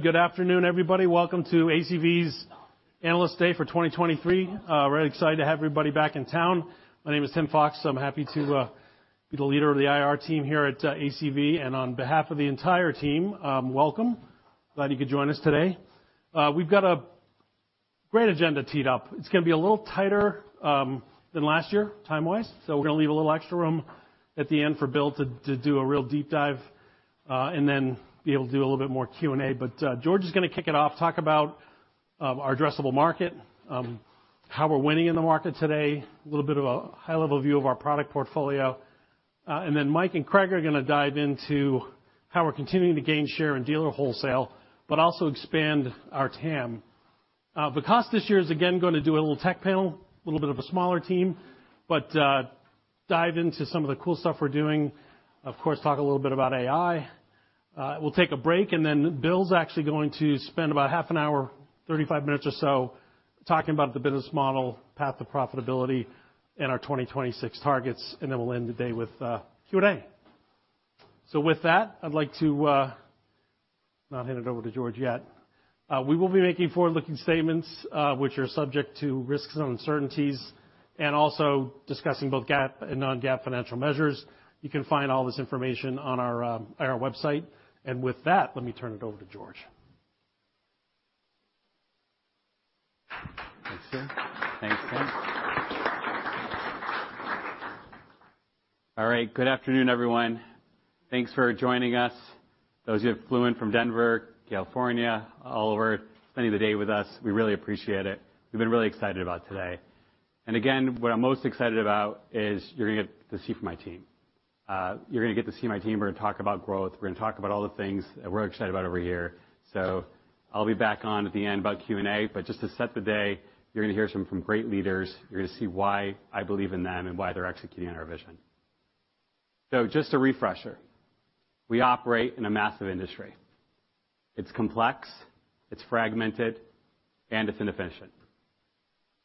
Good afternoon, everybody. Welcome to ACV's Analyst Day for 2023. Very excited to have everybody back in town. My name is Tim Fox. I'm happy to be the leader of the IR team here at ACV, and on behalf of the entire team, welcome. Glad you could join us today. We've got a great agenda teed up. It's gonna be a little tighter than last year, time-wise, so we're gonna leave a little extra room at the end for Bill to do a real deep dive, and then be able to do a little bit more Q&A. George is gonna kick it off, talk about our addressable market, how we're winning in the market today, a little bit of a high-level view of our product portfolio. Then Mike and Craig are gonna dive into how we're continuing to gain share in dealer wholesale, but also expand our TAM. Vikas this year is again gonna do a little tech panel, a little bit of a smaller team, but dive into some of the cool stuff we're doing. Of course, talk a little bit about AI. We'll take a break, and then Bill's actually going to spend about half an hour, 35 minutes or so, talking about the business model, path to profitability and our 2026 targets, and then we'll end the day with Q&A. With that, I'd like to not hand it over to George yet. We will be making forward-looking statements, which are subject to risks and uncertainties, and also discussing both GAAP and non-GAAP financial measures. You can find all this information on our, on our website, and with that, let me turn it over to George. Thanks, Tim. All right, good afternoon, everyone. Thanks for joining us. Those who have flew in from Denver, California, all over, spending the day with us, we really appreciate it. We've been really excited about today, and again, what I'm most excited about is you're gonna get to see my team. You're gonna get to see my team. We're gonna talk about growth. We're gonna talk about all the things that we're excited about over here. I'll be back on at the end about Q&A, but just to set the day, you're gonna hear some from great leaders. You're gonna see why I believe in them and why they're executing on our vision. Just a refresher, we operate in a massive industry. It's complex, it's fragmented, and it's inefficient.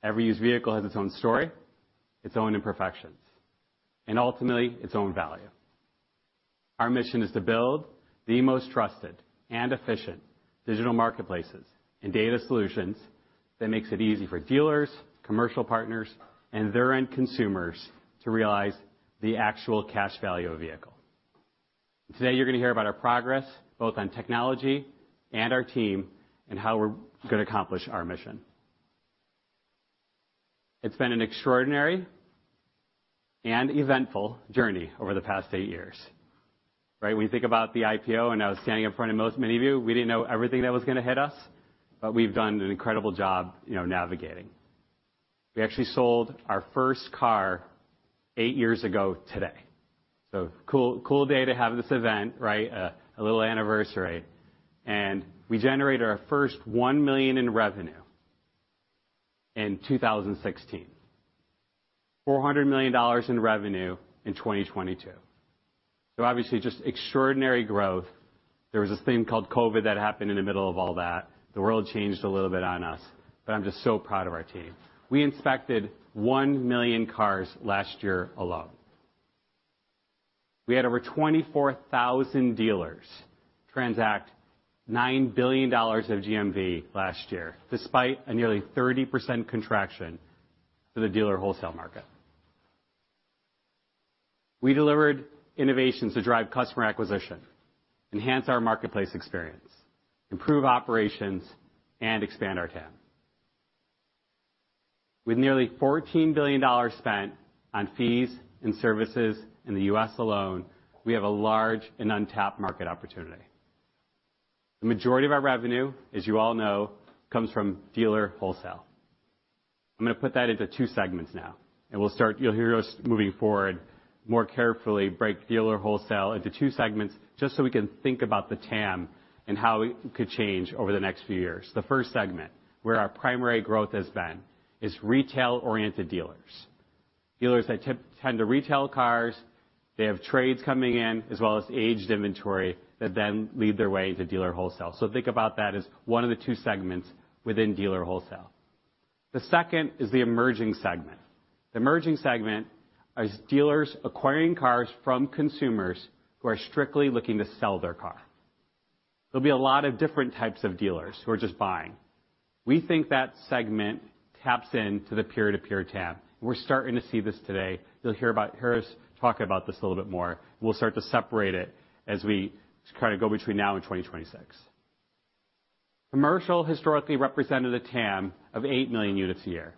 Every used vehicle has its own story, its own imperfections, and ultimately, its own value. Our mission is to build the most trusted and efficient digital marketplaces and data solutions that makes it easy for dealers, commercial partners, and their end consumers to realize the actual cash value of a vehicle. Today, you're gonna hear about our progress, both on technology and our team, and how we're gonna accomplish our mission. It's been an extraordinary and eventful journey over the past eight years, right? When you think about the IPO, and I was standing in front of most many of you, we didn't know everything that was gonna hit us, but we've done an incredible job, you know, navigating. We actually sold our first car eight years ago today, so cool day to have this event, right? A little anniversary. We generated our first $1 million in revenue in 2016. $400 million in revenue in 2022. Obviously, just extraordinary growth. There was this thing called COVID that happened in the middle of all that. The world changed a little bit on us, but I'm just so proud of our team. We inspected 1 million cars last year alone. We had over 24,000 dealers transact $9 billion of GMV last year, despite a nearly 30% contraction for the dealer wholesale market. We delivered innovations to drive customer acquisition, enhance our marketplace experience, improve operations, and expand our TAM. With nearly $14 billion spent on fees and services in the U.S. alone, we have a large and untapped market opportunity. The majority of our revenue, as you all know, comes from dealer wholesale. I'm gonna put that into two segments now, and we'll start... You'll hear us moving forward, more carefully break dealer wholesale into two segments, just so we can think about the TAM and how it could change over the next few years. The first segment, where our primary growth has been, is retail-oriented dealers. Dealers that tend to retail cars, they have trades coming in, as well as aged inventory that then lead their way to dealer wholesale. Think about that as one of the two segments within dealer wholesale. The second is the emerging segment. The emerging segment is dealers acquiring cars from consumers who are strictly looking to sell their car. There'll be a lot of different types of dealers who are just buying. We think that segment taps into the peer-to-peer TAM. We're starting to see this today. You'll hear us talk about this a little bit more. We'll start to separate it as we kind of go between now and 2026. Commercial historically represented a TAM of 8 million units a year.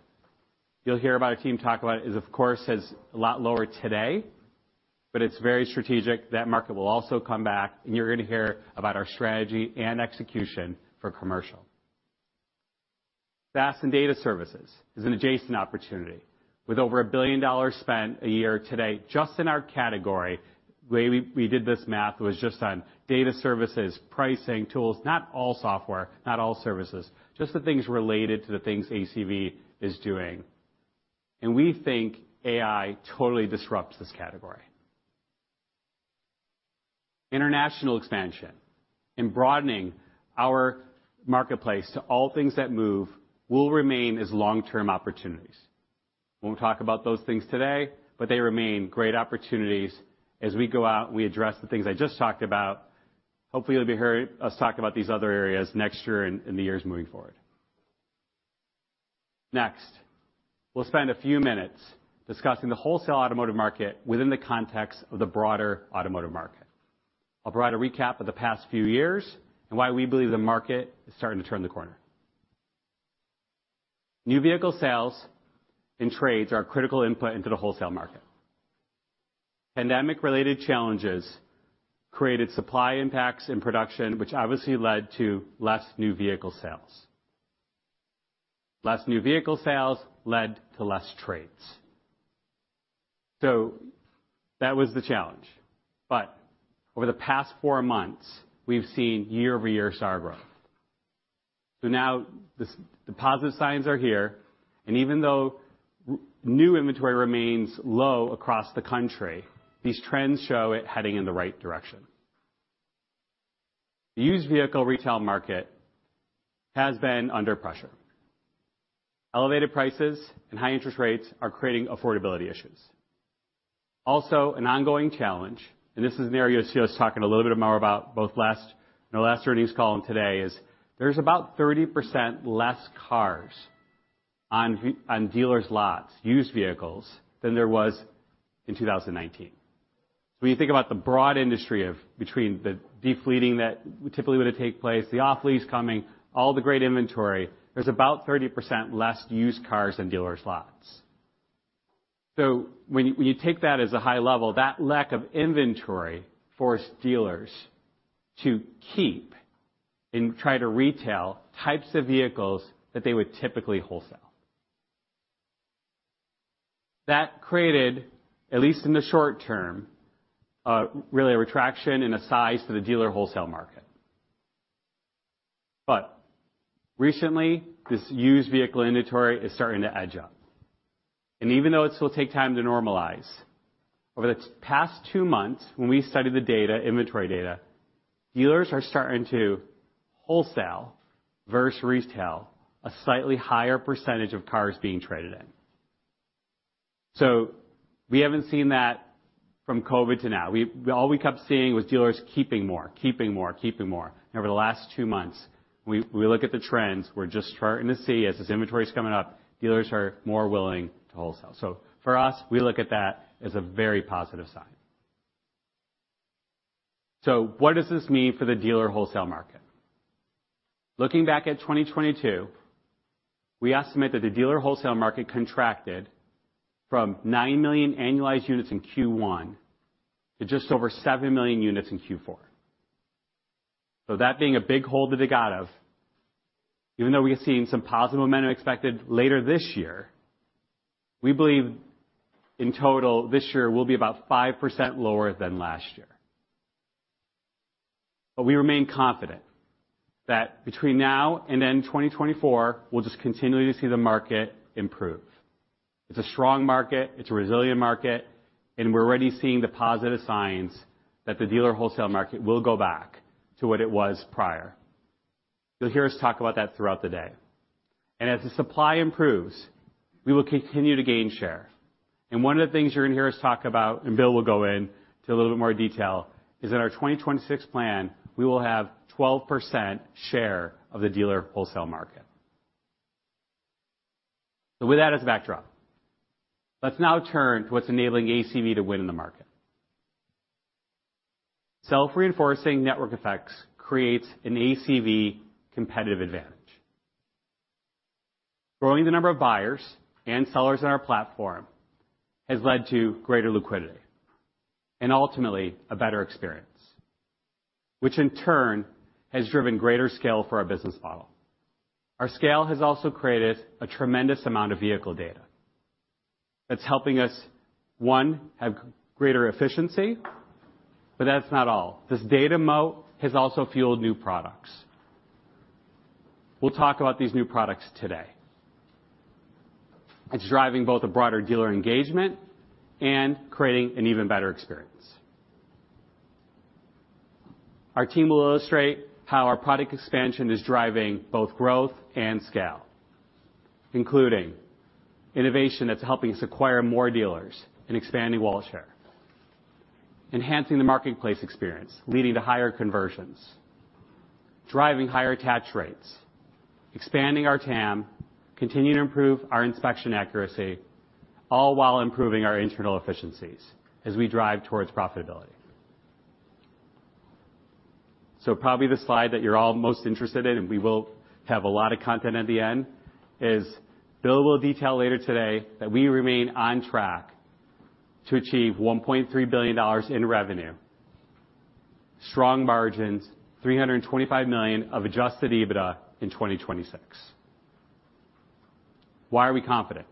You'll hear about our team talk about it, is, of course, has a lot lower today, but it's very strategic. That market will also come back, and you're going to hear about our strategy and execution for commercial. SAS and data services is an adjacent opportunity with over $1 billion spent a year today, just in our category. The way we did this math was just on data services, pricing, tools, not all software, not all services, just the things related to the things ACV is doing. We think AI totally disrupts this category. International expansion and broadening our marketplace to all things that move will remain as long-term opportunities. We'll talk about those things today, but they remain great opportunities. As we go out, we address the things I just talked about. Hopefully, you'll be hear us talk about these other areas next year and in the years moving forward. We'll spend a few minutes discussing the wholesale automotive market within the context of the broader automotive market. I'll provide a recap of the past few years and why we believe the market is starting to turn the corner. New vehicle sales and trades are a critical input into the wholesale market. Pandemic-related challenges created supply impacts in production, which obviously led to less new vehicle sales. Less new vehicle sales led to less trades. That was the challenge. Over the past four months, we've seen year-over-year seller growth. Now the positive signs are here, and even though new inventory remains low across the country, these trends show it heading in the right direction. The used vehicle retail market has been under pressure. Elevated prices and high interest rates are creating affordability issues. Also, an ongoing challenge, and this is an area you'll see us talking a little bit more about both last, in our last earnings call and today, is there's about 30% less cars on dealers' lots, used vehicles, than there was in 2019. When you think about the broad industry of between the defleeting that typically would have take place, the off-lease coming, all the great inventory, there's about 30% less used cars on dealers' lots. When you take that as a high level, that lack of inventory forced dealers to keep and try to retail types of vehicles that they would typically wholesale. That created, at least in the short term, really a retraction in the size for the dealer wholesale market. Recently, this used vehicle inventory is starting to edge up, and even though it will take time to normalize, over the past two months, when we studied the data, inventory data, dealers are starting to wholesale versus retail, a slightly higher percentage of cars being traded in. We haven't seen that from COVID to now. All we kept seeing was dealers keeping more, keeping more, keeping more. Over the last two months, we look at the trends, we're just starting to see, as this inventory is coming up, dealers are more willing to wholesale. For us, we look at that as a very positive sign. What does this mean for the dealer wholesale market? Looking back at 2022, we estimate that the dealer wholesale market contracted from 9 million annualized units in Q1 to just over 7 million units in Q4. That being a big hole to dig out of, even though we are seeing some positive momentum expected later this year, we believe in total, this year will be about 5% lower than last year. We remain confident that between now and 2024, we'll just continue to see the market improve. It's a strong market, it's a resilient market, we're already seeing the positive signs that the dealer wholesale market will go back to what it was prior. You'll hear us talk about that throughout the day. As the supply improves, we will continue to gain share. One of the things you're going to hear us talk about, Bill will go in to a little bit more detail, is in our 2026 plan, we will have 12% share of the dealer wholesale market. With that as a backdrop, let's now turn to what's enabling ACV to win in the market. Self-reinforcing network effects creates an ACV competitive advantage. Growing the number of buyers and sellers in our platform has led to greater liquidity and ultimately a better experience, which in turn has driven greater scale for our business model. Our scale has also created a tremendous amount of vehicle data that's helping us, one, have greater efficiency, but that's not all. This data moat has also fueled new products. We'll talk about these new products today. It's driving both a broader dealer engagement and creating an even better experience. Our team will illustrate how our product expansion is driving both growth and scale, including innovation that's helping us acquire more dealers and expanding wallet share, enhancing the marketplace experience, leading to higher conversions, driving higher attach rates, expanding our TAM, continuing to improve our inspection accuracy, all while improving our internal efficiencies as we drive towards profitability. Probably the slide that you're all most interested in, and we will have a lot of content at the end, is Bill will detail later today that we remain on track to achieve $1.3 billion in revenue, strong margins, $325 million of adjusted EBITDA in 2026. Why are we confident?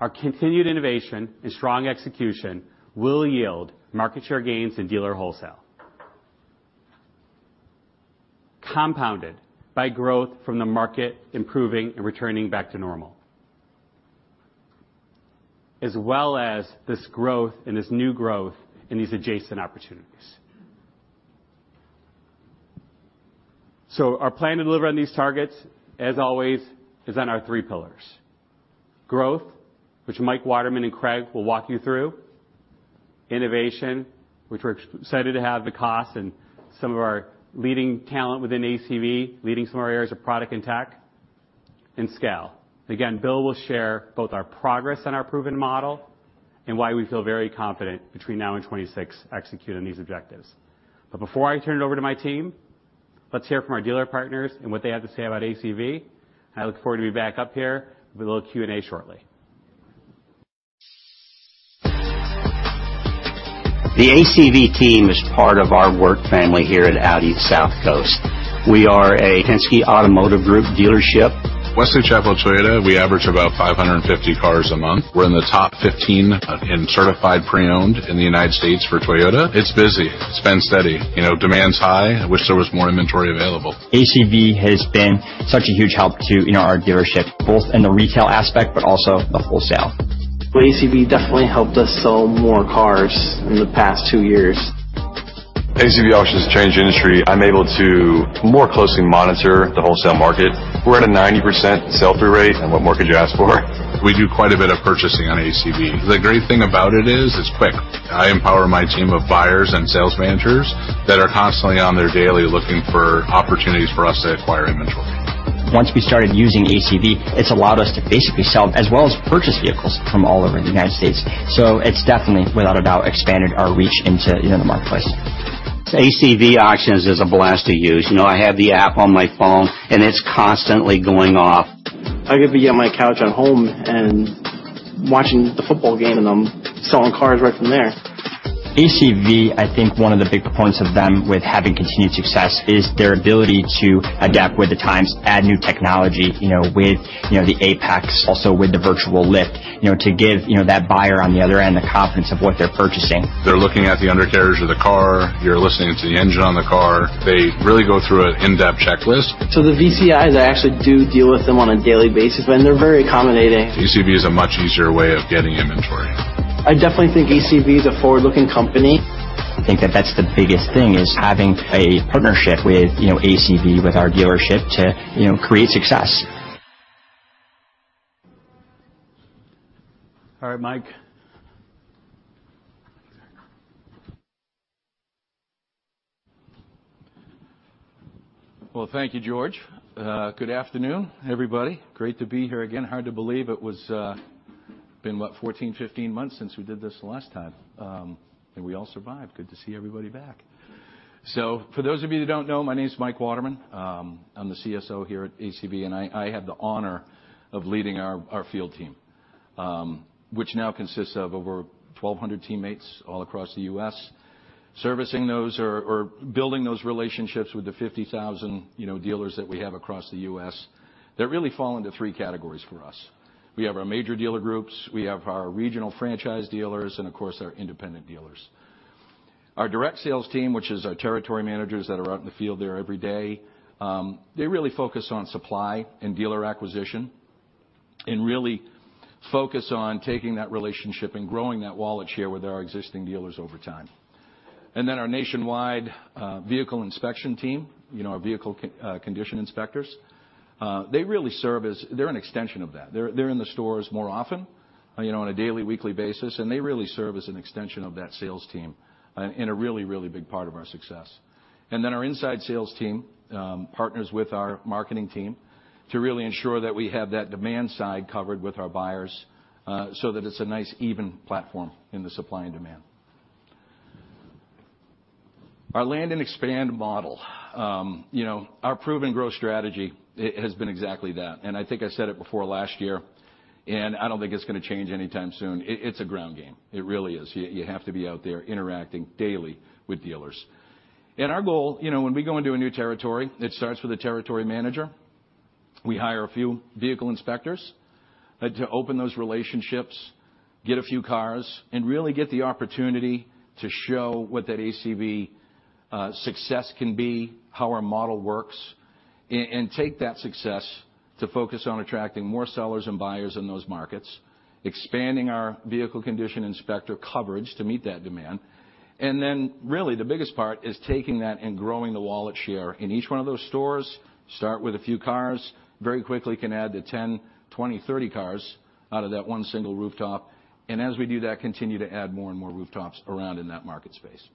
Our continued innovation and strong execution will yield market share gains in dealer wholesale... Compounded by growth from the market improving and returning back to normal, as well as this growth and this new growth in these adjacent opportunities. Our plan to deliver on these targets, as always, is on our three pillars. Growth, which Mike Waterman and Craig will walk you through. Innovation, which we're excited to have the costs and some of our leading talent within ACV, leading some of our areas of product and tech, and scale. Again, Bill will share both our progress and our proven model, and why we feel very confident between now and 2026 executing these objectives. Before I turn it over to my team, let's hear from our dealer partners and what they have to say about ACV. I look forward to be back up here with a little Q&A shortly. The ACV team is part of our work family here at Audi South Coast. We are a Penske Automotive Group dealership. Wesley Chapel Toyota, we average about 550 cars a month. We're in the top 15 in certified pre-owned in the United States for Toyota. It's busy. It's been steady. You know, demand's high. I wish there was more inventory available. ACV has been such a huge help to, you know, our dealership, both in the retail aspect but also the wholesale. Well, ACV definitely helped us sell more cars in the past two years. ACV Auctions has changed the industry. I'm able to more closely monitor the wholesale market. We're at a 90% sell-through rate, and what more could you ask for? We do quite a bit of purchasing on ACV. The great thing about it is, it's quick. I empower my team of buyers and sales managers that are constantly on there daily, looking for opportunities for us to acquire inventory. Once we started using ACV, it's allowed us to basically sell as well as purchase vehicles from all over the United States. It's definitely, without a doubt, expanded our reach into, you know, the marketplace. ACV Auctions is a blast to use. You know, I have the app on my phone, it's constantly going off. I get to be on my couch at home and watching the football game, and I'm selling cars right from there. ACV, I think one of the big points of them with having continued success is their ability to adapt with the times, add new technology, you know, with, you know, the APEX, also with the Virtual Lift, you know, to give, you know, that buyer on the other end the confidence of what they're purchasing. They're looking at the undercarriage of the car. You're listening to the engine on the car. They really go through an in-depth checklist. The VCIs, I actually do deal with them on a daily basis, and they're very accommodating. ACV is a much easier way of getting inventory. I definitely think ACV is a forward-looking company. I think that that's the biggest thing, is having a partnership with, you know, ACV, with our dealership to, you know, create success. All right, Mike. Well, thank you, George. Good afternoon, everybody. Great to be here again. Hard to believe it was, been, what, 14, 15 months since we did this last time, and we all survived. Good to see everybody back. For those of you who don't know, my name is Mike Waterman. I'm the CSO here at ACV, and I have the honor of leading our field team, which now consists of over 1,200 teammates all across the U.S. Servicing those or building those relationships with the 50,000, you know, dealers that we have across the U.S. They really fall into 3 categories for us. We have our major dealer groups, we have our regional franchise dealers, and of course, our independent dealers. Our direct sales team, which is our territory managers that are out in the field there every day, they really focus on supply and dealer acquisition, really focus on taking that relationship and growing that wallet share with our existing dealers over time. Our nationwide, vehicle inspection team, you know, our vehicle condition inspectors, they really serve as an extension of that. They're in the stores more often, you know, on a daily, weekly basis, they really serve as an extension of that sales team and a really big part of our success. Our inside sales team, partners with our marketing team to really ensure that we have that demand side covered with our buyers, it's a nice, even platform in the supply and demand. Our land and expand model. you know, our proven growth strategy has been exactly that, and I think I said it before last year, and I don't think it's going to change anytime soon. It's a ground game. It really is. You have to be out there interacting daily with dealers. Our goal, you know, when we go into a new territory, it starts with a territory manager. We hire a few vehicle inspectors to open those relationships, get a few cars, and really get the opportunity to show what that ACV success can be, how our model works and take that success to focus on attracting more sellers and buyers in those markets, expanding our vehicle condition inspector coverage to meet that demand. Then really, the biggest part is taking that and growing the wallet share in each one of those stores. Start with a few cars. Very quickly can add to 10, 20, 30 cars out of that 1 single rooftop, and as we do that, continue to add more and more rooftops around in that market space.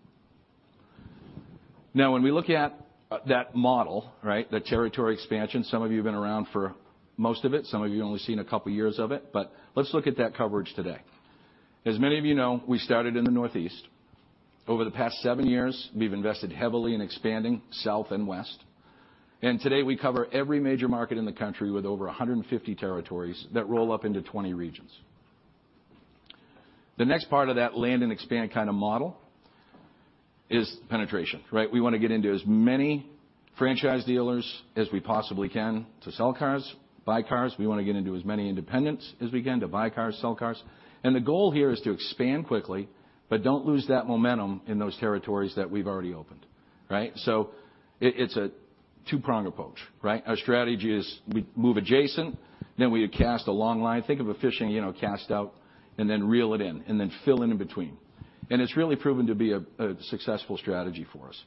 When we look at that model, right, the territory expansion, some of you have been around for most of it, some of you only seen a couple of years of it, but let's look at that coverage today. As many of you know, we started in the Northeast. Over the past 7 years, we've invested heavily in expanding south and west, and today we cover every major market in the country with over 150 territories that roll up into 20 regions. The next part of that land and expand kind of model is penetration, right? We want to get into as many franchise dealers as we possibly can to sell cars, buy cars. We want to get into as many independents as we can to buy cars, sell cars. The goal here is to expand quickly, but don't lose that momentum in those territories that we've already opened, right? It's a two-pronged approach, right? Our strategy is we move adjacent, then we cast a long line. Think of a fishing, you know, cast out and then reel it in, and then fill in in between. It's really proven to be a successful strategy for us.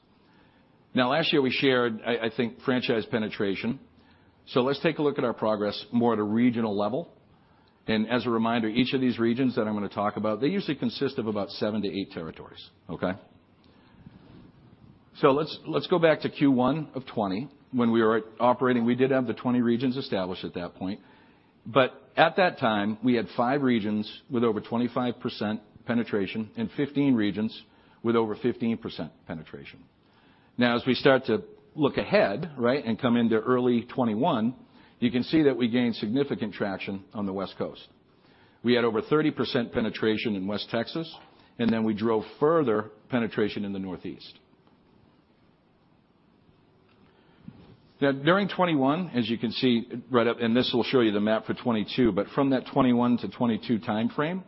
Now, last year, we shared, I think, franchise penetration. Let's take a look at our progress more at a regional level. As a reminder, each of these regions that I'm gonna talk about, they usually consist of about 7 to 8 territories, okay? Let's go back to Q1 of 2020, when we were operating. We did have the 20 regions established at that point, but at that time, we had 5 regions with over 25% penetration and 15 regions with over 15% penetration. As we start to look ahead, right, and come into early 2021, you can see that we gained significant traction on the West Coast. We had over 30% penetration in West Texas. Then we drove further penetration in the Northeast. During 2021, as you can see, and this will show you the map for 2022, from that 2021 to 2022 timeframe,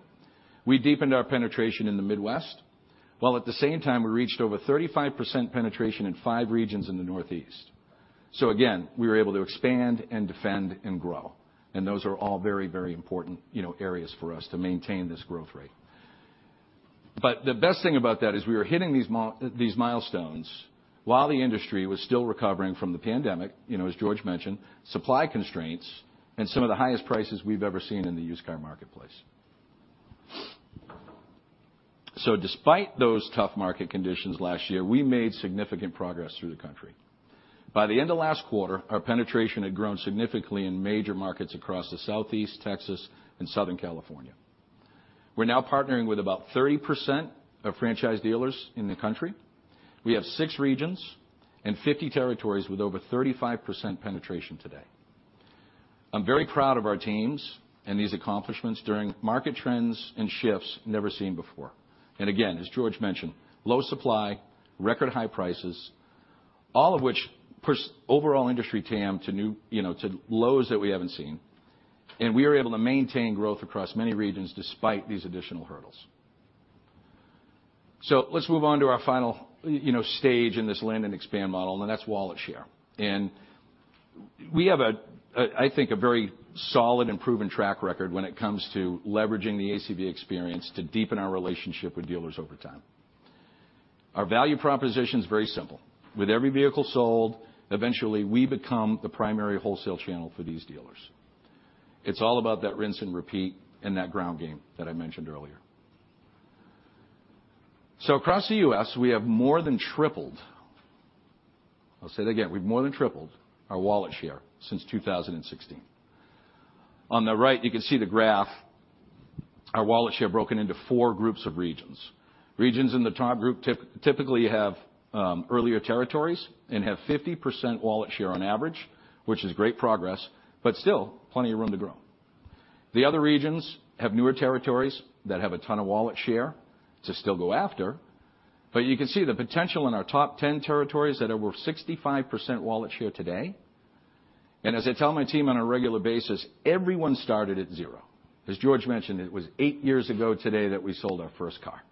we deepened our penetration in the Midwest, while at the same time, we reached over 35% penetration in five regions in the Northeast. Again, we were able to expand and defend and grow, and those are all very, very important, you know, areas for us to maintain this growth rate. The best thing about that is we were hitting these milestones while the industry was still recovering from the pandemic, you know, as George mentioned, supply constraints and some of the highest prices we've ever seen in the used car marketplace. Despite those tough market conditions last year, we made significant progress through the country. By the end of last quarter, our penetration had grown significantly in major markets across the Southeast, Texas, and Southern California. We're now partnering with about 30% of franchise dealers in the country. We have six regions and 50 territories with over 35% penetration today. I'm very proud of our teams and these accomplishments during market trends and shifts never seen before. Again, as George mentioned, low supply, record high prices, all of which pushed overall industry TAM to new, you know, to lows that we haven't seen. We are able to maintain growth across many regions despite these additional hurdles. Let's move on to our final, you know, stage in this land and expand model, and that's wallet share. We have a, I think, a very solid and proven track record when it comes to leveraging the ACV experience to deepen our relationship with dealers over time. Our value proposition is very simple: With every vehicle sold, eventually, we become the primary wholesale channel for these dealers. It's all about that rinse and repeat and that ground game that I mentioned earlier. Across the U.S., we have more than tripled... I'll say that again, we've more than tripled our wallet share since 2016. On the right, you can see the graph, our wallet share broken into four groups of regions. Regions in the top group typically have earlier territories and have 50% wallet share on average, which is great progress, but still plenty of room to grow. The other regions have newer territories that have a ton of wallet share to still go after, but you can see the potential in our top 10 territories at over 65% wallet share today. As I tell my team on a regular basis, everyone started at 0. As George mentioned, it was 8 years ago today that we sold our first car.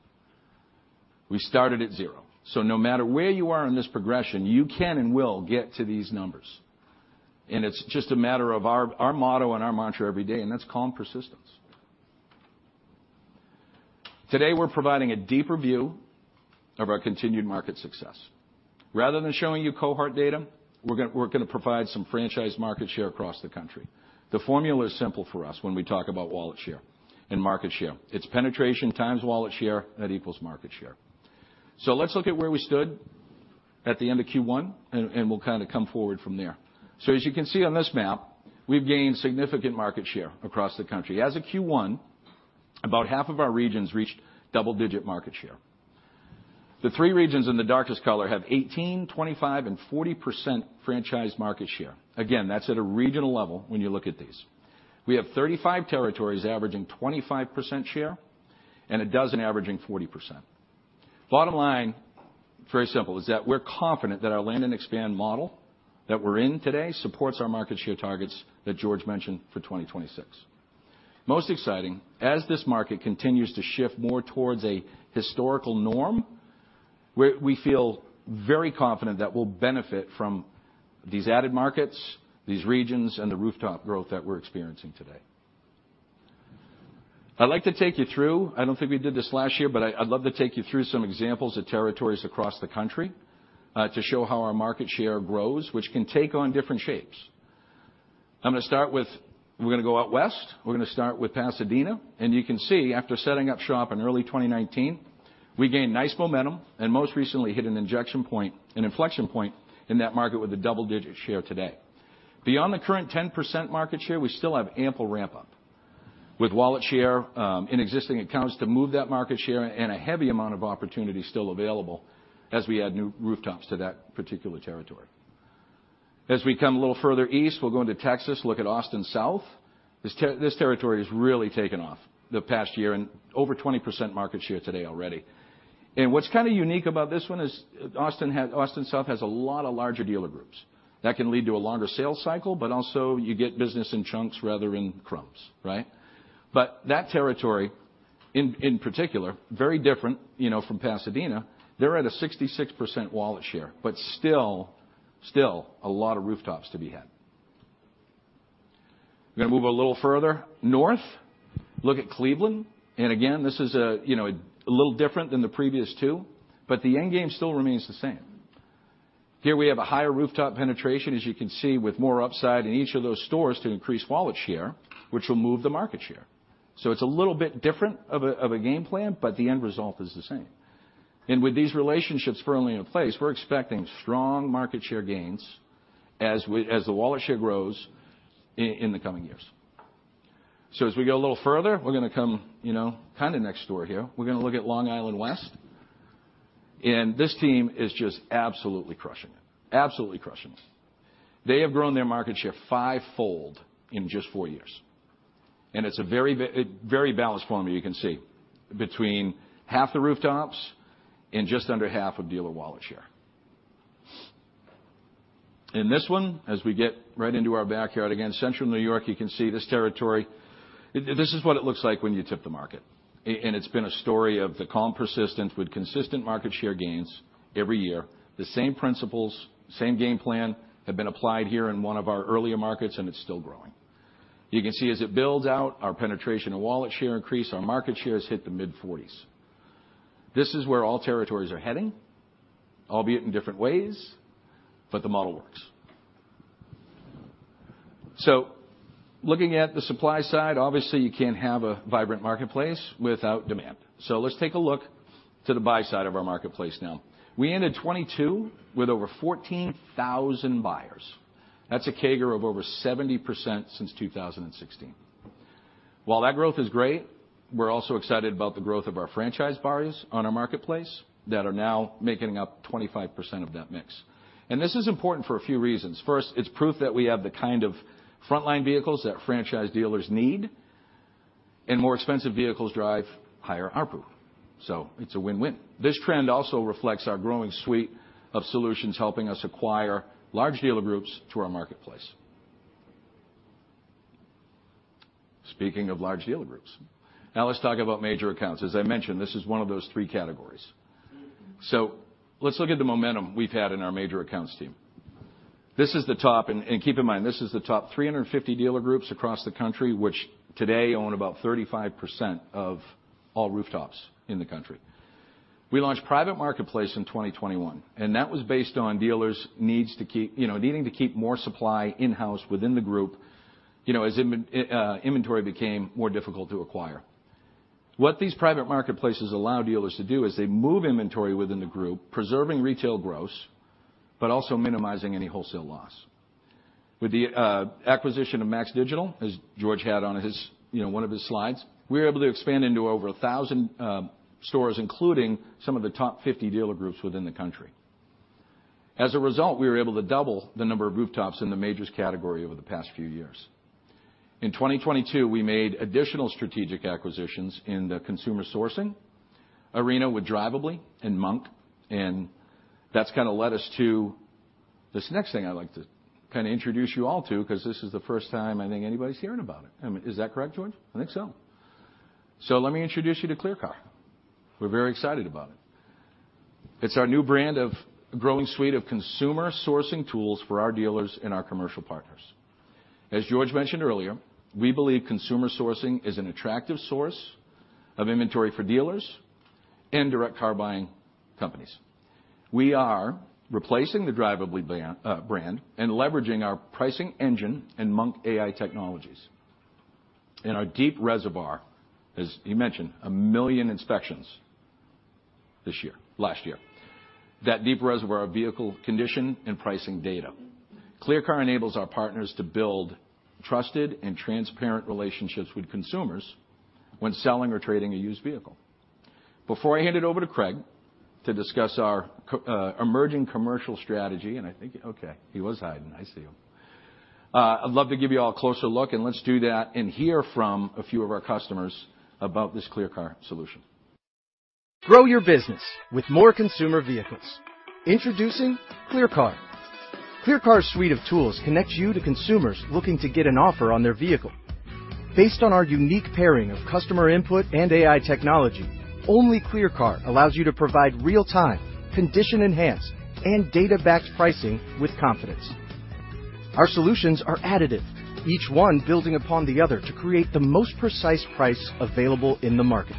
We started at 0. No matter where you are in this progression, you can and will get to these numbers, and it's just a matter of our motto and our mantra every day, and that's calm persistence. Today, we're providing a deeper view of our continued market success. Rather than showing you cohort data, we're gonna provide some franchise market share across the country. The formula is simple for us when we talk about wallet share and market share. It's penetration times wallet share, that equals market share. Let's look at where we stood at the end of Q1, and we'll kinda come forward from there. As you can see on this map, we've gained significant market share across the country. As of Q1, about half of our regions reached double-digit market share. The three regions in the darkest color have 18%, 25%, and 40% franchise market share. Again, that's at a regional level when you look at these. We have 35 territories averaging 25% share and a dozen averaging 40%. Bottom line, very simple, is that we're confident that our land and expand model that we're in today supports our market share targets that George mentioned for 2026. Most exciting, as this market continues to shift more towards a historical norm, we feel very confident that we'll benefit from these added markets, these regions, and the rooftop growth that we're experiencing today. I don't think we did this last year, but I'd love to take you through some examples of territories across the country to show how our market share grows, which can take on different shapes. We're gonna go out west. We're gonna start with Pasadena, and you can see, after setting up shop in early 2019, we gained nice momentum and most recently hit an inflection point in that market with a double-digit share today. Beyond the current 10% market share, we still have ample ramp-up with wallet share in existing accounts to move that market share and a heavy amount of opportunity still available as we add new rooftops to that particular territory. As we come a little further east, we'll go into Texas, look at Austin South. This territory has really taken off the past year and over 20% market share today already. What's kinda unique about this one is Austin South has a lot of larger dealer groups. That can lead to a longer sales cycle, but also you get business in chunks rather in crumbs, right? That territory, in particular, very different, you know, from Pasadena. They're at a 66% wallet share, but still a lot of rooftops to be had. We're gonna move a little further north. Look at Cleveland. Again, this is a, you know, a little different than the previous two, the end game still remains the same. Here we have a higher rooftop penetration, as you can see, with more upside in each of those stores to increase wallet share, which will move the market share. It's a little bit different of a, of a game plan, the end result is the same. With these relationships firmly in place, we're expecting strong market share gains as the wallet share grows in the coming years. As we go a little further, we're going to come, you know, kind of next door here. We're going to look at Long Island West, this team is just absolutely crushing it. Absolutely crushing it. They have grown their market share fivefold in just four years, and it's a very balanced formula, you can see, between half the rooftops and just under half of dealer wallet share. In this one, as we get right into our backyard again, Central New York, you can see this territory. This is what it looks like when you tip the market. It's been a story of the calm persistence with consistent market share gains every year. The same principles, same game plan, have been applied here in one of our earlier markets, and it's still growing. You can see as it builds out, our penetration and wallet share increase, our market share has hit the mid-forties. This is where all territories are heading, albeit in different ways, but the model works. Looking at the supply side, obviously, you can't have a vibrant marketplace without demand. Let's take a look to the buy side of our marketplace now. We ended 2022 with over 14,000 buyers. That's a CAGR of over 70% since 2016. While that growth is great, we're also excited about the growth of our franchise buyers on our marketplace that are now making up 25% of that mix, and this is important for a few reasons. First, it's proof that we have the kind of frontline vehicles that franchise dealers need, and more expensive vehicles drive higher ARPU. It's a win-win. This trend also reflects our growing suite of solutions, helping us acquire large dealer groups to our marketplace. Speaking of large dealer groups, now let's talk about major accounts. As I mentioned, this is one of those three categories. Let's look at the momentum we've had in our major accounts team. This is the top, keep in mind, this is the top 350 dealer groups across the country, which today own about 35% of all rooftops in the country. We launched private marketplace in 2021, and that was based on dealers' needs, you know, needing to keep more supply in-house within the group, you know, as inventory became more difficult to acquire. What these private marketplaces allow dealers to do is they move inventory within the group, preserving retail gross, but also minimizing any wholesale loss. With the acquisition of MAX Digital, as George had on his, you know, one of his slides, we were able to expand into over 1,000 stores, including some of the top 50 dealer groups within the country. As a result, we were able to double the number of rooftops in the majors category over the past few years. In 2022, we made additional strategic acquisitions in the consumer sourcing arena with Drivably and Monk, that's kind of led us to this next thing I'd like to kind of introduce you all to, because this is the first time I think anybody's hearing about it. I mean, is that correct, George? I think so. Let me introduce you to ClearCar. We're very excited about it. It's our new brand of growing suite of consumer sourcing tools for our dealers and our commercial partners. As George mentioned earlier, we believe consumer sourcing is an attractive source of inventory for dealers and direct car-buying companies. We are replacing the Drivably brand and leveraging our pricing engine and Monk AI technologies. Our deep reservoir, as he mentioned, 1 million inspections last year. That deep reservoir of vehicle condition and pricing data. ClearCar enables our partners to build trusted and transparent relationships with consumers when selling or trading a used vehicle. Before I hand it over to Craig to discuss our emerging commercial strategy, and I think... Okay, he was hiding. I see him. I'd love to give you all a closer look, and let's do that and hear from a few of our customers about this ClearCar solution. Grow your business with more consumer vehicles. Introducing ClearCar. ClearCar's suite of tools connects you to consumers looking to get an offer on their vehicle. Based on our unique pairing of customer input and AI technology, only ClearCar allows you to provide real-time, condition enhanced, and data-backed pricing with confidence. Our solutions are additive, each one building upon the other to create the most precise price available in the market.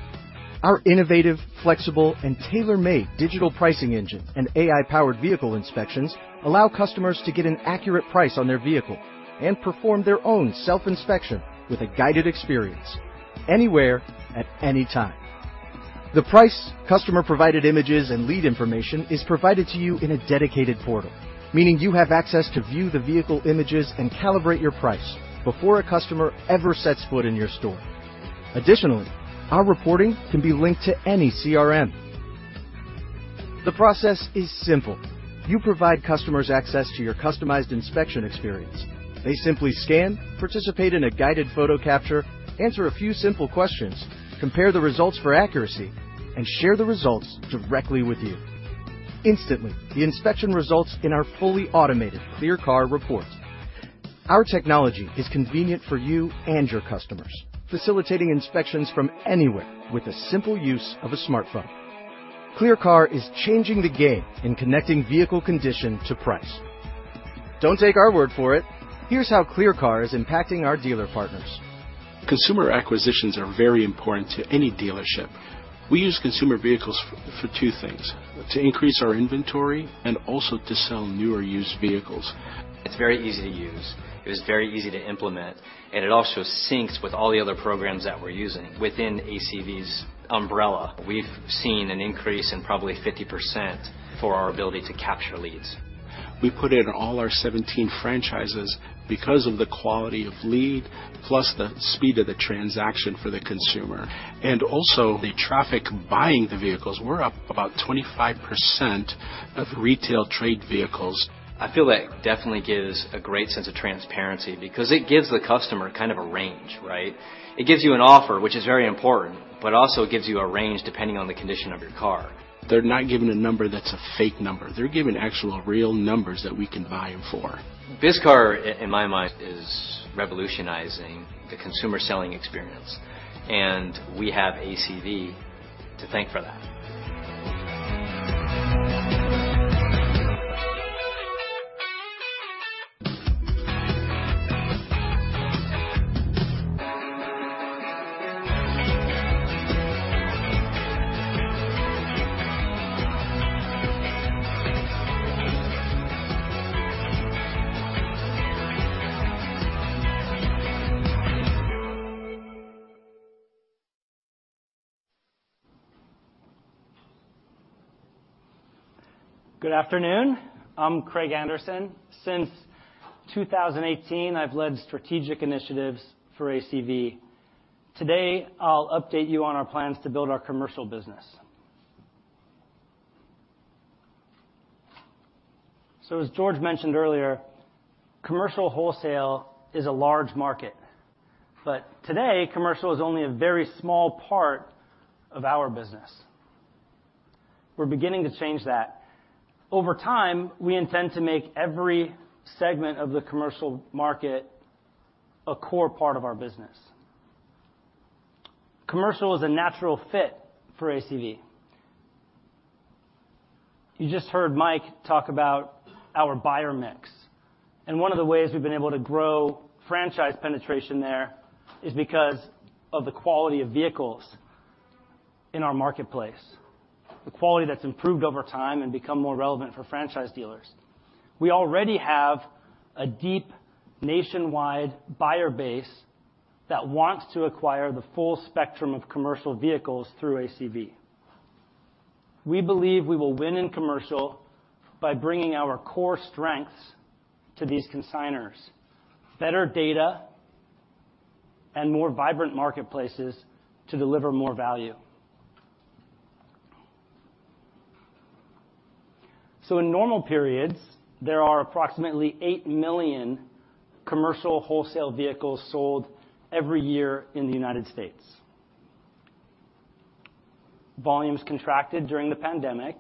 Our innovative, flexible, and tailor-made digital pricing engine and AI-powered vehicle inspections allow customers to get an accurate price on their vehicle and perform their own self-inspection with a guided experience anywhere, at any time. The price, customer-provided images, and lead information is provided to you in a dedicated portal, meaning you have access to view the vehicle images and calibrate your price before a customer ever sets foot in your store. Our reporting can be linked to any CRM. The process is simple. You provide customers access to your customized inspection experience. They simply scan, participate in a guided photo capture, answer a few simple questions, compare the results for accuracy, and share the results directly with you. Instantly, the inspection results in our fully automated ClearCar report. Our technology is convenient for you and your customers, facilitating inspections from anywhere with the simple use of a smartphone. ClearCar is changing the game in connecting vehicle condition to price. Don't take our word for it, here's how ClearCar is impacting our dealer partners. Consumer acquisitions are very important to any dealership. We use consumer vehicles for 2 things: to increase our inventory and also to sell new or used vehicles. It's very easy to use, it was very easy to implement, and it also syncs with all the other programs that we're using. Within ACV's umbrella, we've seen an increase in probably 50% for our ability to capture leads. We put in all our 17 franchises because of the quality of lead, plus the speed of the transaction for the consumer and also the traffic buying the vehicles. We're up about 25% of retail trade vehicles. I feel that definitely gives a great sense of transparency because it gives the customer kind of a range, right? It gives you an offer, which is very important, but also gives you a range, depending on the condition of your car. They're not given a number that's a fake number. They're given actual, real numbers that we can buy them for. ClearCar, in my mind, is revolutionizing the consumer selling experience, and we have ACV to thank for that. Good afternoon. I'm Craig Anderson. Since 2018, I've led strategic initiatives for ACV. Today, I'll update you on our plans to build our commercial business. As George mentioned earlier, commercial wholesale is a large market, but today, commercial is only a very small part of our business. We're beginning to change that. Over time, we intend to make every segment of the commercial market a core part of our business. Commercial is a natural fit for ACV. You just heard Mike talk about our buyer mix, and one of the ways we've been able to grow franchise penetration there is because of the quality of vehicles in our marketplace, the quality that's improved over time and become more relevant for franchise dealers. We already have a deep nationwide buyer base that wants to acquire the full spectrum of commercial vehicles through ACV. We believe we will win in commercial by bringing our core strengths to these consignors, better data and more vibrant marketplaces to deliver more value. In normal periods, there are approximately 8 million commercial wholesale vehicles sold every year in the United States. Volumes contracted during the pandemic,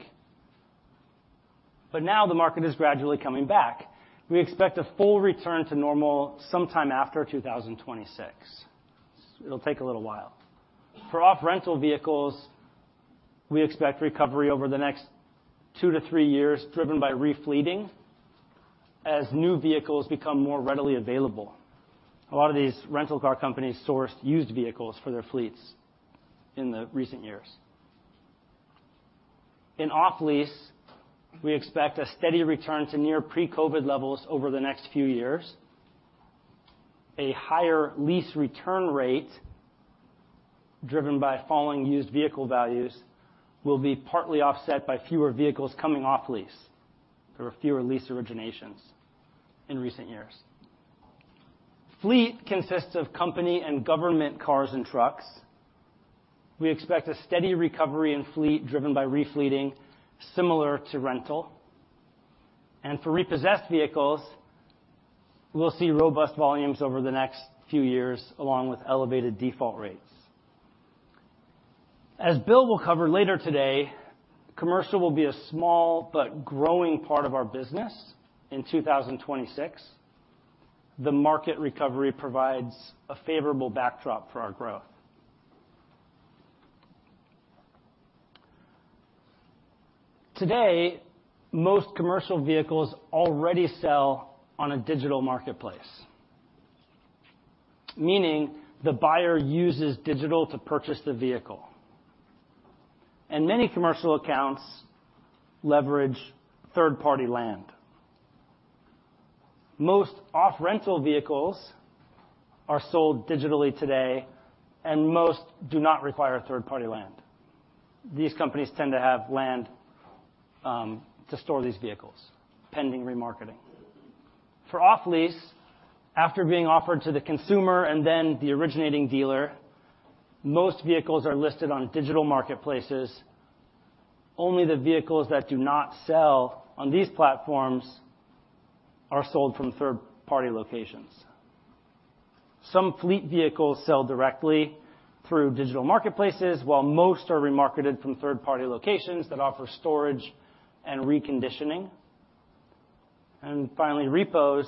now the market is gradually coming back. We expect a full return to normal sometime after 2026. It'll take a little while. For off-rental vehicles, we expect recovery over the next 2-3 years, driven by refleeting as new vehicles become more readily available. A lot of these rental car companies sourced used vehicles for their fleets in the recent years. In off-lease, we expect a steady return to near pre-COVID levels over the next few years. A higher lease return rate, driven by falling used vehicle values, will be partly offset by fewer vehicles coming off lease. There were fewer lease originations in recent years. Fleet consists of company and government cars and trucks. We expect a steady recovery in fleet, driven by refleeting similar to rental. For repossessed vehicles, we'll see robust volumes over the next few years, along with elevated default rates. As Bill will cover later today, commercial will be a small but growing part of our business in 2026. The market recovery provides a favorable backdrop for our growth. Today, most commercial vehicles already sell on a digital marketplace, meaning the buyer uses digital to purchase the vehicle, and many commercial accounts leverage third-party land. Most off-rental vehicles are sold digitally today, and most do not require a third-party land. These companies tend to have land to store these vehicles, pending remarketing. For off-lease, after being offered to the consumer and then the originating dealer, most vehicles are listed on digital marketplaces. Only the vehicles that do not sell on these platforms are sold from third-party locations. Some fleet vehicles sell directly through digital marketplaces, while most are remarketed from third-party locations that offer storage and reconditioning. Finally, repos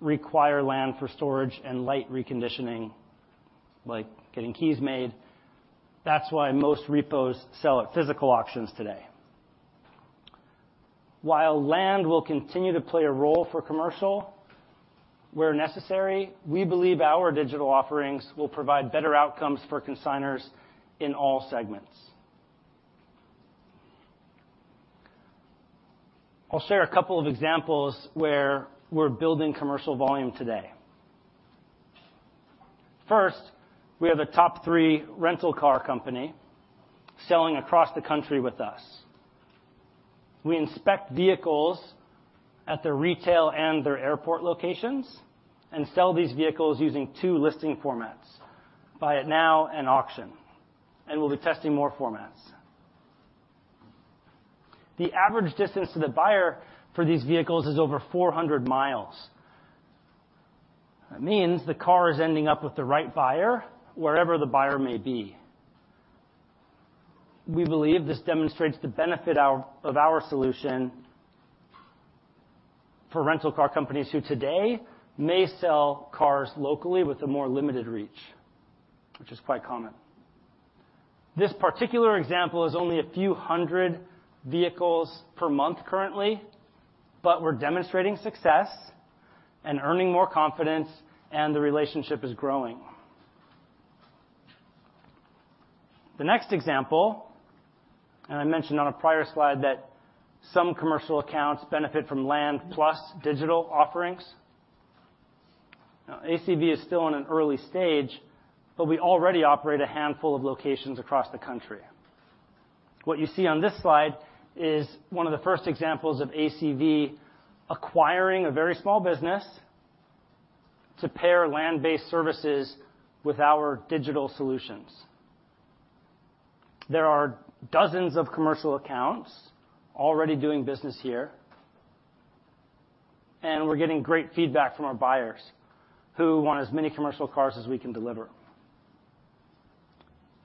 require land for storage and light reconditioning, like getting keys made. That's why most repos sell at physical auctions today. While land will continue to play a role for commercial, where necessary, we believe our digital offerings will provide better outcomes for consigners in all segments. I'll share a couple of examples where we're building commercial volume today. First, we have a top 3 rental car company selling across the country with us. We inspect vehicles at their retail and their airport locations. Sell these vehicles using 2 listing formats, Buy It Now and Auction. We'll be testing more formats. The average distance to the buyer for these vehicles is over 400 miles. That means the car is ending up with the right buyer, wherever the buyer may be. We believe this demonstrates the benefit of our solution for rental car companies who today may sell cars locally with a more limited reach, which is quite common. This particular example is only a few hundred vehicles per month currently. We're demonstrating success and earning more confidence. The relationship is growing. The next example. I mentioned on a prior slide that some commercial accounts benefit from land plus digital offerings. ACV is still in an early stage, but we already operate a handful of locations across the country. What you see on this slide is one of the first examples of ACV acquiring a very small business to pair land-based services with our digital solutions. There are dozens of commercial accounts already doing business here, and we're getting great feedback from our buyers, who want as many commercial cars as we can deliver.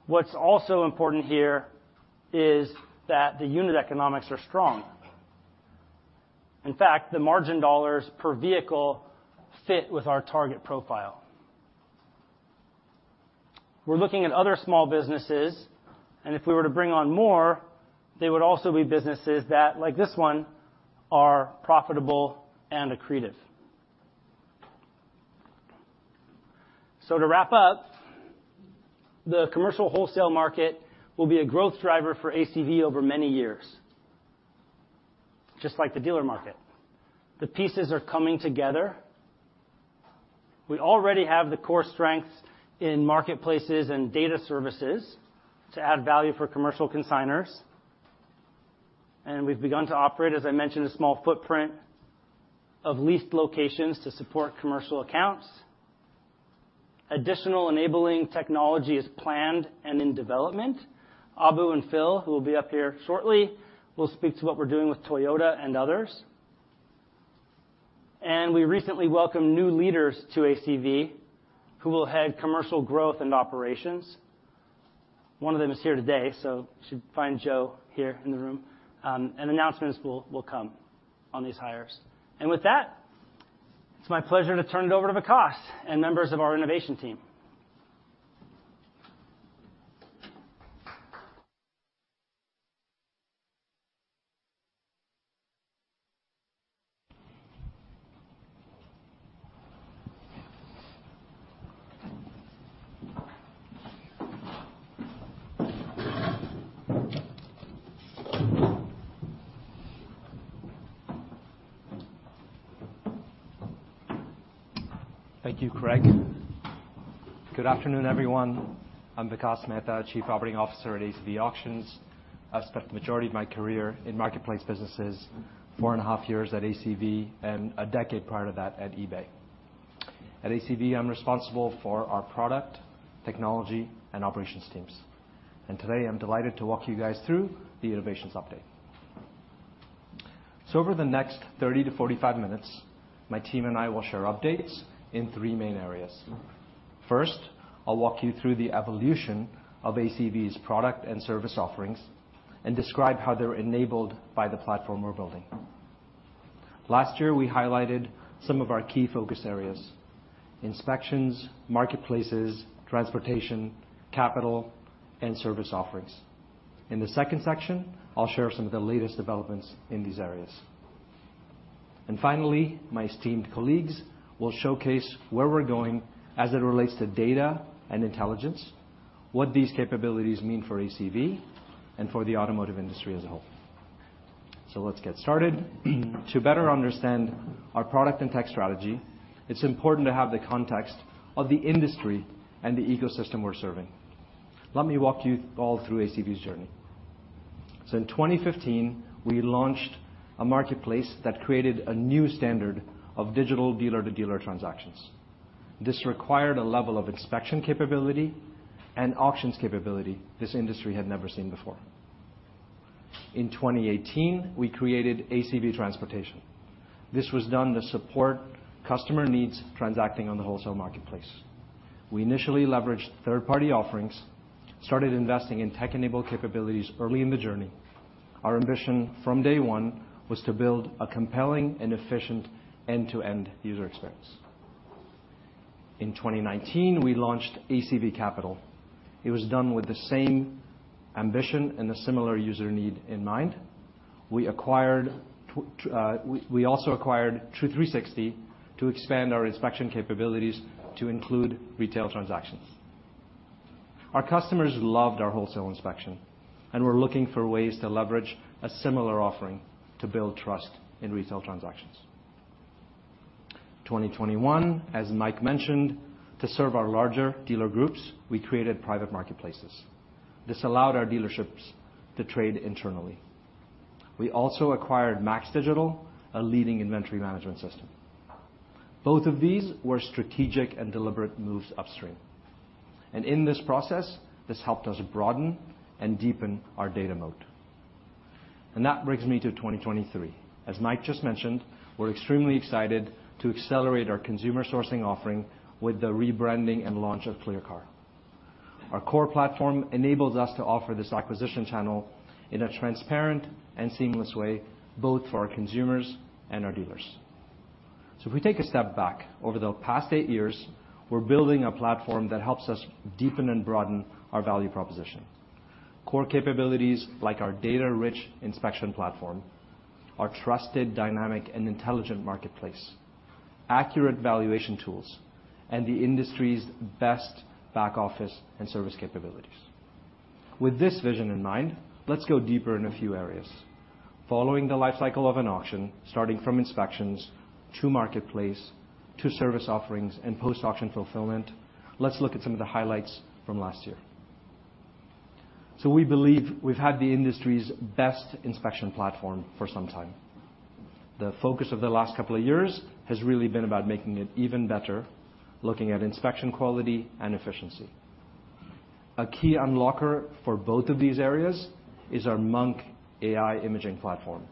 What's also important here is that the unit economics are strong. In fact, the margin dollars per vehicle fit with our target profile. We're looking at other small businesses, and if we were to bring on more, they would also be businesses that, like this one, are profitable and accretive. To wrap up, the commercial wholesale market will be a growth driver for ACV over many years, just like the dealer market. The pieces are coming together. We already have the core strengths in marketplaces and data services to add value for commercial consigners. We've begun to operate, as I mentioned, a small footprint of leased locations to support commercial accounts. Additional enabling technology is planned and in development. Abou and Phil, who will be up here shortly, will speak to what we're doing with Toyota and others. We recently welcomed new leaders to ACV, who will head commercial growth and operations. One of them is here today, so you should find Joe here in the room. Announcements will come on these hires. With that, it's my pleasure to turn it over to Vikas and members of our innovation team. Thank you, Craig. Good afternoon, everyone. I'm Vikas Mehta, Chief Operating Officer at ACV Auctions. I've spent the majority of my career in marketplace businesses, four and a half years at ACV and a decade prior to that at eBay. At ACV, I'm responsible for our product, technology, and operations teams. Today, I'm delighted to walk you guys through the innovations update. Over the next 30-45 minutes, my team and I will share updates in three main areas. First, I'll walk you through the evolution of ACV's product and service offerings and describe how they're enabled by the platform we're building. Last year, we highlighted some of our key focus areas, inspections, marketplaces, transportation, capital, and service offerings. In the second section, I'll share some of the latest developments in these areas. Finally, my esteemed colleagues will showcase where we're going as it relates to data and intelligence, what these capabilities mean for ACV and for the automotive industry as a whole. Let's get started. To better understand our product and tech strategy, it's important to have the context of the industry and the ecosystem we're serving. Let me walk you all through ACV's journey. In 2015, we launched a marketplace that created a new standard of digital dealer-to-dealer transactions. This required a level of inspection capability and auctions capability this industry had never seen before. In 2018, we created ACV Transportation. This was done to support customer needs, transacting on the wholesale marketplace. We initially leveraged third-party offerings, started investing in tech-enabled capabilities early in the journey. Our ambition from day one was to build a compelling and efficient end-to-end user experience. In 2019, we launched ACV Capital. It was done with the same ambition and a similar user need in mind. We also acquired True360 to expand our inspection capabilities to include retail transactions. Our customers loved our wholesale inspection and were looking for ways to leverage a similar offering to build trust in retail transactions. 2021, as Mike mentioned, to serve our larger dealer groups, we created private marketplaces. This allowed our dealerships to trade internally. We also acquired MAX Digital, a leading inventory management system. Both of these were strategic and deliberate moves upstream, and in this process, this helped us broaden and deepen our data moat. That brings me to 2023. As Mike just mentioned, we're extremely excited to accelerate our consumer sourcing offering with the rebranding and launch of ClearCar. Our core platform enables us to offer this acquisition channel in a transparent and seamless way, both for our consumers and our dealers. If we take a step back, over the past 8 years, we're building a platform that helps us deepen and broaden our value proposition. Core capabilities like our data-rich inspection platform, our trusted, dynamic, and intelligent marketplace, accurate valuation tools, and the industry's best back-office and service capabilities. With this vision in mind, let's go deeper in a few areas. Following the life cycle of an auction, starting from inspections to marketplace, to service offerings and post-auction fulfillment, let's look at some of the highlights from last year. We believe we've had the industry's best inspection platform for some time. The focus of the last couple of years has really been about making it even better, looking at inspection quality and efficiency. A key unlocker for both of these areas is our Monk AI imaging platform.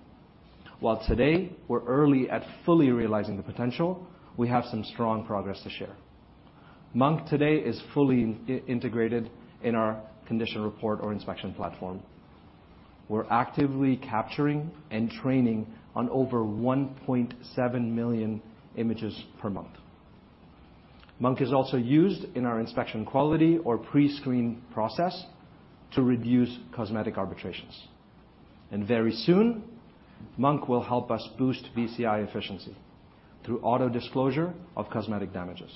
While today, we're early at fully realizing the potential, we have some strong progress to share. Monk today is fully integrated in our condition report or inspection platform. We're actively capturing and training on over 1.7 million images per month. Monk is also used in our inspection quality or prescreen process to reduce cosmetic arbitrations. Very soon, Monk will help us boost VCI efficiency through auto-disclosure of cosmetic damages.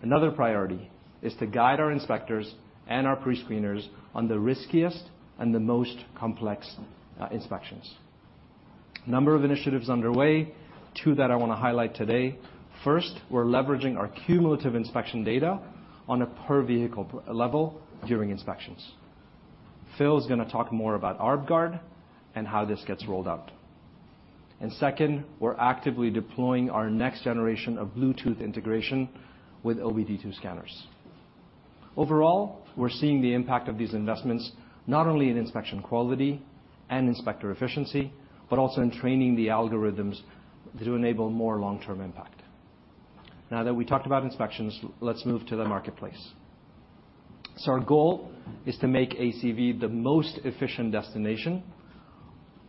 Another priority is to guide our inspectors and our pre-screeners on the riskiest and the most complex inspections. A number of initiatives underway, two that I want to highlight today. First, we're leveraging our cumulative inspection data on a per-vehicle level during inspections. Phil is going to talk more about ArbGuard and how this gets rolled out. Second, we're actively deploying our next generation of Bluetooth integration with OBD2 scanners. Overall, we're seeing the impact of these investments, not only in inspection quality and inspector efficiency, but also in training the algorithms to enable more long-term impact. Now that we talked about inspections, let's move to the marketplace. Our goal is to make ACV the most efficient destination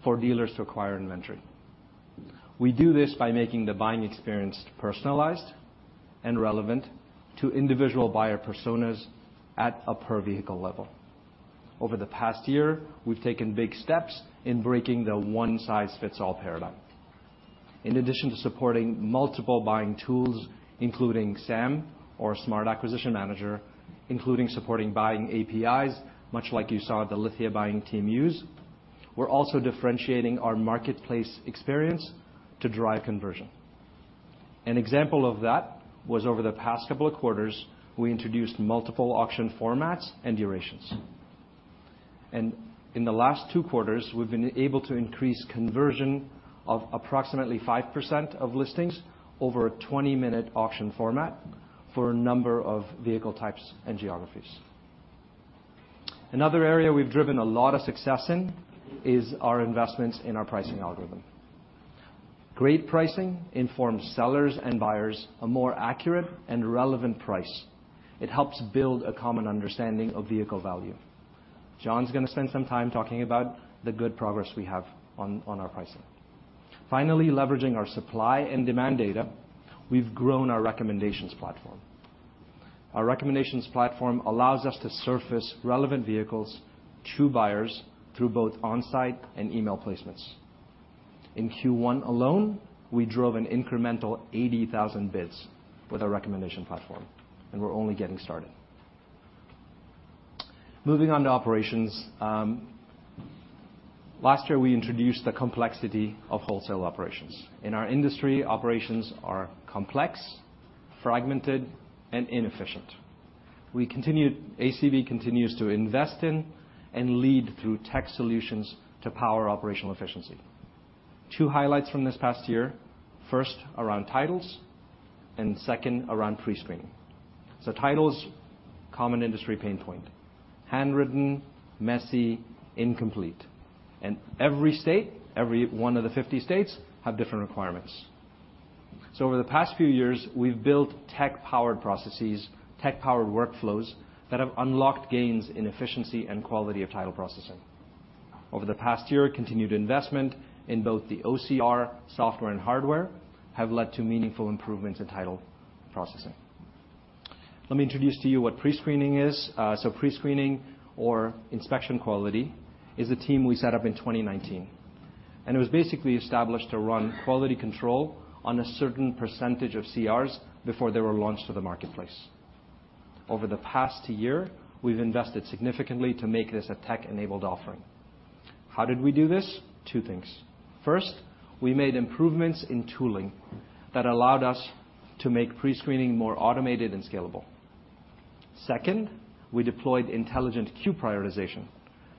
for dealers to acquire inventory. We do this by making the buying experience personalized and relevant to individual buyer personas at a per-vehicle level. Over the past year, we've taken big steps in breaking the one-size-fits-all paradigm. In addition to supporting multiple buying tools, including S.A.M. or Smart Acquisition Manager, including supporting buying APIs, much like you saw the Lithia buying team use, we're also differentiating our marketplace experience to drive conversion. An example of that was over the past couple of quarters, we introduced multiple auction formats and durations. In the last 2 quarters, we've been able to increase conversion of approximately 5% of listings over a 20-minute auction format for a number of vehicle types and geographies. Another area we've driven a lot of success in is our investments in our pricing algorithm. Great pricing informs sellers and buyers a more accurate and relevant price. It helps build a common understanding of vehicle value. John's going to spend some time talking about the good progress we have on our pricing. Finally, leveraging our supply and demand data, we've grown our recommendations platform. Our recommendations platform allows us to surface relevant vehicles to buyers through both on-site and email placements. In Q1 alone, we drove an incremental 80,000 bids with our recommendation platform. We're only getting started. Moving on to operations. Last year, we introduced the complexity of wholesale operations. In our industry, operations are complex, fragmented, and inefficient. ACV continues to invest in and lead through tech solutions to power operational efficiency. Two highlights from this past year, first, around titles. Second, around pre-screening. Common industry pain point: handwritten, messy, incomplete. Every state, every one of the 50 states, have different requirements. Over the past few years, we've built tech-powered processes, tech-powered workflows, that have unlocked gains in efficiency and quality of title processing. Over the past year, continued investment in both the OCR software and hardware have led to meaningful improvements in title processing. Let me introduce to you what pre-screening is. Pre-screening or inspection quality is a team we set up in 2019, and it was basically established to run quality control on a certain percentage of CRs before they were launched to the marketplace. Over the past year, we've invested significantly to make this a tech-enabled offering. How did we do this? Two things. First, we made improvements in tooling that allowed us to make pre-screening more automated and scalable. Second, we deployed intelligent queue prioritization,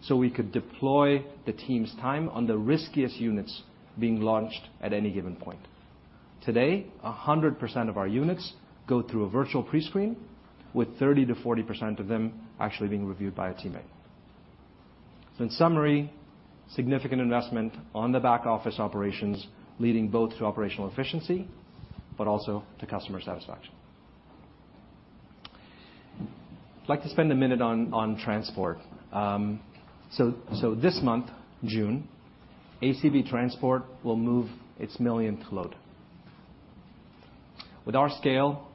so we could deploy the team's time on the riskiest units being launched at any given point. Today, 100% of our units go through a virtual pre-screen, with 30%-40% of them actually being reviewed by a teammate. In summary, significant investment on the back-office operations, leading both to operational efficiency but also to customer satisfaction. I'd like to spend a minute on transport. This month, June, ACV Transport will move its millionth load. With our scale,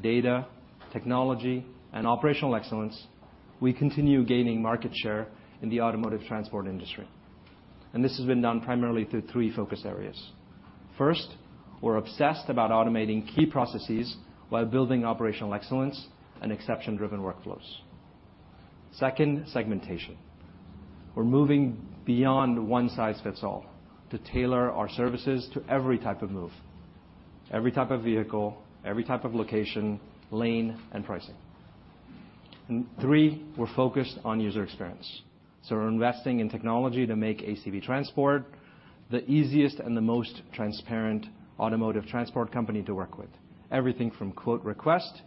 data, technology, and operational excellence, we continue gaining market share in the automotive transport industry. This has been done primarily through 3 focus areas. First, we're obsessed about automating key processes while building operational excellence and exception-driven workflows. Second, segmentation. We're moving beyond one size fits all to tailor our services to every type of move, every type of vehicle, every type of location, lane, and pricing. 3. We're focused on user experience, so we're investing in technology to make ACV Transport the easiest and the most transparent automotive transport company to work with. Everything from quote request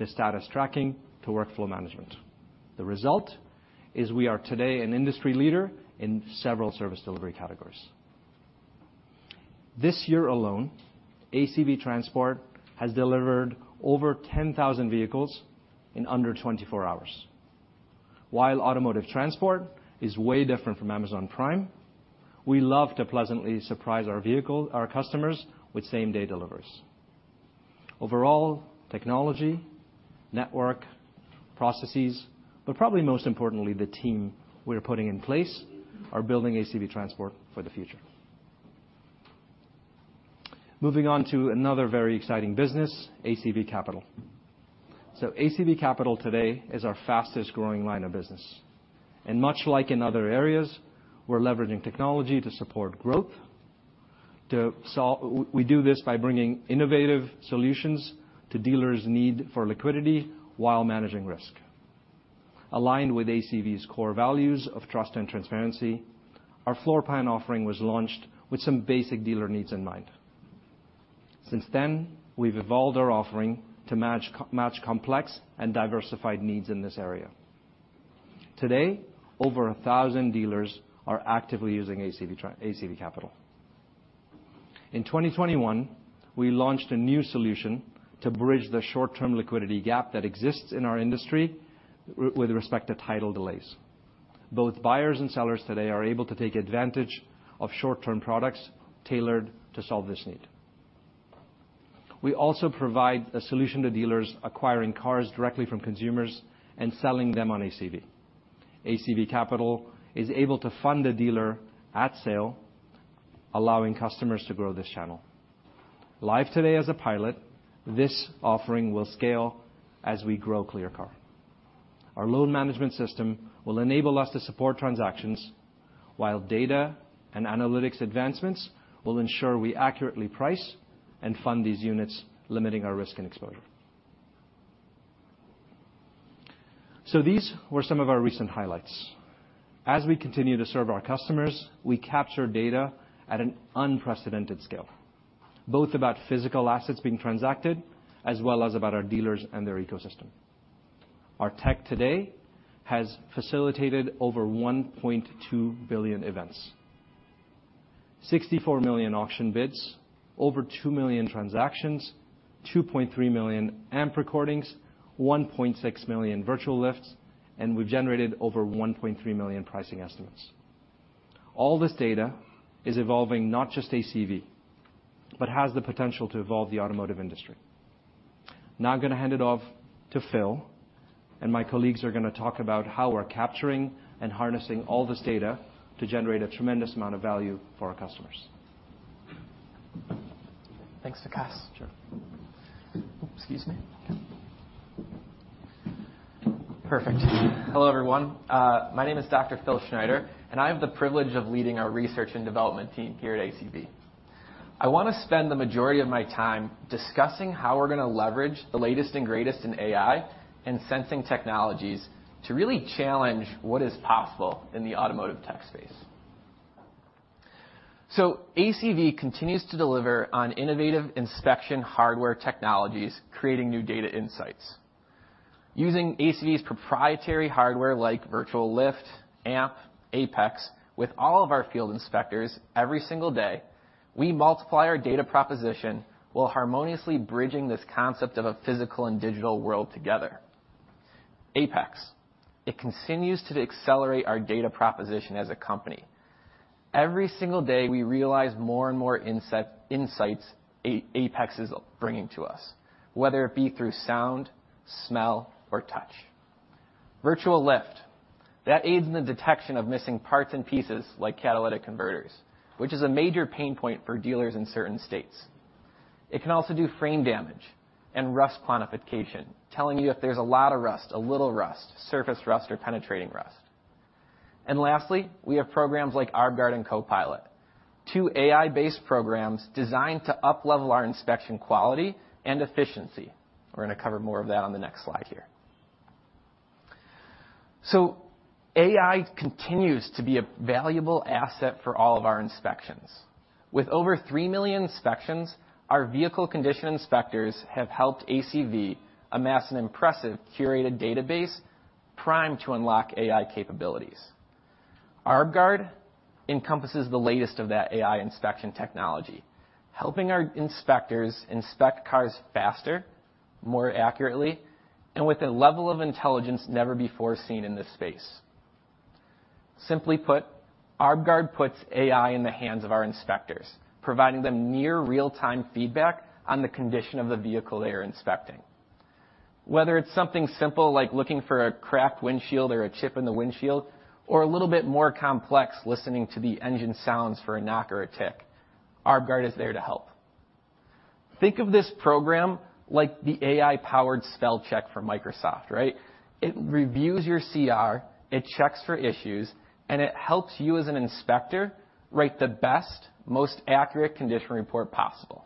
to status tracking to workflow management. The result is we are today an industry leader in several service delivery categories. This year alone, ACV Transport has delivered over 10,000 vehicles in under 24 hours. While automotive transport is way different from Amazon Prime, we love to pleasantly surprise our customers with same-day deliveries. Overall, technology, network, processes, probably most importantly, the team we are putting in place, are building ACV Transport for the future. Moving on to another very exciting business, ACV Capital. ACV Capital today is our fastest-growing line of business, much like in other areas, we're leveraging technology to support growth. We do this by bringing innovative solutions to dealers' need for liquidity while managing risk. Aligned with ACV's core values of trust and transparency, our floor plan offering was launched with some basic dealer needs in mind. Since then, we've evolved our offering to match complex and diversified needs in this area. Today, over 1,000 dealers are actively using ACV Capital. In 2021, we launched a new solution to bridge the short-term liquidity gap that exists in our industry with respect to title delays. Both buyers and sellers today are able to take advantage of short-term products tailored to solve this need. We also provide a solution to dealers acquiring cars directly from consumers and selling them on ACV. ACV Capital is able to fund a dealer at sale, allowing customers to grow this channel. Live today as a pilot, this offering will scale as we grow ClearCar. Our loan management system will enable us to support transactions, while data and analytics advancements will ensure we accurately price and fund these units, limiting our risk and exposure. These were some of our recent highlights. As we continue to serve our customers, we capture data at an unprecedented scale, both about physical assets being transacted, as well as about our dealers and their ecosystem. Our tech today has facilitated over 1.2 billion events, 64 million auction bids, over 2 million transactions, 2.3 million AMP recordings, 1.6 million Virtual Lifts, and we've generated over 1.3 million pricing estimates. All this data is evolving not just ACV, but has the potential to evolve the automotive industry. Now I'm gonna hand it off to Phil, and my colleagues are gonna talk about how we're capturing and harnessing all this data to generate a tremendous amount of value for our customers. Thanks, Vikas. Sure. Excuse me. Perfect. Hello, everyone. My name is Dr. Phil Schneider, and I have the privilege of leading our research and development team here at ACV. I wanna spend the majority of my time discussing how we're gonna leverage the latest and greatest in AI and sensing technologies to really challenge what is possible in the automotive tech space. ACV continues to deliver on innovative inspection hardware technologies, creating new data insights. Using ACV's proprietary hardware like Virtual Lift, AMP, APEX, with all of our field inspectors every single day, we multiply our data proposition while harmoniously bridging this concept of a physical and digital world together. APEX, it continues to accelerate our data proposition as a company. Every single day, we realize more and more insights APEX is bringing to us, whether it be through sound, smell, or touch. Virtual Lift, that aids in the detection of missing parts and pieces like catalytic converters, which is a major pain point for dealers in certain states. It can also do frame damage and rust quantification, telling you if there's a lot of rust, a little rust, surface rust, or penetrating rust. Lastly, we have programs like ArbGuard and CoPilot, two AI-based programs designed to uplevel our inspection quality and efficiency. We're gonna cover more of that on the next slide here. AI continues to be a valuable asset for all of our inspections. With over 3 million inspections, our vehicle condition inspectors have helped ACV amass an impressive curated database, primed to unlock AI capabilities. ArbGuard encompasses the latest of that AI inspection technology, helping our inspectors inspect cars faster, more accurately, and with a level of intelligence never before seen in this space. Simply put, ArbGuard puts AI in the hands of our inspectors, providing them near real-time feedback on the condition of the vehicle they are inspecting. Whether it's something simple like looking for a cracked windshield or a chip in the windshield, or a little bit more complex, listening to the engine sounds for a knock or a tick, ArbGuard is there to help. Think of this program like the AI-powered spell check for Microsoft, right? It reviews your CR, it checks for issues, and it helps you as an inspector write the best, most accurate condition report possible.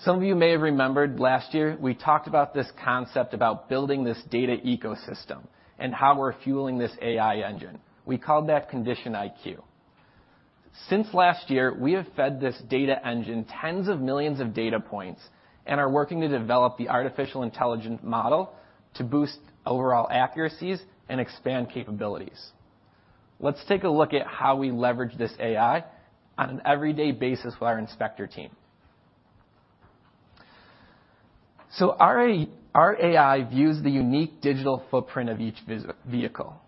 Some of you may have remembered last year, we talked about this concept about building this data ecosystem and how we're fueling this AI engine. We called that Condition IQ. Since last year, we have fed this data engine tens of millions of data points and are working to develop the artificial intelligence model to boost overall accuracies and expand capabilities. Let's take a look at how we leverage this AI on an everyday basis with our inspector team. Our AI views the unique digital footprint of each vehicle,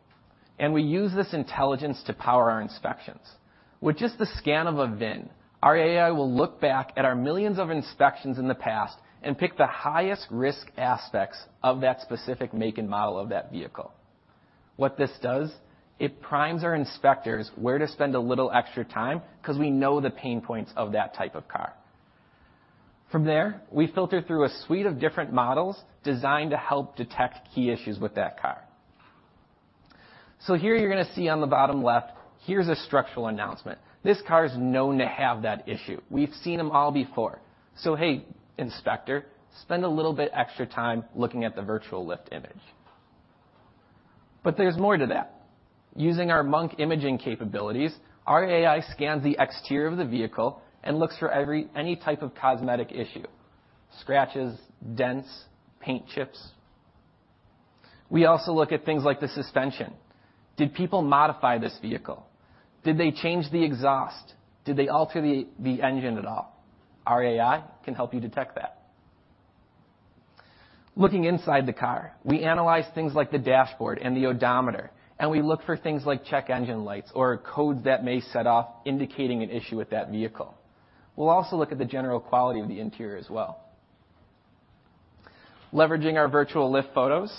and we use this intelligence to power our inspections. With just the scan of a VIN, our AI will look back at our millions of inspections in the past and pick the highest risk aspects of that specific make and model of that vehicle. What this does, it primes our inspectors where to spend a little extra time because we know the pain points of that type of car. From there, we filter through a suite of different models designed to help detect key issues with that car. Here you're gonna see on the bottom left, here's a structural announcement. This car is known to have that issue. We've seen them all before. Hey, inspector, spend a little bit extra time looking at the Virtual Lift image. There's more to that. Using our Monk imaging capabilities, our AI scans the exterior of the vehicle and looks for any type of cosmetic issue, scratches, dents, paint chips. We also look at things like the suspension. Did people modify this vehicle? Did they change the exhaust? Did they alter the engine at all? Our AI can help you detect that. Looking inside the car, we analyze things like the dashboard and the odometer. We look for things like check engine lights or codes that may set off indicating an issue with that vehicle. We'll also look at the general quality of the interior as well. Leveraging our Virtual Lift photos,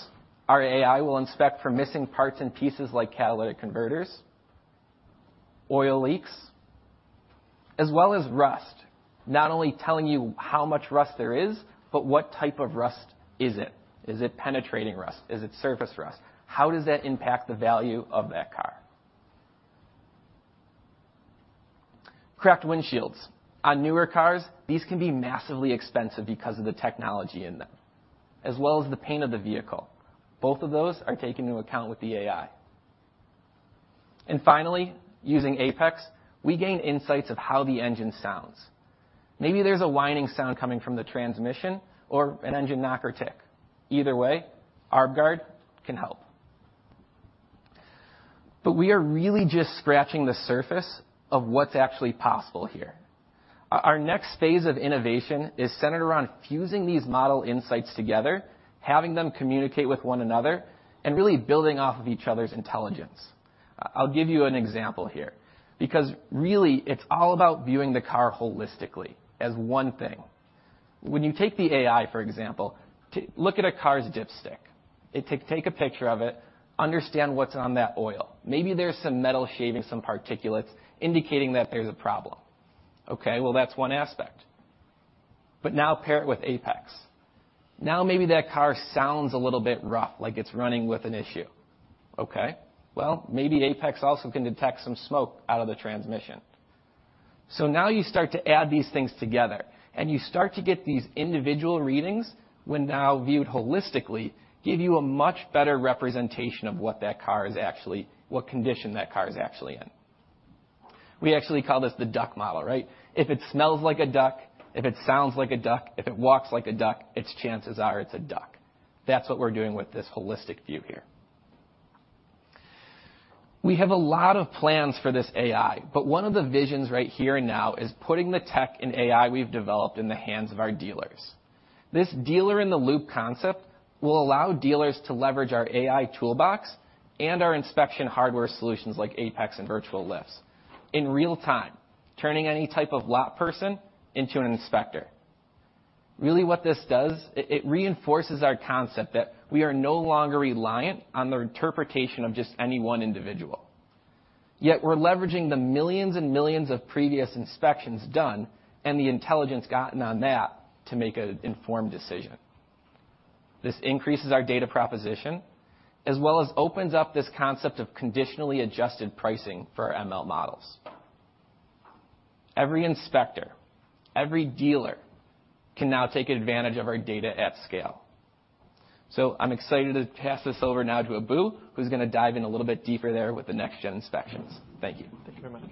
our AI will inspect for missing parts and pieces like catalytic converters, oil leaks, as well as rust, not only telling you how much rust there is, but what type of rust is it? Is it penetrating rust? Is it surface rust? How does that impact the value of that car? Cracked windshields. On newer cars, these can be massively expensive because of the technology in them, as well as the paint of the vehicle. Both of those are taken into account with the AI. Finally, using APEX, we gain insights of how the engine sounds. Maybe there's a whining sound coming from the transmission or an engine knock or tick. Either way, ArbGuard can help. We are really just scratching the surface of what's actually possible here. Our next phase of innovation is centered around fusing these model insights together, having them communicate with one another, and really building off of each other's intelligence. I'll give you an example here, because really it's all about viewing the car holistically as one thing. When you take the AI, for example, look at a car's dipstick. It take a picture of it, understand what's on that oil. Maybe there's some metal shavings, some particulates, indicating that there's a problem. Okay, well, that's one aspect. Now pair it with APEX. Now, maybe that car sounds a little bit rough, like it's running with an issue. Okay, well, maybe APEX also can detect some smoke out of the transmission. Now you start to add these things together, and you start to get these individual readings, when now viewed holistically, give you a much better representation of what condition that car is actually in. We actually call this the duck model, right? If it smells like a duck, if it sounds like a duck, if it walks like a duck, its chances are it's a duck. That's what we're doing with this holistic view here. We have a lot of plans for this AI, one of the visions right here and now is putting the tech and AI we've developed in the hands of our dealers. This dealer-in-the-loop concept will allow dealers to leverage our AI toolbox and our inspection hardware solutions, like APEX and Virtual Lifts, in real time, turning any type of lot person into an inspector. Really, what this does, it reinforces our concept that we are no longer reliant on the interpretation of just any one individual. Yet we're leveraging the millions and millions of previous inspections done, and the intelligence gotten on that, to make an informed decision. This increases our data proposition, as well as opens up this concept of conditionally adjusted pricing for our ML models. Every inspector, every dealer, can now take advantage of our data at scale. I'm excited to pass this over now to Abou, who's gonna dive in a little bit deeper there with the next-gen inspections. Thank you. Thank you very much.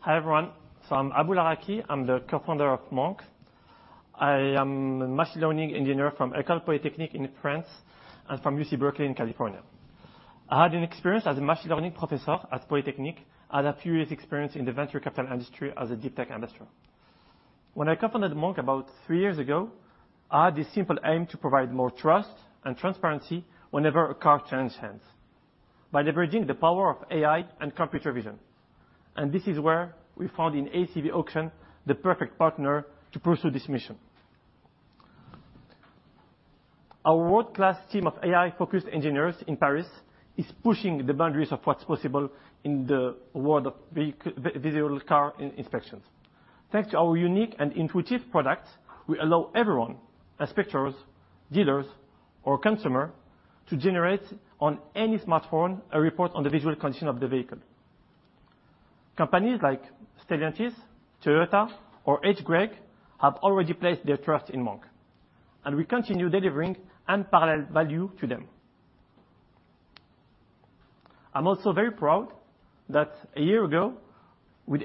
Hi, everyone. I'm Abou Laraki. I'm the Co-founder of Monk. I am a machine learning engineer from École Polytechnique in France, and from UC Berkeley in California. I had an experience as a machine learning professor at Polytechnique, and a few years experience in the venture capital industry as a deep tech investor. When I co-founded Monk about 3 years ago, I had this simple aim to provide more trust and transparency whenever a car changes hands, by leveraging the power of AI and computer vision, and this is where we found in ACV Auctions, the perfect partner to pursue this mission. Our world-class team of AI-focused engineers in Paris is pushing the boundaries of what's possible in the world of visual car inspections. Thanks to our unique and intuitive products, we allow everyone, inspectors, dealers, or consumer, to generate on any smartphone, a report on the visual condition of the vehicle. Companies like Stellantis, Toyota, or Craig, have already placed their trust in Monk. We continue delivering unparalleled value to them. I'm also very proud that a year ago, we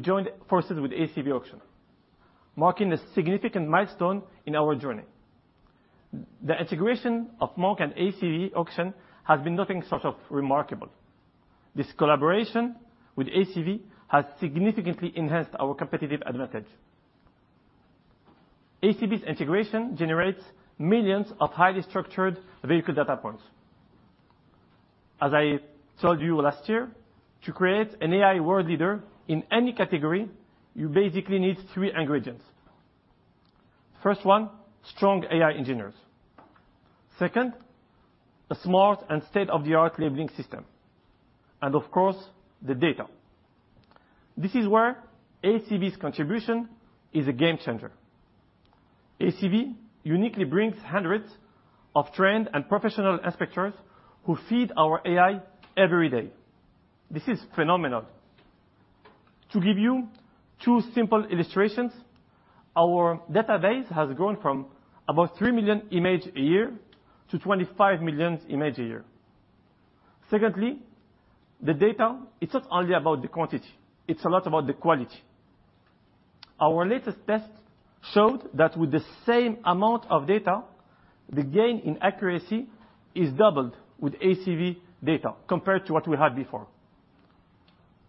joined forces with ACV Auctions, marking a significant milestone in our journey. The integration of Monk and ACV Auctions has been nothing short of remarkable. This collaboration with ACV has significantly enhanced our competitive advantage. ACV's integration generates millions of highly structured vehicle data points. As I told you last year, to create an AI world leader in any category, you basically need three ingredients. First one, strong AI engineers. Second, a smart and state-of-the-art labeling system. Of course, the data. This is where ACV's contribution is a game changer. ACV uniquely brings hundreds of trained and professional inspectors who feed our AI every day. This is phenomenal. To give you 2 simple illustrations, our database has grown from about 3 million image a year to 25 million image a year. Secondly, the data, it's not only about the quantity, it's a lot about the quality. Our latest test showed that with the same amount of data, the gain in accuracy is doubled with ACV data compared to what we had before.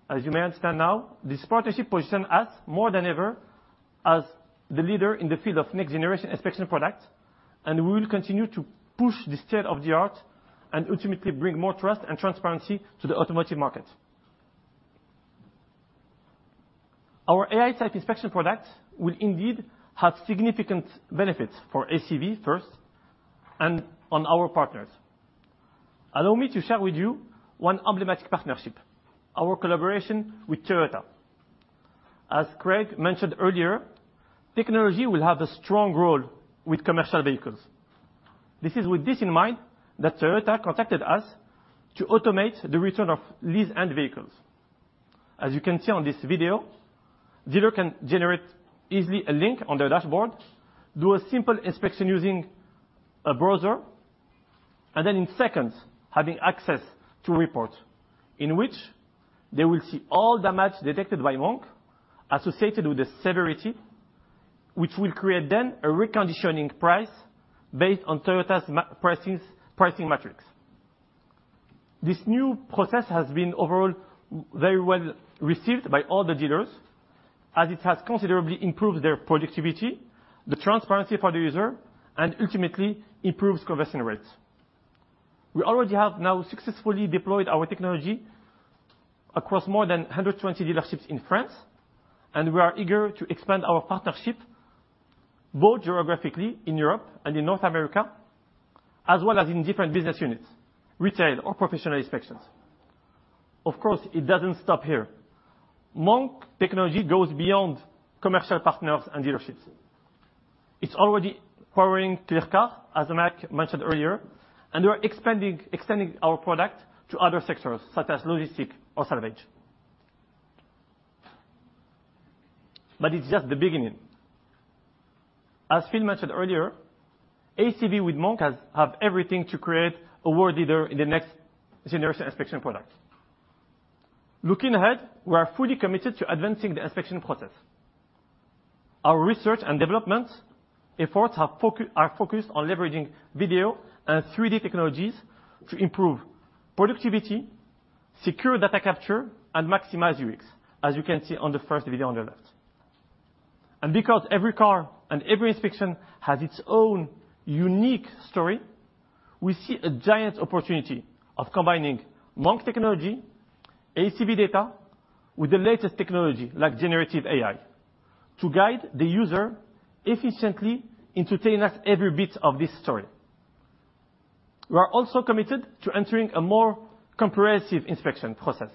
As you may understand now, this partnership positions us more than ever, as the leader in the field of next-generation inspection products, and we will continue to push the state of the art, and ultimately bring more trust and transparency to the automotive market. Our AI-type inspection products will indeed have significant benefits for ACV first, and on our partners. Allow me to share with you one emblematic partnership, our collaboration with Toyota. As Craig mentioned earlier, technology will have a strong role with commercial vehicles. This is with this in mind, that Toyota contacted us to automate the return of lease-end vehicles. As you can see on this video, dealer can generate easily a link on their dashboard, do a simple inspection using a browser, and then in seconds, having access to a report in which they will see all the damage detected by Monk associated with the severity, which will create then a reconditioning price based on Toyota's pricing metrics. This new process has been overall very well received by all the dealers, as it has considerably improved their productivity, the transparency for the user, and ultimately improves conversion rates. We already have now successfully deployed our technology across more than 120 dealerships in France, and we are eager to expand our partnership, both geographically in Europe and in North America, as well as in different business units, retail or professional inspections. Of course, it doesn't stop here. Monk technology goes beyond commercial partners and dealerships. It's already powering ClearCar, as Mac mentioned earlier, and we are extending our product to other sectors, such as logistic or salvage. It's just the beginning. As Phil mentioned earlier, ACV with Monk have everything to create a world leader in the next generation inspection product. Looking ahead, we are fully committed to advancing the inspection process. Our research and developments efforts are focused on leveraging video and 3D technologies to improve productivity, secure data capture, and maximize UX, as you can see on the first video on the left. Because every car and every inspection has its own unique story, we see a giant opportunity of combining Monk technology, ACV data, with the latest technology, like generative AI, to guide the user efficiently, entertain us every bit of this story. We are also committed to entering a more comprehensive inspection process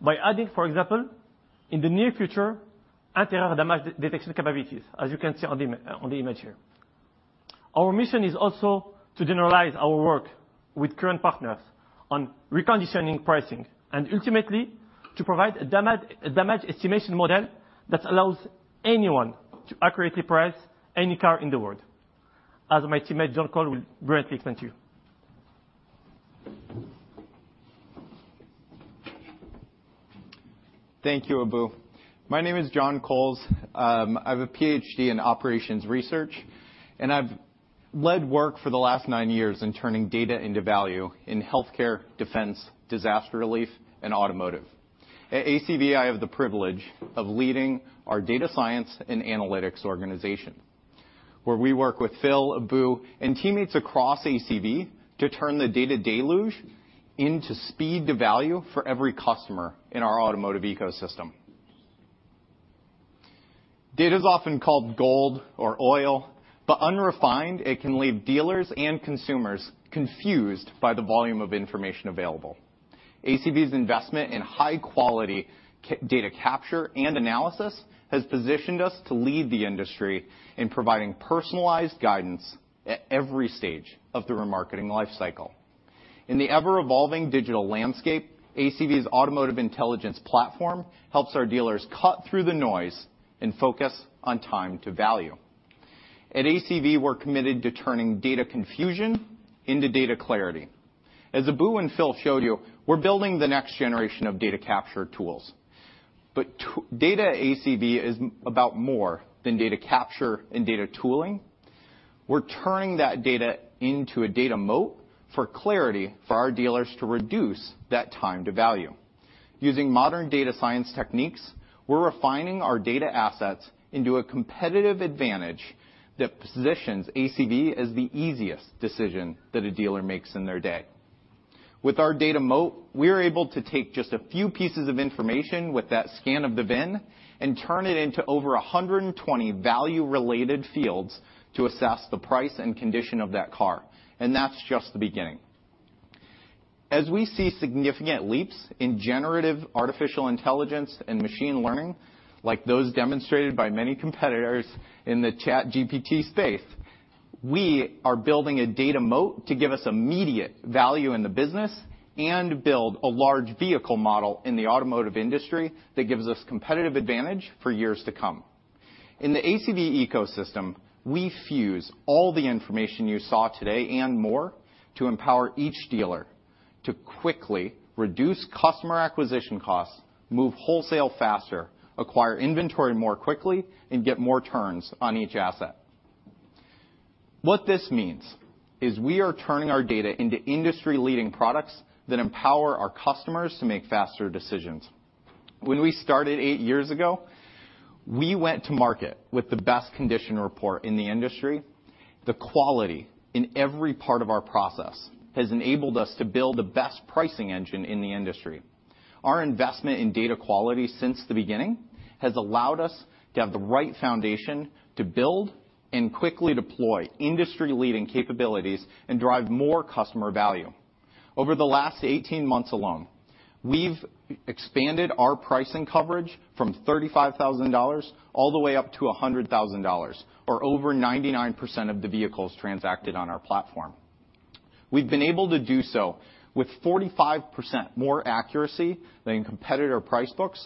by adding, for example, in the near future, interior damage de-detection capabilities, as you can see on the image here. Our mission is also to generalize our work with current partners on reconditioning pricing, and ultimately, to provide a damage estimation model that allows anyone to accurately price any car in the world, as my teammate, John Coles, will briefly explain to you. Thank you, Abou. My name is John Coles. I have a PhD in operations research, and I've led work for the last nine years in turning data into value in healthcare, defense, disaster relief, and automotive. At ACV, I have the privilege of leading our data science and analytics organization, where we work with Phil, Abou, and teammates across ACV to turn the data deluge into speed to value for every customer in our automotive ecosystem. Data is often called gold or oil, unrefined, it can leave dealers and consumers confused by the volume of information available. ACV's investment in high quality data capture and analysis has positioned us to lead the industry in providing personalized guidance at every stage of the remarketing life cycle. In the ever-evolving digital landscape, ACV's Automotive Intelligence Platform helps our dealers cut through the noise and focus on time to value. At ACV, we're committed to turning data confusion into data clarity. As Abou and Phil showed you, we're building the next generation of data capture tools. Data at ACV is about more than data capture and data tooling. We're turning that data into a data moat for clarity for our dealers to reduce that time to value. Using modern data science techniques, we're refining our data assets into a competitive advantage that positions ACV as the easiest decision that a dealer makes in their day. With our data moat, we are able to take just a few pieces of information with that scan of the VIN and turn it into over 120 value-related fields to assess the price and condition of that car, and that's just the beginning. As we see significant leaps in generative artificial intelligence and machine learning, like those demonstrated by many competitors in the ChatGPT space, we are building a data moat to give us immediate value in the business and build a large vehicle model in the automotive industry that gives us competitive advantage for years to come. In the ACV ecosystem, we fuse all the information you saw today and more, to empower each dealer to quickly reduce customer acquisition costs, move wholesale faster, acquire inventory more quickly, and get more turns on each asset. What this means is we are turning our data into industry-leading products that empower our customers to make faster decisions. When we started 8 years ago, we went to market with the best condition report in the industry. The quality in every part of our process has enabled us to build the best pricing engine in the industry. Our investment in data quality since the beginning, has allowed us to have the right foundation to build and quickly deploy industry-leading capabilities and drive more customer value. Over the last 18 months alone, we've expanded our pricing coverage from $35,000 all the way up to $100,000, or over 99% of the vehicles transacted on our platform. We've been able to do so with 45% more accuracy than competitor price books,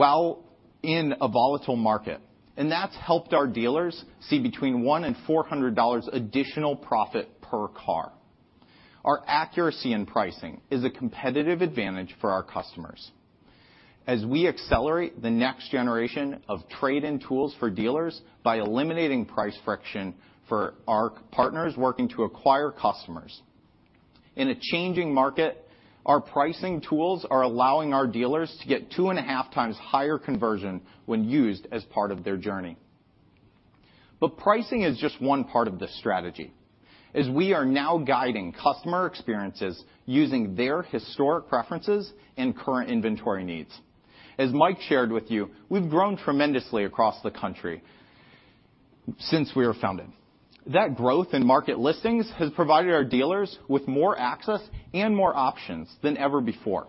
while in a volatile market, and that's helped our dealers see between $1-$400 additional profit per car. Our accuracy in pricing is a competitive advantage for our customers. As we accelerate the next generation of trade-in tools for dealers by eliminating price friction for our partners working to acquire customers. In a changing market, our pricing tools are allowing our dealers to get two and a half times higher conversion when used as part of their journey. Pricing is just one part of the strategy, as we are now guiding customer experiences using their historic preferences and current inventory needs. As Mike shared with you, we've grown tremendously across the country since we were founded. That growth in market listings has provided our dealers with more access and more options than ever before.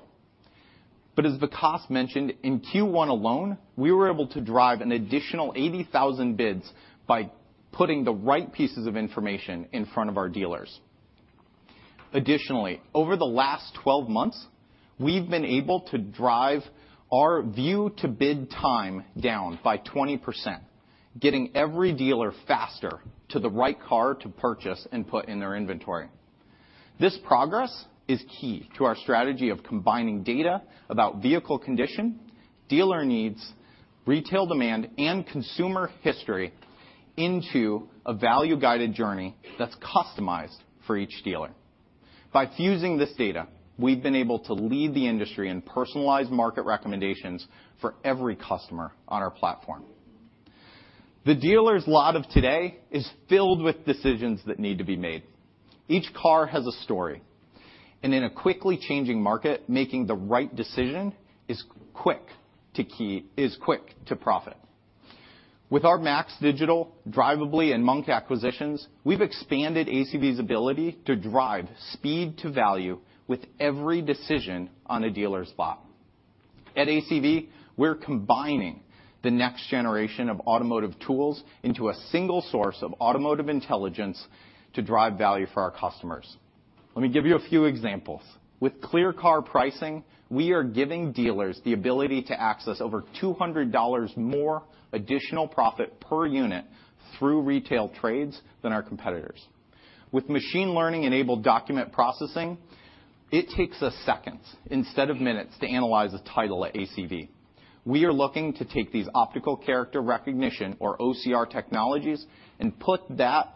As Vikas mentioned, in Q1 alone, we were able to drive an additional 80,000 bids by putting the right pieces of information in front of our dealers. Additionally, over the last 12 months, we've been able to drive our view to bid time down by 20%, getting every dealer faster to the right car to purchase and put in their inventory. This progress is key to our strategy of combining data about vehicle condition, dealer needs, retail demand, and consumer history into a value-guided journey that's customized for each dealer. By fusing this data, we've been able to lead the industry in personalized market recommendations for every customer on our platform. The dealer's lot of today is filled with decisions that need to be made. Each car has a story, and in a quickly changing market, making the right decision is quick to profit. With our MAX Digital, Drivably, and Monk acquisitions, we've expanded ACV's ability to drive speed to value with every decision on a dealer's lot. At ACV, we're combining the next generation of automotive tools into a single source of automotive intelligence to drive value for our customers. Let me give you a few examples. With ClearCar Pricing, we are giving dealers the ability to access over $200 more additional profit per unit through retail trades than our competitors. With machine learning-enabled document processing, it takes us seconds instead of minutes to analyze a title at ACV. We are looking to take these optical character recognition or OCR technologies and put that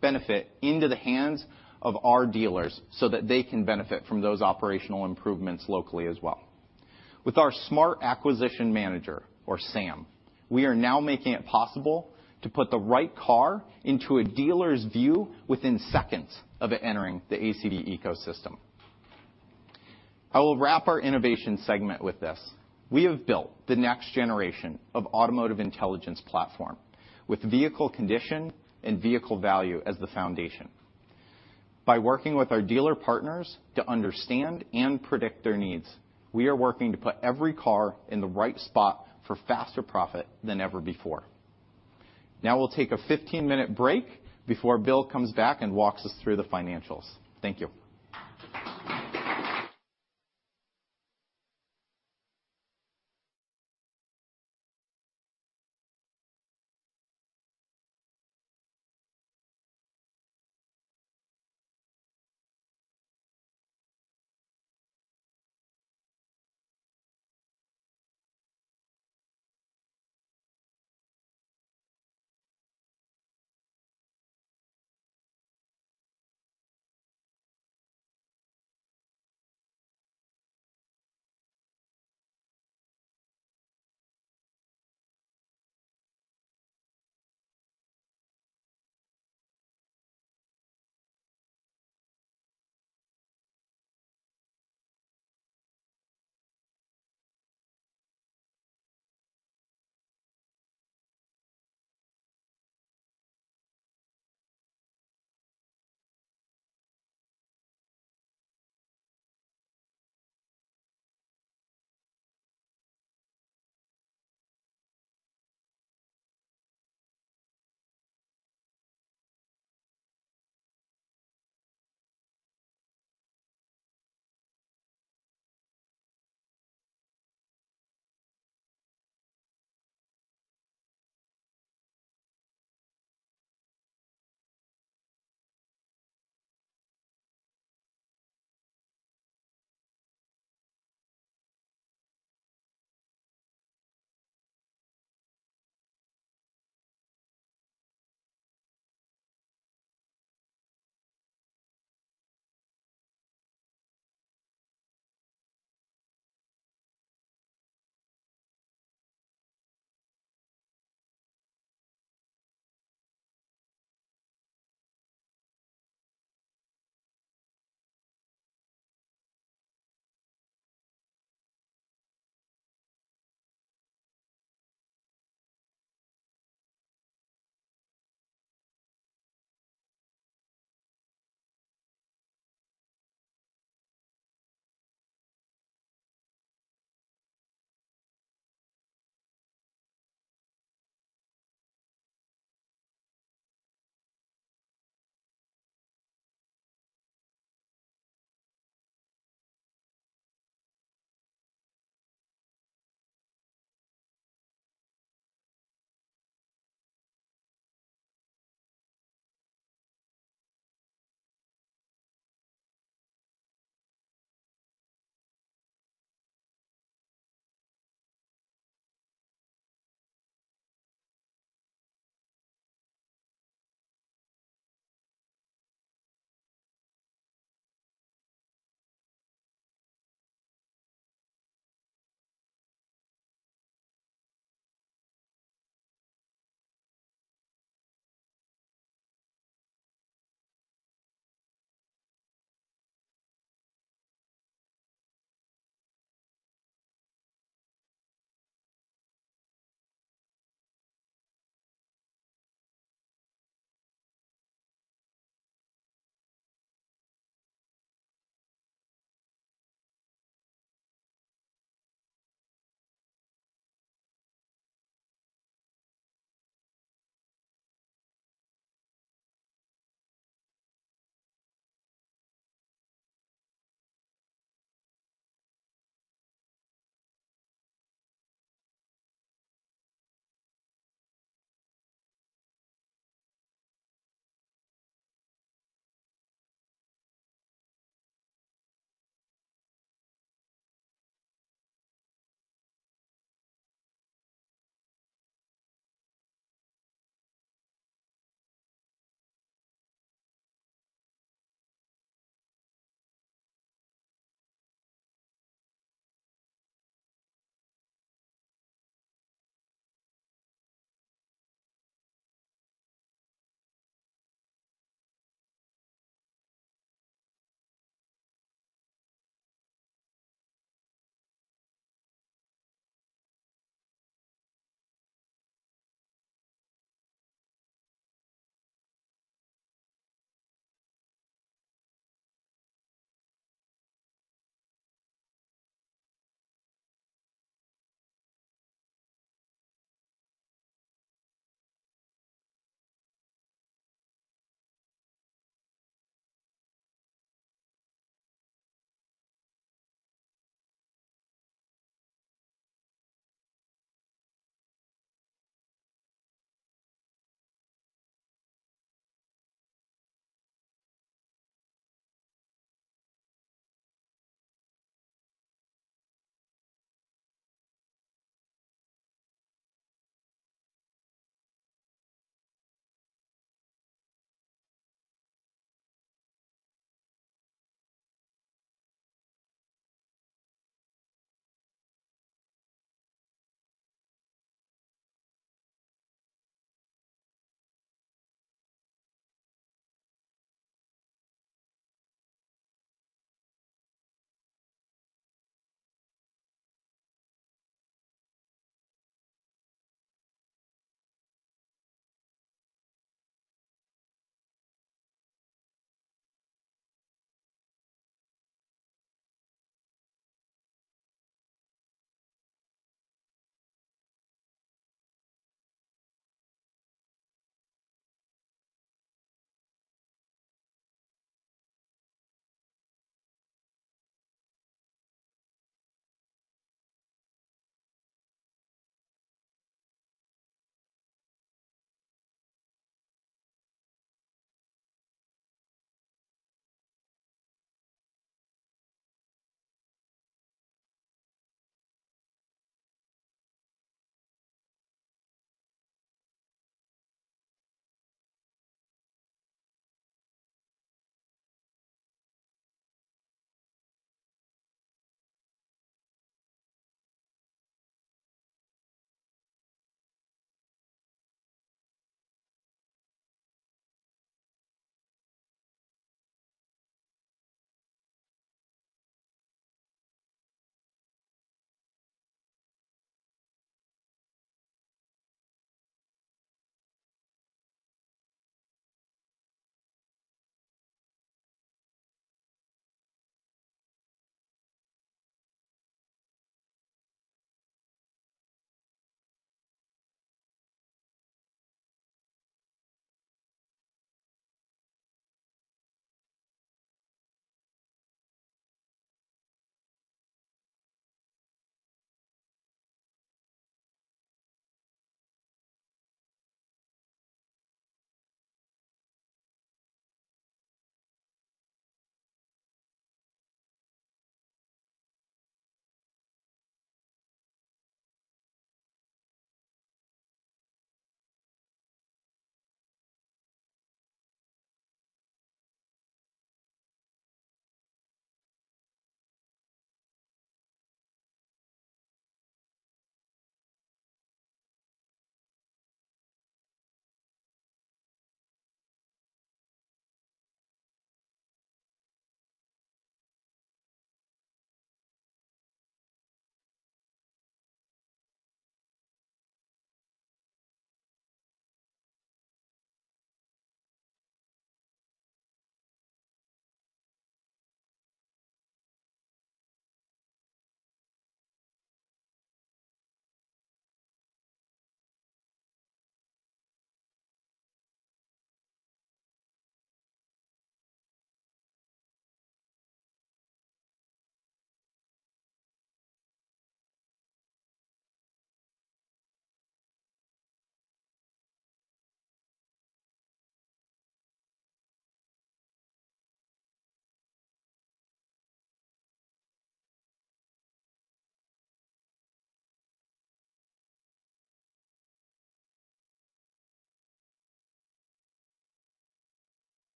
benefit into the hands of our dealers so that they can benefit from those operational improvements locally as well. With our Smart Acquisition Manager, or S.A.M., we are now making it possible to put the right car into a dealer's view within seconds of it entering the ACV ecosystem. I will wrap our innovation segment with this: we have built the next generation of automotive intelligence platform, with vehicle condition and vehicle value as the foundation. By working with our dealer partners to understand and predict their needs, we are working to put every car in the right spot for faster profit than ever before. We'll take a 15-minute break before Bill comes back and walks us through the financials. Thank you.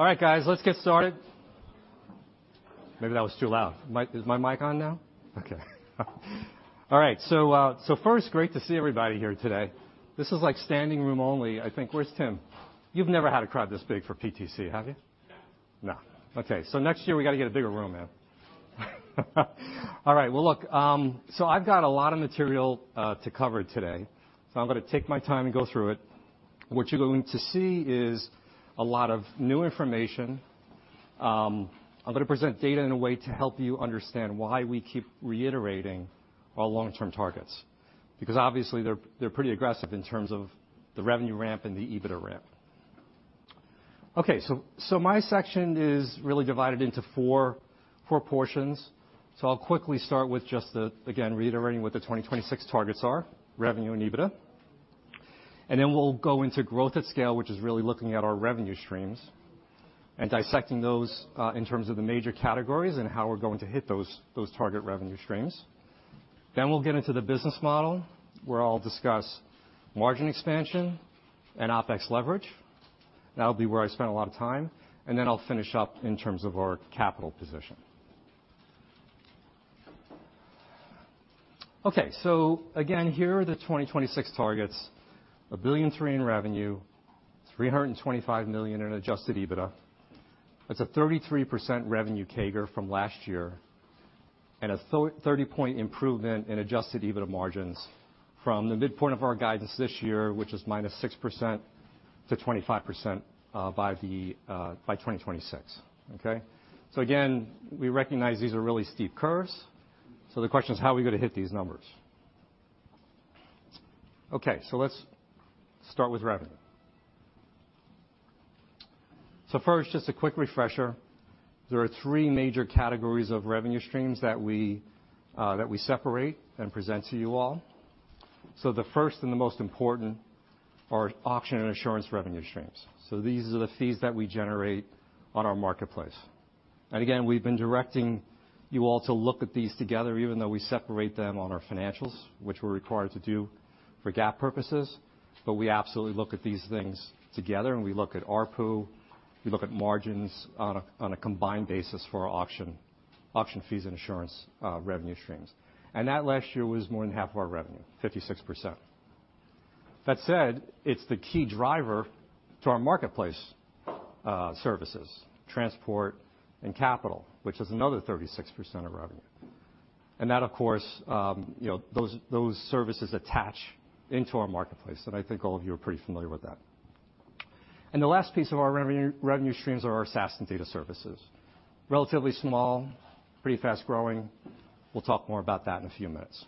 All right, guys, let's get started. Maybe that was too loud. Is my mic on now? Okay. All right. First, great to see everybody here today. This is like standing room only, I think. Where's Tim? You've never had a crowd this big for PTC, have you? No. No. Next year, we gotta get a bigger room, man. All right. Well, look, I've got a lot of material to cover today, so I'm gonna take my time and go through it. What you're going to see is a lot of new information. I'm gonna present data in a way to help you understand why we keep reiterating our long-term targets, because obviously, they're pretty aggressive in terms of the revenue ramp and the EBITDA ramp. My section is really divided into four portions. I'll quickly start with just the Again, reiterating what the 2026 targets are, revenue and EBITDA. We'll go into growth at scale, which is really looking at our revenue streams and dissecting those in terms of the major categories and how we're going to hit those target revenue streams. We'll get into the business model, where I'll discuss margin expansion and OpEx leverage. That'll be where I spend a lot of time, I'll finish up in terms of our capital position. Again, here are the 2026 targets: $1.3 billion in revenue, $325 million in adjusted EBITDA. That's a 33% revenue CAGR from last year, and a 30-point improvement in adjusted EBITDA margins from the midpoint of our guidance this year, which is -6% to 25% by 2026. Again, we recognize these are really steep curves, so the question is: how are we going to hit these numbers? Let's start with revenue. First, just a quick refresher. There are three major categories of revenue streams that we that we separate and present to you all. The first and the most important are auction and insurance revenue streams. These are the fees that we generate on our marketplace. Again, we've been directing you all to look at these together, even though we separate them on our financials, which we're required to do for GAAP purposes. We absolutely look at these things together, and we look at ARPU, we look at margins on a combined basis for our auction fees and insurance revenue streams. That last year was more than half of our revenue, 56%. That said, it's the key driver to our marketplace, services, transport and capital, which is another 36% of revenue. That, of course, you know, those services attach into our marketplace, and I think all of you are pretty familiar with that. The last piece of our revenue streams are our SaaS and data services. Relatively small, pretty fast-growing. We'll talk more about that in a few minutes.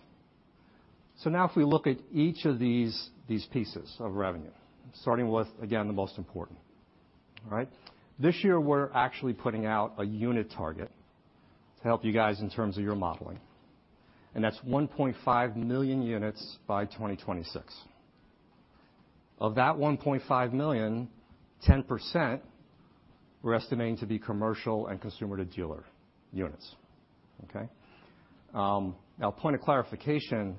Now if we look at each of these pieces of revenue, starting with, again, the most important. All right? This year, we're actually putting out a unit target to help you guys in terms of your modeling, and that's 1.5 million units by 2026. Of that 1.5 million, 10% we're estimating to be commercial and consumer-to-dealer units. Okay? Now, point of clarification,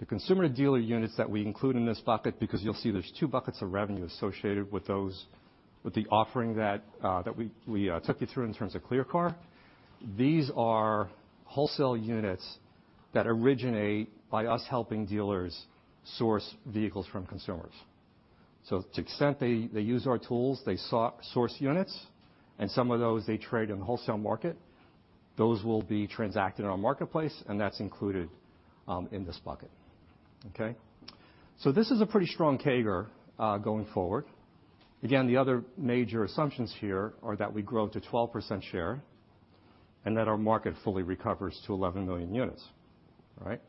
the consumer-to-dealer units that we include in this bucket, because you'll see there's two buckets of revenue associated with those, with the offering that we took you through in terms of ClearCar. These are wholesale units that originate by us helping dealers source vehicles from consumers. To the extent they use our tools, they source units, and some of those, they trade on the wholesale market, those will be transacted on our marketplace, and that's included in this bucket. Okay? This is a pretty strong CAGR going forward. Again, the other major assumptions here are that we grow to 12% share and that our market fully recovers to 11 million units. All right?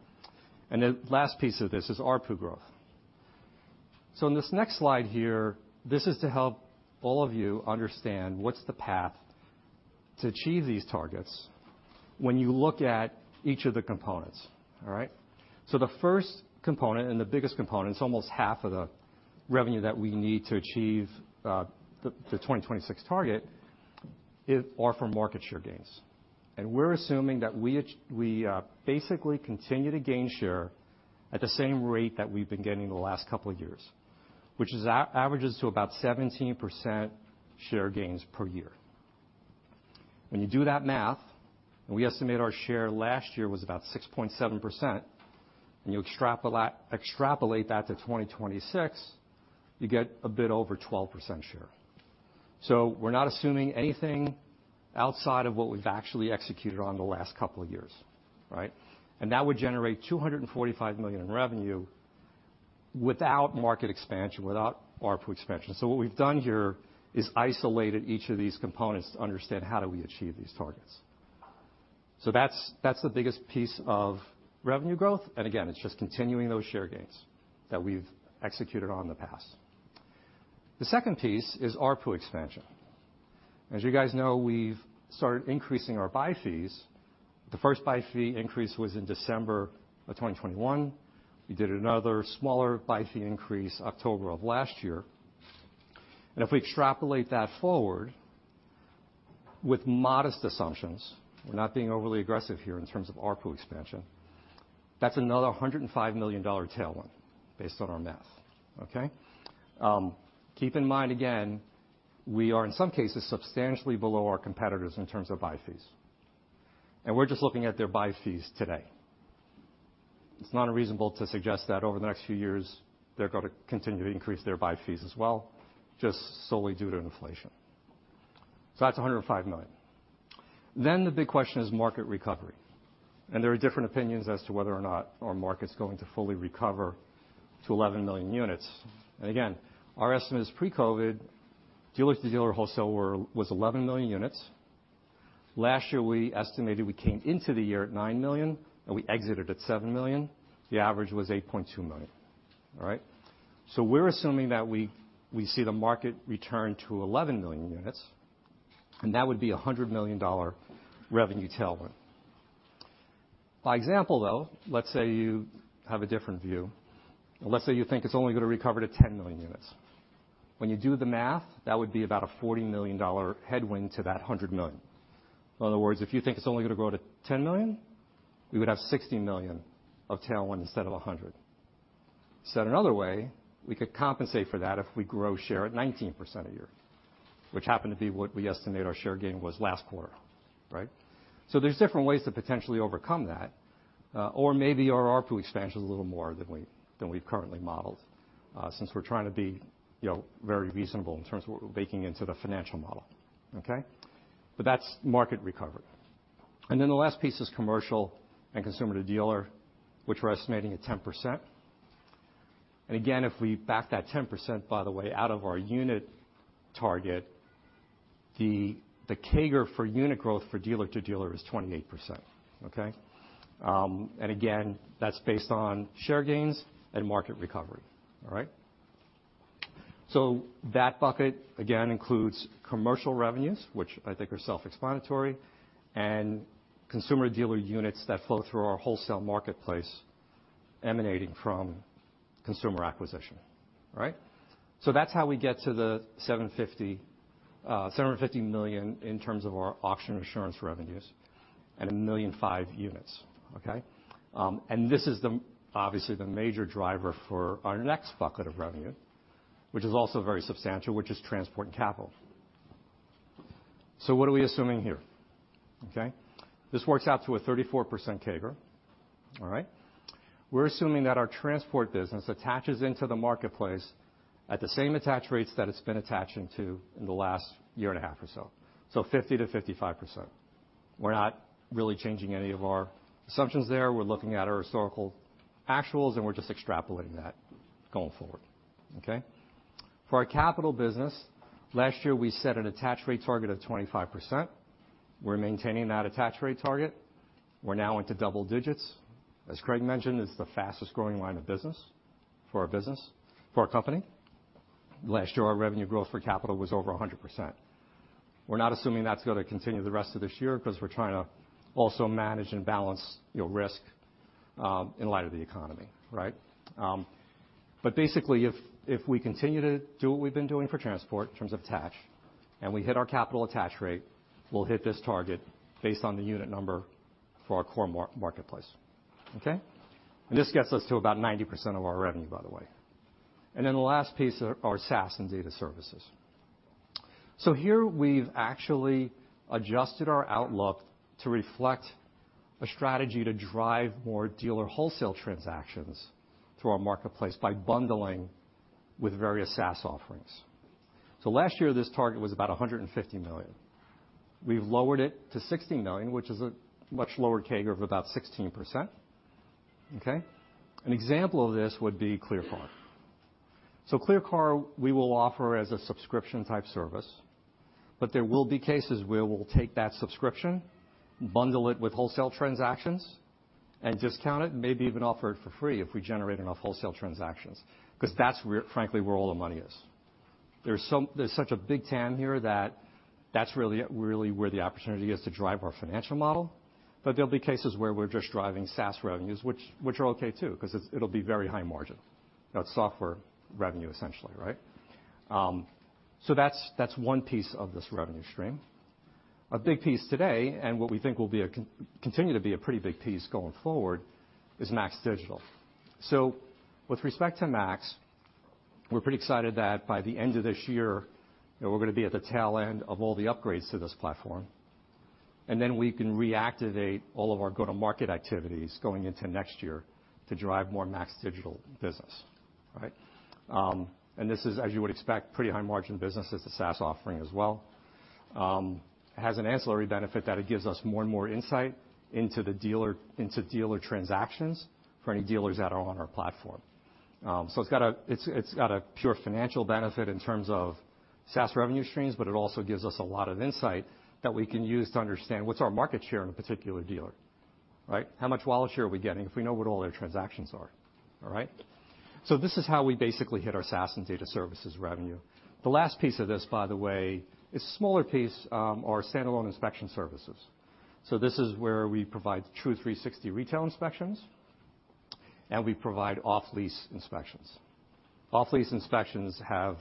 The last piece of this is ARPU growth. In this next slide here, this is to help all of you understand what's the path to achieve these targets when you look at each of the components. All right? The first component and the biggest component, it's almost half of the revenue that we need to achieve the 2026 target are from market share gains. We're assuming that we basically continue to gain share at the same rate that we've been getting the last couple of years, which averages to about 17% share gains per year. When you do that math, and we estimate our share last year was about 6.7%, and you extrapolate that to 2026, you get a bit over 12% share. We're not assuming anything outside of what we've actually executed on the last couple of years, right? That would generate $245 million in revenue without market expansion, without ARPU expansion. What we've done here is isolated each of these components to understand how do we achieve these targets. That's the biggest piece of revenue growth, and again, it's just continuing those share gains that we've executed on in the past. The second piece is ARPU expansion. As you guys know, we've started increasing our buy fees. The first buy fee increase was in December 2021. We did another smaller buy fee increase October of last year. If we extrapolate that forward with modest assumptions, we're not being overly aggressive here in terms of ARPU expansion, that's another $105 million tailwind based on our math, okay? Keep in mind, again, we are, in some cases, substantially below our competitors in terms of buy fees, and we're just looking at their buy fees today. It's not unreasonable to suggest that over the next few years, they're going to continue to increase their buy fees as well, just solely due to inflation. That's $105 million. The big question is market recovery, and there are different opinions as to whether or not our market's going to fully recover to 11 million units. Again, our estimate is pre-COVID, dealer-to-dealer wholesale was 11 million units. Last year, we estimated we came into the year at 9 million, and we exited at 7 million. The average was 8.2 million. All right? We're assuming that we see the market return to 11 million units, and that would be a $100 million revenue tailwind. By example, though, let's say you have a different view. Let's say you think it's only going to recover to 10 million units. When you do the math, that would be about a $40 million headwind to that $100 million. In other words, if you think it's only going to grow to 10 million, we would have $60 million of tailwind instead of $100 million. Said another way, we could compensate for that if we grow share at 19% a year, which happened to be what we estimate our share gain was last quarter, right? There's different ways to potentially overcome that. or maybe our RP expansion is a little more than we've currently modeled, since we're trying to be, you know, very reasonable in terms of what we're baking into the financial model, okay? That's market recovery. Then the last piece is commercial and consumer to dealer, which we're estimating at 10%. Again, if we back that 10%, by the way, out of our unit target, the CAGR for unit growth for dealer to dealer is 28%, okay? Again, that's based on share gains and market recovery. All right? That bucket, again, includes commercial revenues, which I think are self-explanatory, and consumer dealer units that flow through our wholesale marketplace emanating from consumer acquisition, all right? That's how we get to the $750 million in terms of our auction insurance revenues and 1.5 million units, okay. This is the obviously the major driver for our next bucket of revenue, which is also very substantial, which is transport and capital. What are we assuming here? Okay. This works out to a 34% CAGR. All right. We're assuming that our transport business attaches into the marketplace at the same attach rates that it's been attaching to in the last year and a half or so. 50%-55%. We're not really changing any of our assumptions there. We're looking at our historical actuals, and we're just extrapolating that going forward, okay. For our capital business, last year we set an attach rate target of 25%. We're maintaining that attach rate target. We're now into double digits. As Craig mentioned, it's the fastest growing line of business for our business, for our company. Last year, our revenue growth for Capital was over 100%. We're not assuming that's gonna continue the rest of this year, 'cause we're trying to also manage and balance, you know, risk in light of the economy, right? But basically, if we continue to do what we've been doing for Transport in terms of attach, and we hit our Capital attach rate, we'll hit this target based on the unit number for our core marketplace, okay? This gets us to about 90% of our revenue, by the way. The last piece are our SaaS and data services. Here we've actually adjusted our outlook to reflect a strategy to drive more dealer wholesale transactions through our marketplace by bundling with various SaaS offerings. Last year, this target was about $150 million. We've lowered it to $60 million, which is a much lower CAGR of about 16%, okay? An example of this would be ClearCar. ClearCar, we will offer as a subscription-type service, but there will be cases where we'll take that subscription, bundle it with wholesale transactions and discount it, maybe even offer it for free if we generate enough wholesale transactions, 'cause that's where, frankly, where all the money is. There's such a big TAM here that that's really, really where the opportunity is to drive our financial model. There'll be cases where we're just driving SaaS revenues, which are okay, too, 'cause it'll be very high margin. That's software revenue, essentially, right? That's one piece of this revenue stream. A big piece today, and what we think will continue to be a pretty big piece going forward, is MAX Digital. With respect to MAX, we're pretty excited that by the end of this year, we're gonna be at the tail end of all the upgrades to this platform, and then we can reactivate all of our go-to-market activities going into next year to drive more MAX Digital business, all right? This is, as you would expect, pretty high margin business. It's a SaaS offering as well. Has an ancillary benefit that it gives us more and more insight into dealer transactions for any dealers that are on our platform. It's got a pure financial benefit in terms of SaaS revenue streams, but it also gives us a lot of insight that we can use to understand what's our market share in a particular dealer, right. How much wallet share are we getting if we know what all their transactions are, all right. This is how we basically hit our SaaS and data services revenue. The last piece of this, by the way, is a smaller piece, our standalone inspection services. This is where we provide True360 retail inspections, and we provide off-lease inspections. Off-lease inspections have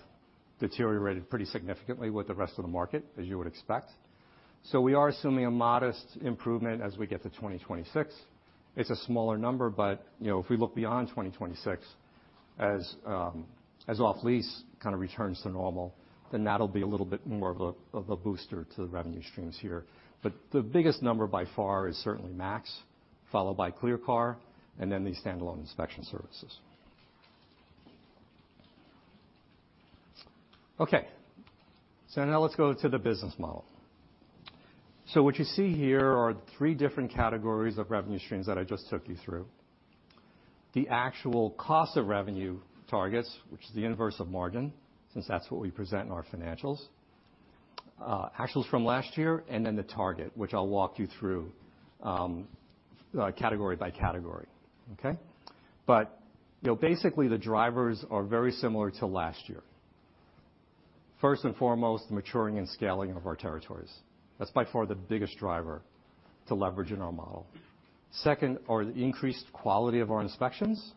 deteriorated pretty significantly with the rest of the market, as you would expect. We are assuming a modest improvement as we get to 2026. It's a smaller number, but, you know, if we look beyond 2026, as off-lease kind of returns to normal, then that'll be a little bit more of a, of a booster to the revenue streams here. The biggest number by far is certainly MAX, followed by ClearCar, and then the standalone inspection services. Let's go to the business model. What you see here are the three different categories of revenue streams that I just took you through. The actual cost of revenue targets, which is the inverse of margin, since that's what we present in our financials. Actuals from last year, and then the target, which I'll walk you through category by category. You know, basically, the drivers are very similar to last year. First and foremost, maturing and scaling of our territories. That's by far the biggest driver to leverage in our model. Second, are the increased quality of our inspections,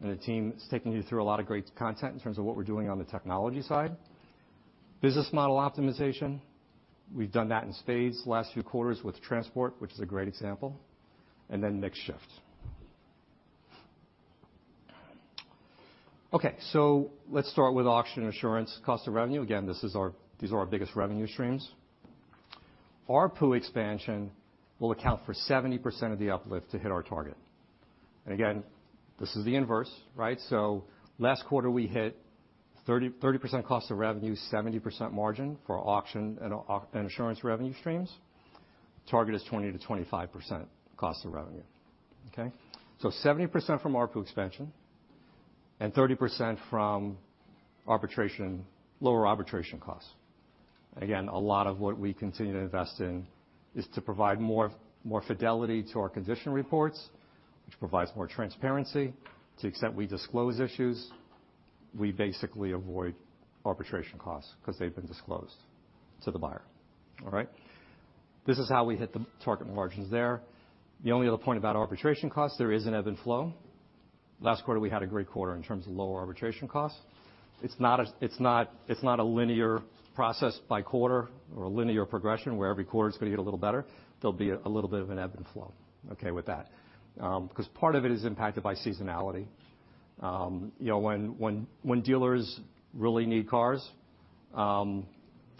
and the team is taking you through a lot of great content in terms of what we're doing on the technology side. Business model optimization, we've done that in spades last few quarters with transport, which is a great example. Mix shift. Let's start with auction and insurance cost of revenue. Again, these are our biggest revenue streams. ARPU expansion will account for 70% of the uplift to hit our target. Again, this is the inverse, right? Last quarter, we hit 30% cost of revenue, 70% margin for auction and insurance revenue streams. Target is 20%-25% cost of revenue. 70% from ARPU expansion and 30% from arbitration, lower arbitration costs. A lot of what we continue to invest in is to provide more fidelity to our condition reports, which provides more transparency. To the extent we disclose issues, we basically avoid arbitration costs because they've been disclosed to the buyer. All right? This is how we hit the target margins there. The only other point about arbitration costs, there is an ebb and flow. Last quarter, we had a great quarter in terms of lower arbitration costs. It's not a linear process by quarter or a linear progression, where every quarter is going to get a little better. There'll be a little bit of an ebb and flow, okay, with that. Because part of it is impacted by seasonality. You know, when dealers really need cars to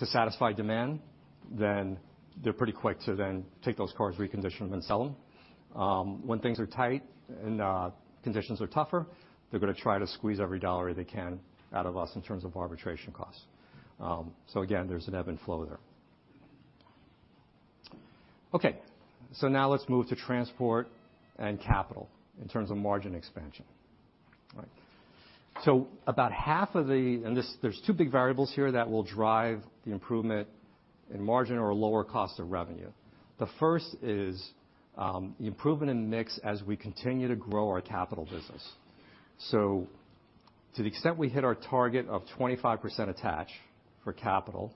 satisfy demand, they're pretty quick to then take those cars, recondition them, and sell them. When things are tight and conditions are tougher, they're going to try to squeeze every dollar they can out of us in terms of arbitration costs. Again, there's an ebb and flow there. Now let's move to transport and capital in terms of margin expansion. About half of the there's 2 big variables here that will drive the improvement in margin or lower cost of revenue. The first is the improvement in mix as we continue to grow our capital business. To the extent we hit our target of 25% attach for capital,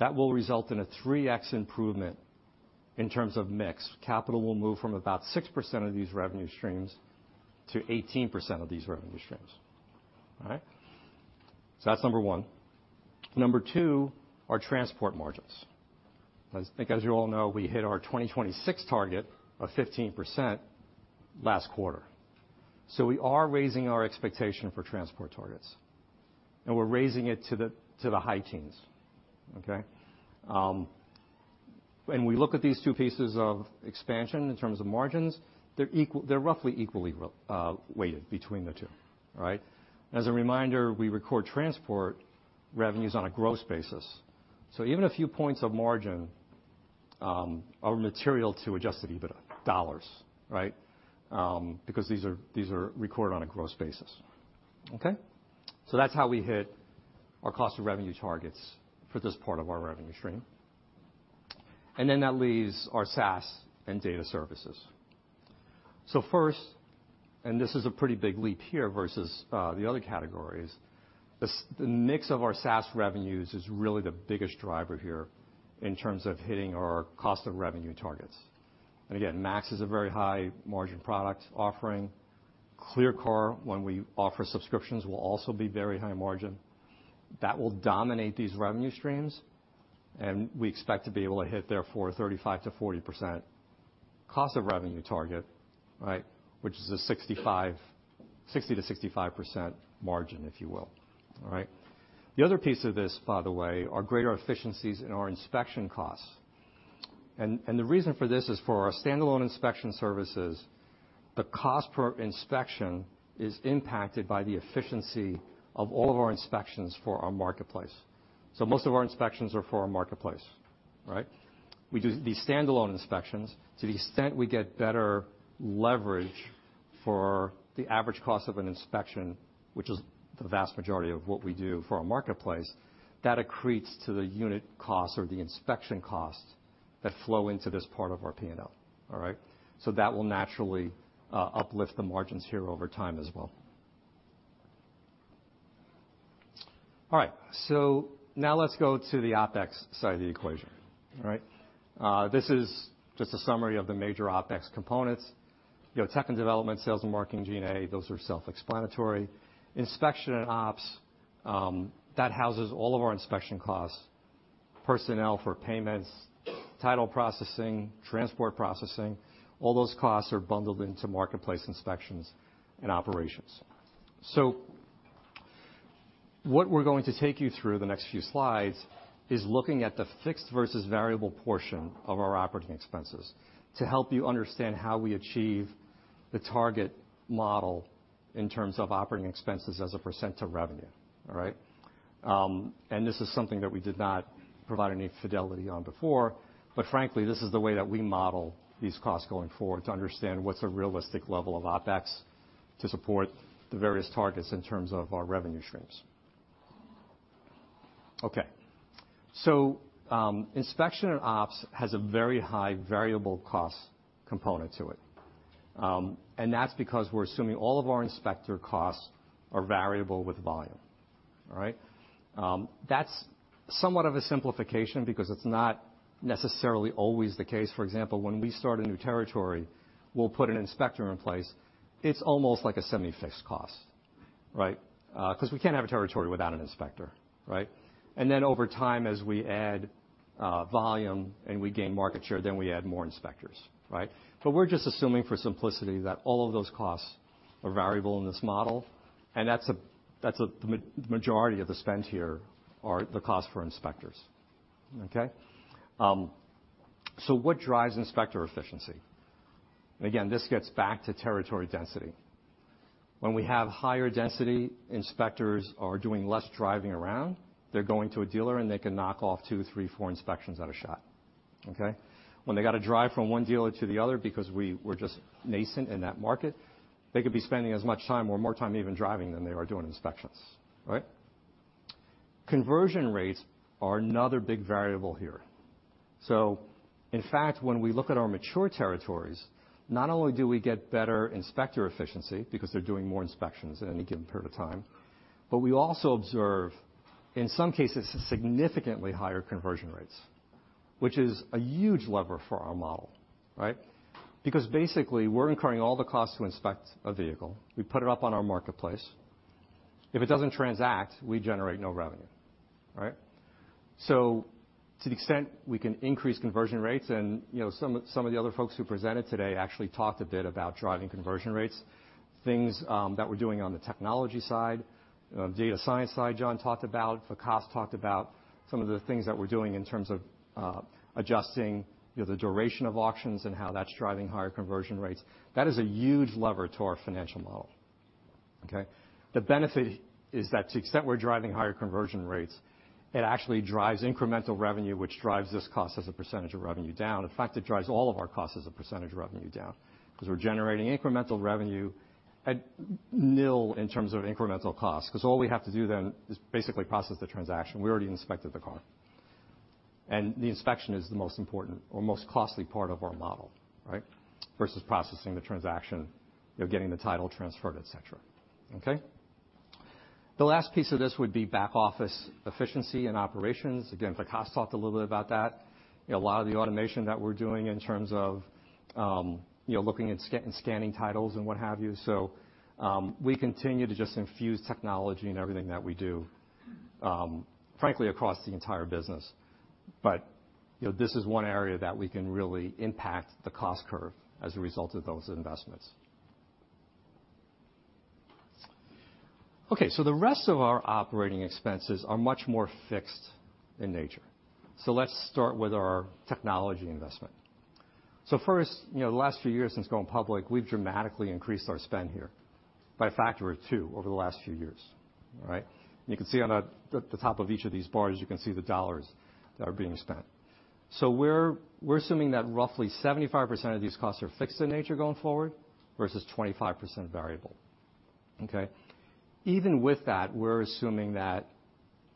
that will result in a 3x improvement in terms of mix. Capital will move from about 6% of these revenue streams to 18% of these revenue streams. All right. That's number one. Number two, our transport margins. I think, as you all know, we hit our 2026 target of 15% last quarter. We are raising our expectation for transport targets, and we're raising it to the high teens. Okay. When we look at these two pieces of expansion in terms of margins, they're roughly equally weighted between the two, all right? As a reminder, we record transport revenues on a gross basis, even a few points of margin are material to adjusted $EBITDA dollars, Right. Because these are, these are recorded on a gross basis. Okay. That's how we hit our cost of revenue targets for this part of our revenue stream. That leaves our SaaS and data services. First, and this is a pretty big leap here versus the other categories. The mix of our SaaS revenues is really the biggest driver here in terms of hitting our cost of revenue targets. And again, MAX Digital is a very high margin product offering. ClearCar, when we offer subscriptions, will also be very high margin. That will dominate these revenue streams, and we expect to be able to hit therefore a 35%-40% cost of revenue target, right? Which is a 60%-65% margin, if you will. The other piece of this, by the way, are greater efficiencies in our inspection costs. The reason for this is for our standalone inspection services, the cost per inspection is impacted by the efficiency of all of our inspections for our marketplace. Most of our inspections are for our marketplace, right? We do the standalone inspections. To the extent we get better leverage for the average cost of an inspection, which is the vast majority of what we do for our marketplace, that accretes to the unit costs or the inspection costs that flow into this part of our P&L. All right? That will naturally uplift the margins here over time as well. Now let's go to the OpEx side of the equation, all right. This is just a summary of the major OpEx components. You know, tech and development, sales and marketing, G&A, those are self-explanatory. Inspection and ops, that houses all of our inspection costs, personnel for payments, title processing, transport processing, all those costs are bundled into marketplace inspections and operations. What we're going to take you through the next few slides is looking at the fixed versus variable portion of our operating expenses to help you understand how we achieve the target model in terms of operating expenses as a % of revenue. All right? This is something that we did not provide any fidelity on before, but frankly, this is the way that we model these costs going forward to understand what's a realistic level of OpEx to support the various targets in terms of our revenue streams. Okay, inspection and ops has a very high variable cost component to it, that's because we're assuming all of our inspector costs are variable with volume. All right? That's somewhat of a simplification because it's not necessarily always the case. For example, when we start a new territory, we'll put an inspector in place. It's almost like a semi-fixed cost, right? Because we can't have a territory without an inspector, right? Over time, as we add volume and we gain market share, then we add more inspectors, right? We're just assuming, for simplicity, that all of those costs are variable in this model, and that's a majority of the spend here are the cost for inspectors. Okay? What drives inspector efficiency? Again, this gets back to territory density. When we have higher density, inspectors are doing less driving around. They're going to a dealer, and they can knock off two, three, four inspections at a shot, okay? When they got to drive from one dealer to the other because we were just nascent in that market, they could be spending as much time or more time even driving than they were doing inspections, right? Conversion rates are another big variable here. In fact, when we look at our mature territories, not only do we get better inspector efficiency because they're doing more inspections in any given period of time, but we also observe, in some cases, significantly higher conversion rates, which is a huge lever for our model, right? Basically, we're incurring all the costs to inspect a vehicle. We put it up on our marketplace. If it doesn't transact, we generate no revenue, right? To the extent we can increase conversion rates, and, you know, some of the other folks who presented today actually talked a bit about driving conversion rates, things that we're doing on the technology side, data science side, John talked about. Vikas talked about some of the things that we're doing in terms of adjusting, you know, the duration of auctions and how that's driving higher conversion rates. That is a huge lever to our financial model, okay? The benefit is that to the extent we're driving higher conversion rates, it actually drives incremental revenue, which drives this cost as a % of revenue down. In fact, it drives all of our costs as a % of revenue down, because we're generating incremental revenue at nil in terms of incremental cost. Because all we have to do then is basically process the transaction. We already inspected the car. The inspection is the most important or most costly part of our model, right? Versus processing the transaction, you know, getting the title transferred, et cetera. Okay? The last piece of this would be back office efficiency and operations. Again, Vikas talked a little bit about that. You know, a lot of the automation that we're doing in terms of, you know, scanning titles and what have you. We continue to just infuse technology in everything that we do, frankly, across the entire business. You know, this is one area that we can really impact the cost curve as a result of those investments. Okay, the rest of our operating expenses are much more fixed in nature. Let's start with our technology investment. First, you know, the last few years since going public, we've dramatically increased our spend here by a factor of 2 over the last few years, all right? You can see on the top of each of these bars, you can see the dollars that are being spent. We're assuming that roughly 75% of these costs are fixed in nature going forward, versus 25% variable, okay? Even with that, we're assuming that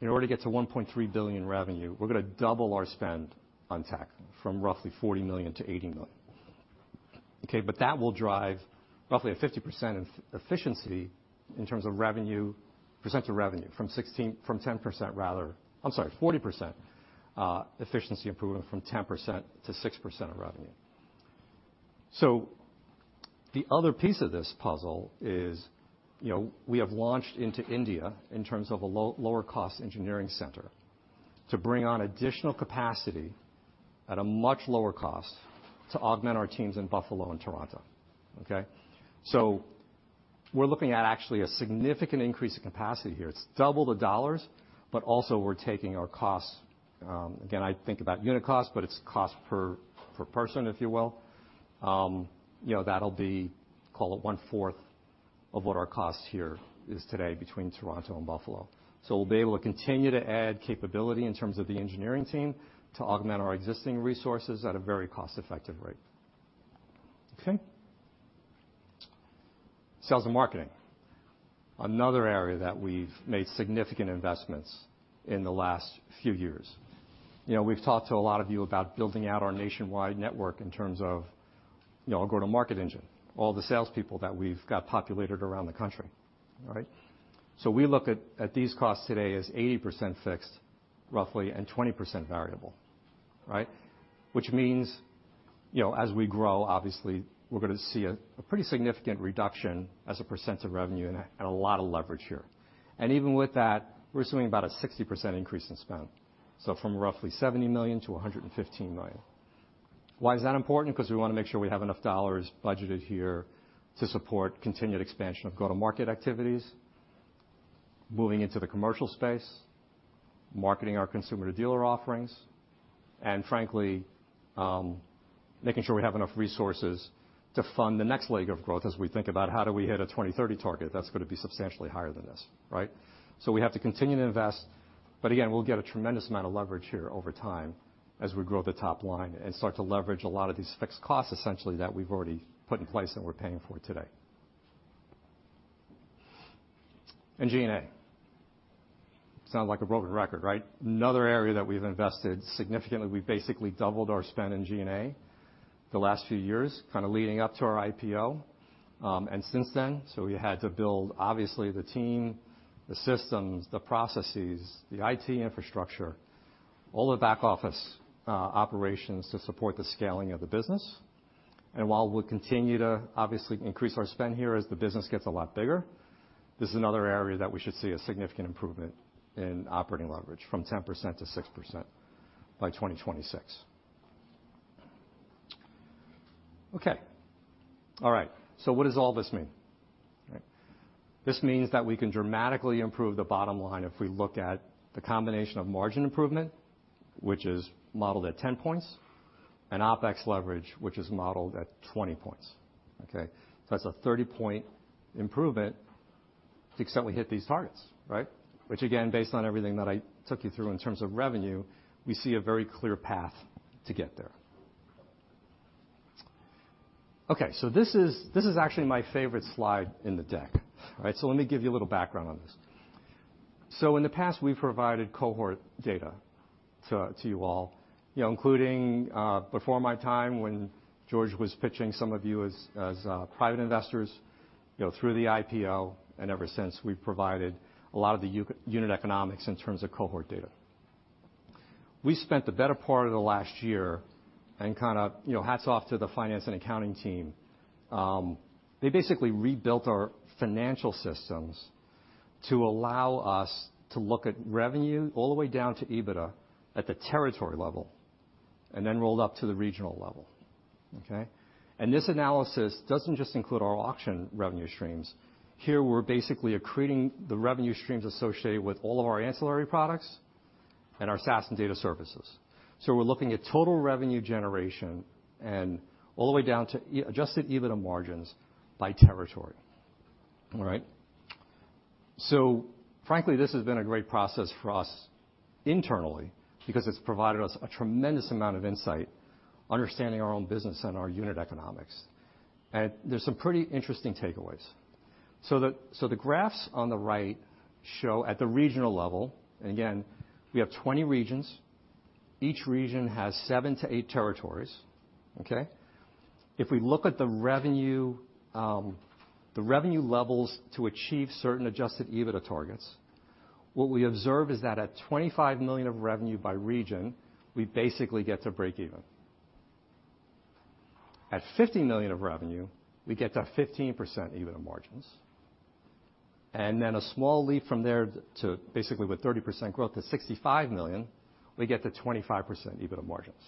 in order to get to $1.3 billion in revenue, we're going to double our spend on tech from roughly $40 to $80 million. That will drive roughly a 50% in efficiency in terms of revenue, percent of revenue from 10% rather... I'm sorry, 40% efficiency improvement from 10% to 6% of revenue. The other piece of this puzzle is, you know, we have launched into India in terms of a lower cost engineering center, to bring on additional capacity at a much lower cost to augment our teams in Buffalo and Toronto, okay? We're looking at actually a significant increase in capacity here. It's double the dollars, but also we're taking our costs -- again, I think about unit cost, but it's cost per person, if you will. you know, that'll be, call it one-fourth of what our cost here is today between Toronto and Buffalo. We'll be able to continue to add capability in terms of the engineering team to augment our existing resources at a very cost-effective rate. Okay? Sales and marketing. Another area that we've made significant investments in the last few years. You know, we've talked to a lot of you about building out our nationwide network in terms of, you know, our go-to-market engine, all the salespeople that we've got populated around the country, all right? We look at these costs today as 80% fixed, roughly, and 20% variable, right? Which means, you know, as we grow, obviously, we're going to see a pretty significant reduction as a % of revenue and a lot of leverage here. Even with that, we're assuming about a 60% increase in spend, so from roughly $70 to $115 million. Why is that important? We want to make sure we have enough dollars budgeted here to support continued expansion of go-to-market activities, moving into the commercial space, marketing our consumer to dealer offerings, and frankly, making sure we have enough resources to fund the next leg of growth as we think about how do we hit a 2030 target that's going to be substantially higher than this, right? We have to continue to invest, but again, we'll get a tremendous amount of leverage here over time as we grow the top line and start to leverage a lot of these fixed costs, essentially, that we've already put in place and we're paying for today. G&A. Sound like a broken record, right? Another area that we've invested significantly. We've basically doubled our spend in G&A the last few years, kind of leading up to our IPO. Since then, we had to build, obviously, the team, the systems, the processes, the IT infrastructure, all the back office operations to support the scaling of the business. While we'll continue to obviously increase our spend here as the business gets a lot bigger, this is another area that we should see a significant improvement in operating leverage from 10% to 6% by 2026. What does all this mean? This means that we can dramatically improve the bottom line if we look at the combination of margin improvement, which is modeled at 10 points, and OpEx leverage, which is modeled at 20 points. That's a 30-point improvement to extent we hit these targets, right? Again, based on everything that I took you through in terms of revenue, we see a very clear path to get there. This is actually my favorite slide in the deck. Let me give you a little background on this. In the past, we've provided cohort data to you all, you know, including before my time when George was pitching some of you as private investors, you know, through the IPO, and ever since, we've provided a lot of the unit economics in terms of cohort data. We spent the better part of the last year and kind of, you know, hats off to the finance and accounting team. They basically rebuilt our financial systems to allow us to look at revenue all the way down to EBITDA at the territory level, and then rolled up to the regional level, okay? This analysis doesn't just include our auction revenue streams. Here, we're basically accreting the revenue streams associated with all of our ancillary products and our SaaS and data services. We're looking at total revenue generation and all the way down to adjusted EBITDA margins by territory. All right? Frankly, this has been a great process for us internally because it's provided us a tremendous amount of insight, understanding our own business and our unit economics. There's some pretty interesting takeaways. The graphs on the right show at the regional level, and again, we have 20 regions. Each region has 7-8 territories, okay? If we look at the revenue, the revenue levels to achieve certain adjusted EBITDA targets, what we observe is that at $25 million of revenue by region, we basically get to breakeven. At $50 million of revenue, we get to 15% EBITDA margins, and then a small leap from there to basically with 30% growth to $65 million, we get to 25% EBITDA margins,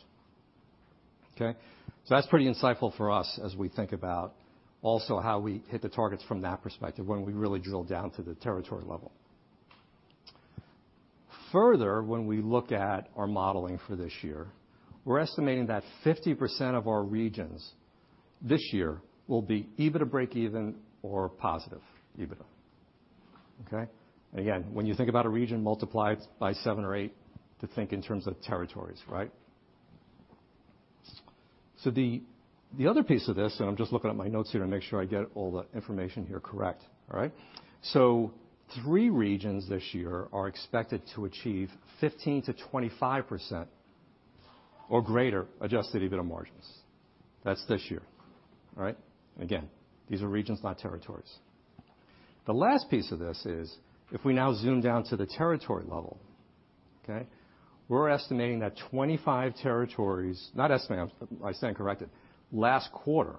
okay? That's pretty insightful for us as we think about also how we hit the targets from that perspective, when we really drill down to the territory level. Further, when we look at our modeling for this year, we're estimating that 50% of our regions this year will be EBITDA breakeven or positive EBITDA, okay? Again, when you think about a region, multiply it by seven or eight to think in terms of territories, right? The other piece of this, and I'm just looking at my notes here to make sure I get all the information here correct, all right. Three regions this year are expected to achieve 15%-25% or greater adjusted EBITDA margins. That's this year, all right. Again, these are regions, not territories. The last piece of this is, if we now zoom down to the territory level, okay, we're estimating that 25 territories, not estimating, I stand corrected. Last quarter,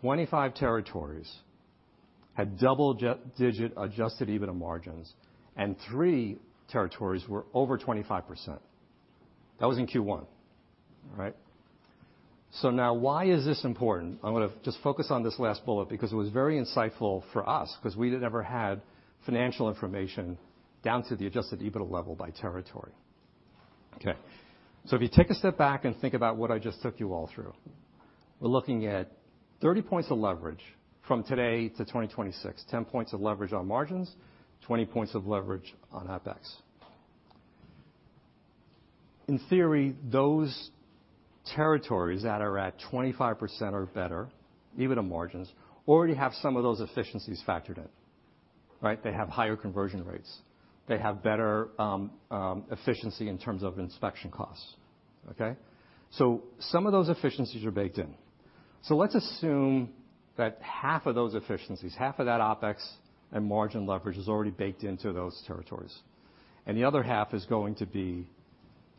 25 territories had double-digit adjusted EBITDA margins, and 3 territories were over 25%. That was in Q1, all right. Now why is this important? I'm gonna just focus on this last bullet because it was very insightful for us, 'cause we had never had financial information down to the adjusted EBITDA level by territory. Okay. If you take a step back and think about what I just took you all through, we're looking at 30 points of leverage from today to 2026, 10 points of leverage on margins, 20 points of leverage on OpEx. In theory, those territories that are at 25% or better, EBITDA margins, already have some of those efficiencies factored in, right? They have higher conversion rates. They have better efficiency in terms of inspection costs, okay? Some of those efficiencies are baked in. Let's assume that half of those efficiencies, half of that OpEx and margin leverage, is already baked into those territories, and the other half is going to be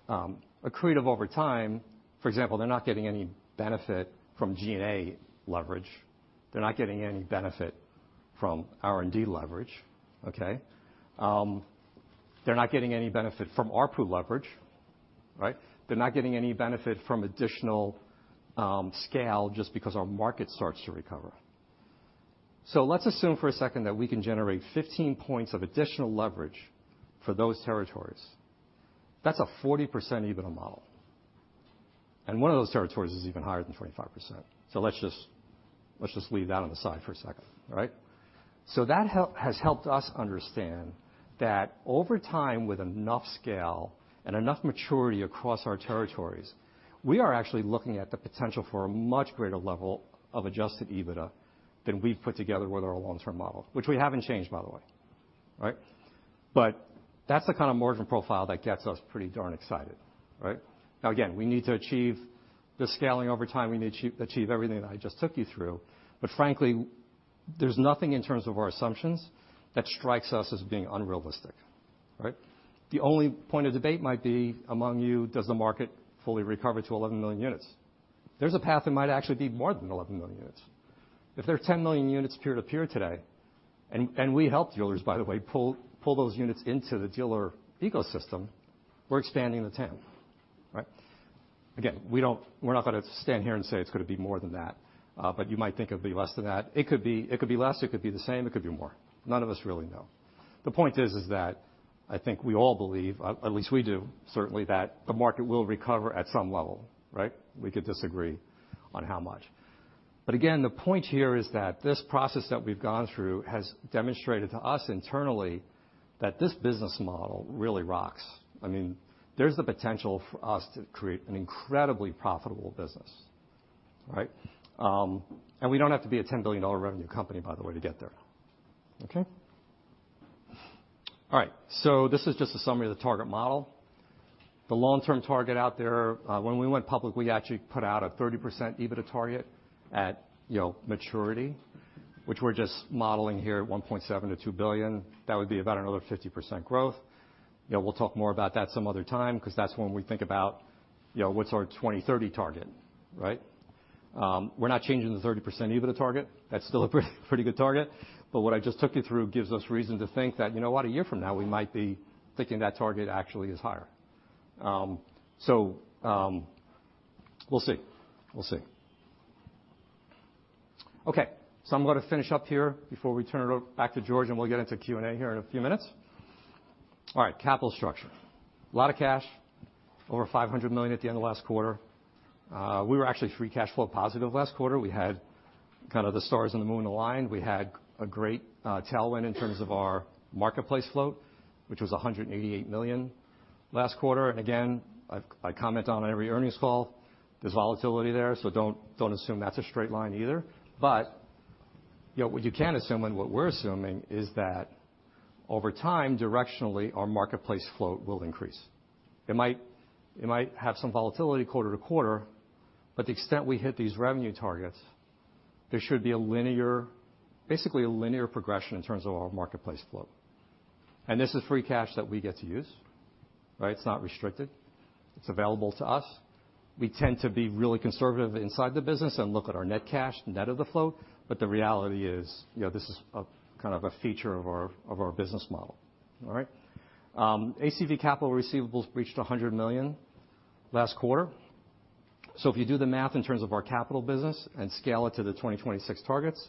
accretive over time. For example, they're not getting any benefit from G&A leverage. They're not getting any benefit from R&D leverage, okay? They're not getting any benefit from ARPU leverage, right? They're not getting any benefit from additional, scale just because our market starts to recover. Let's assume for a second that we can generate 15 points of additional leverage for those territories. That's a 40% EBITDA model, and one of those territories is even higher than 25%. Let's just leave that on the side for a second, all right? That has helped us understand that over time, with enough scale and enough maturity across our territories, we are actually looking at the potential for a much greater level of adjusted EBITDA than we've put together with our long-term model, which we haven't changed, by the way, right? That's the kind of margin profile that gets us pretty darn excited, right? Again, we need to achieve this scaling over time. We need to achieve everything that I just took you through. Frankly, there's nothing in terms of our assumptions that strikes us as being unrealistic, right? The only point of debate might be among you, does the market fully recover to 11 million units? There's a path that might actually be more than 11 million units. If there are 10 million units peer-to-peer today, and we help dealers, by the way, pull those units into the dealer ecosystem, we're expanding the TAM, right? Again, we're not gonna stand here and say it's gonna be more than that, but you might think it'll be less than that. It could be, it could be less, it could be the same, it could be more. None of us really know. The point is that I think we all believe, at least we do, certainly, that the market will recover at some level, right? We could disagree on how much. Again, the point here is that this process that we've gone through has demonstrated to us internally, that this business model really rocks. I mean, there's the potential for us to create an incredibly profitable business, right? We don't have to be a $10 billion revenue company, by the way, to get there. Okay? All right, this is just a summary of the target model. The long-term target out there, when we went public, we actually put out a 30% EBITDA target at, you know, maturity, which we're just modeling here at $1.7 billion-$2 billion. That would be about another 50% growth. You know, we'll talk more about that some other time, because that's when we think about, you know, what's our 2030 target, right? We're not changing the 30% EBITDA target. That's still a pretty good target. What I just took you through gives us reason to think that, you know what? A year from now, we might be thinking that target actually is higher. We'll see. We'll see. I'm gonna finish up here before we turn it over back to George, and we'll get into Q&A here in a few minutes. Capital structure. A lot of cash, over $500 million at the end of last quarter. We were actually free cash flow positive last quarter. We had kind of the stars and the moon aligned. We had a great tailwind in terms of our marketplace float, which was $188 million last quarter. Again, I comment on it every earnings call, there's volatility there, so don't assume that's a straight line either. You know, what you can assume, and what we're assuming, is that over time, directionally, our marketplace float will increase. It might have some volatility quarter to quarter, but the extent we hit these revenue targets, there should be basically a linear progression in terms of our marketplace float. This is free cash that we get to use, right? It's not restricted. It's available to us. We tend to be really conservative inside the business and look at our net cash, net of the float, but the reality is, you know, this is a kind of a feature of our business model, all right? ACV Capital receivables reached $100 million last quarter. If you do the math in terms of our capital business and scale it to the 2026 targets,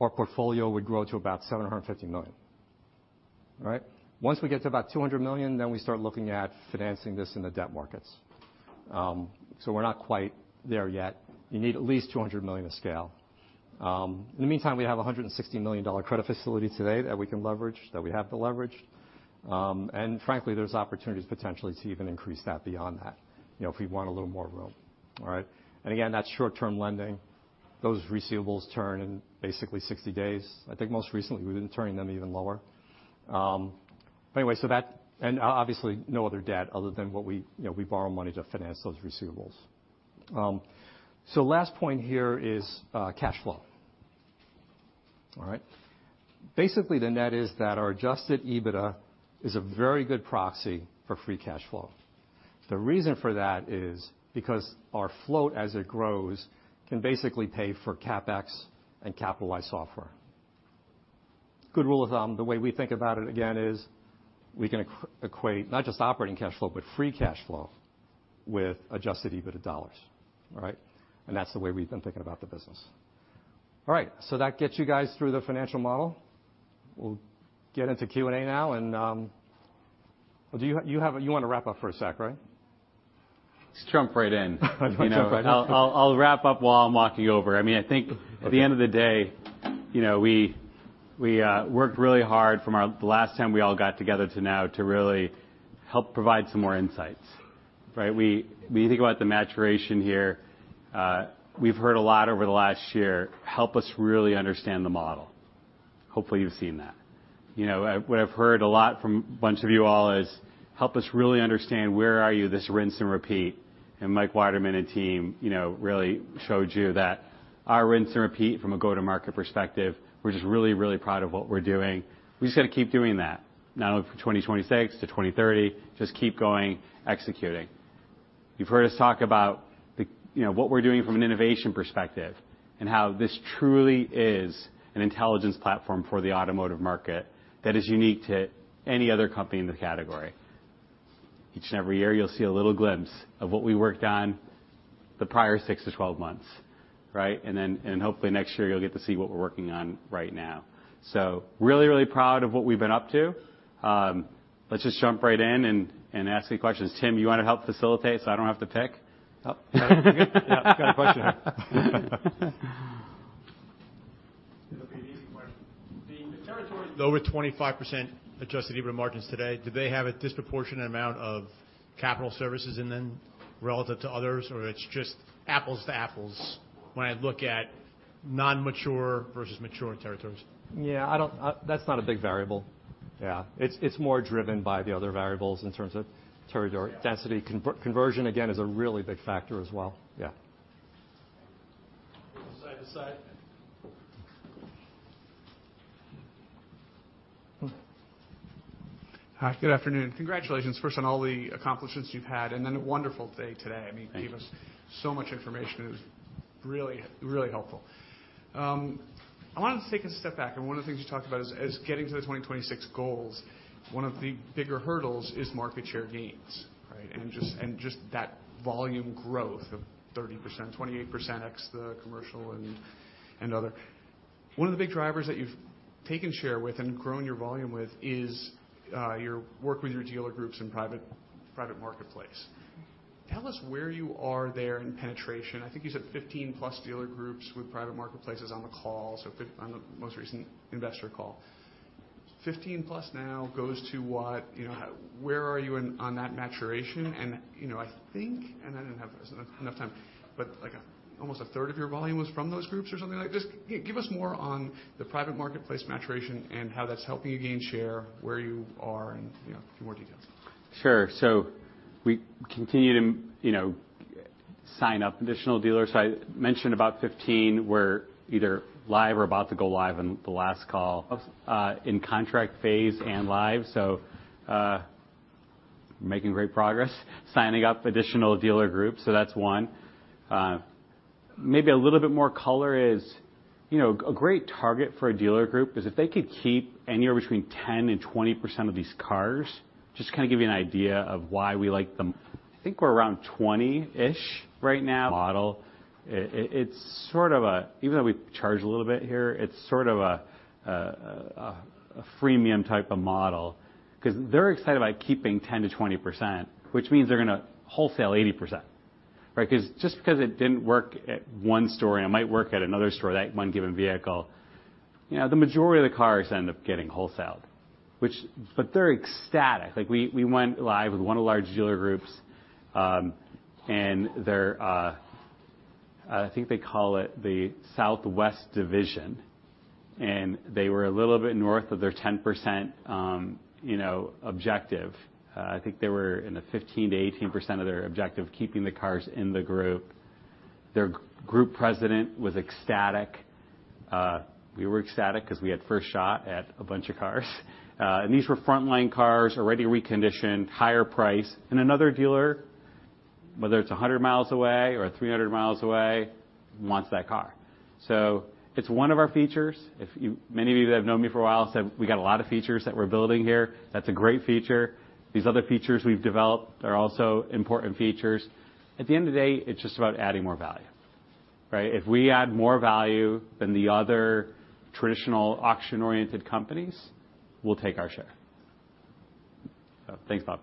our portfolio would grow to about $750 million, right? Once we get to about $200 million, then we start looking at financing this in the debt markets. We're not quite there yet. You need at least $200 million to scale. In the meantime, we have a $160 million credit facility today that we can leverage, that we have to leverage. Frankly, there's opportunities potentially to even increase that beyond that, you know, if we want a little more room, all right. Again, that's short-term lending. Those receivables turn in basically 60 days. I think most recently, we've been turning them even lower. Anyway, so that, and obviously, no other debt other than what we... you know, we borrow money to finance those receivables. Last point here is cash flow, all right. Basically, the net is that our adjusted EBITDA is a very good proxy for free cash flow. The reason for that is because our float, as it grows, can basically pay for CapEx and capitalized software. Good rule of thumb, the way we think about it, again, is we can equate not just operating cash flow, but free cash flow with adjusted EBITDA dollars. All right. That's the way we've been thinking about the business. All right, that gets you guys through the financial model. We'll get into Q&A now. Do you want to wrap up for a sec, right? Let's jump right in. Jump right in. I'll wrap up while I'm walking you over. I mean. Okay. At the end of the day, you know, we worked really hard from the last time we all got together to now to really help provide some more insights, right? We, when you think about the maturation here, we've heard a lot over the last year, "Help us really understand the model." Hopefully, you've seen that. You know, what I've heard a lot from a bunch of you all is: Help us really understand, where are you, this rinse and repeat? Mike Waterman and team, you know, really showed you that our rinse and repeat from a go-to-market perspective, we're just really, really proud of what we're doing. We've just got to keep doing that, not only for 2026 to 2030, just keep going, executing. You've heard us talk about the, you know, what we're doing from an innovation perspective, and how this truly is an intelligence platform for the automotive market that is unique to any other company in the category. Each and every year, you'll see a little glimpse of what we worked on the prior six to twelve months, right? Hopefully, next year, you'll get to see what we're working on right now. Really, really proud of what we've been up to. Let's just jump right in and ask me questions. Tim, you want to help facilitate, so I don't have to pick? Oh, yeah. He's got a question. It'll be an easy question. The territories lower 25% adjusted EBITDA margins today, do they have a disproportionate amount of capital services in them relative to others, or it's just apples to apples when I look at non-mature versus mature territories? Yeah, I don't that's not a big variable. Yeah, it's more driven by the other variables in terms of territory or density. Conversion, again, is a really big factor as well. Yeah. Side to side. Hi, good afternoon. Congratulations, first on all the accomplishments you've had, and then a wonderful day today. Thank you. I mean, gave us so much information. It was really, really helpful. I wanted to take a step back, and one of the things you talked about is getting to the 2026 goals, one of the bigger hurdles is market share gains, right? Just that volume growth of 30%, 28% ex the commercial and other. One of the big drivers that you've taken share with and grown your volume with is your work with your dealer groups and private marketplace. Tell us where you are there in penetration. I think you said 15+ dealer groups with private marketplaces on the call, so on the most recent investor call. 15+ now goes to what? You know, where are you in on that maturation? You know, I think, and I didn't have enough time, but, like, almost a third of your volume was from those groups or something like this. Give us more on the private marketplace maturation and how that's helping you gain share, where you are, and, you know, a few more details. Sure. We continue to, you know, sign up additional dealers. I mentioned about 15 were either live or about to go live in the last call, in contract phase and live, making great progress, signing up additional dealer groups. That's one. Maybe a little bit more color is, you know, a great target for a dealer group is if they could keep anywhere between 10% and 20% of these cars. Just to kind of give you an idea of why we like them, I think we're around 20-ish right now. It's sort of a freemium type of model, because they're excited about keeping 10%-20%, which means they're gonna wholesale 80%, right? Just because it didn't work at one store and it might work at another store, that one given vehicle, you know, the majority of the cars end up getting wholesaled, but they're ecstatic. Like, we went live with one of the large dealer groups, and they're, I think they call it the Southwest Division, and they were a little bit north of their 10%, you know, objective. I think they were in the 15%-18% of their objective, keeping the cars in the group. Their group president was ecstatic. We were ecstatic because we had first shot at a bunch of cars. And these were frontline cars, already reconditioned, higher price, and another dealer, whether it's 100 miles away or 300 miles away, wants that car. It's one of our features. If you... Many of you that have known me for a while said we got a lot of features that we're building here. That's a great feature. These other features we've developed are also important features. At the end of the day, it's just about adding more value, right? If we add more value than the other traditional auction-oriented companies, we'll take our share. Thanks, Bob.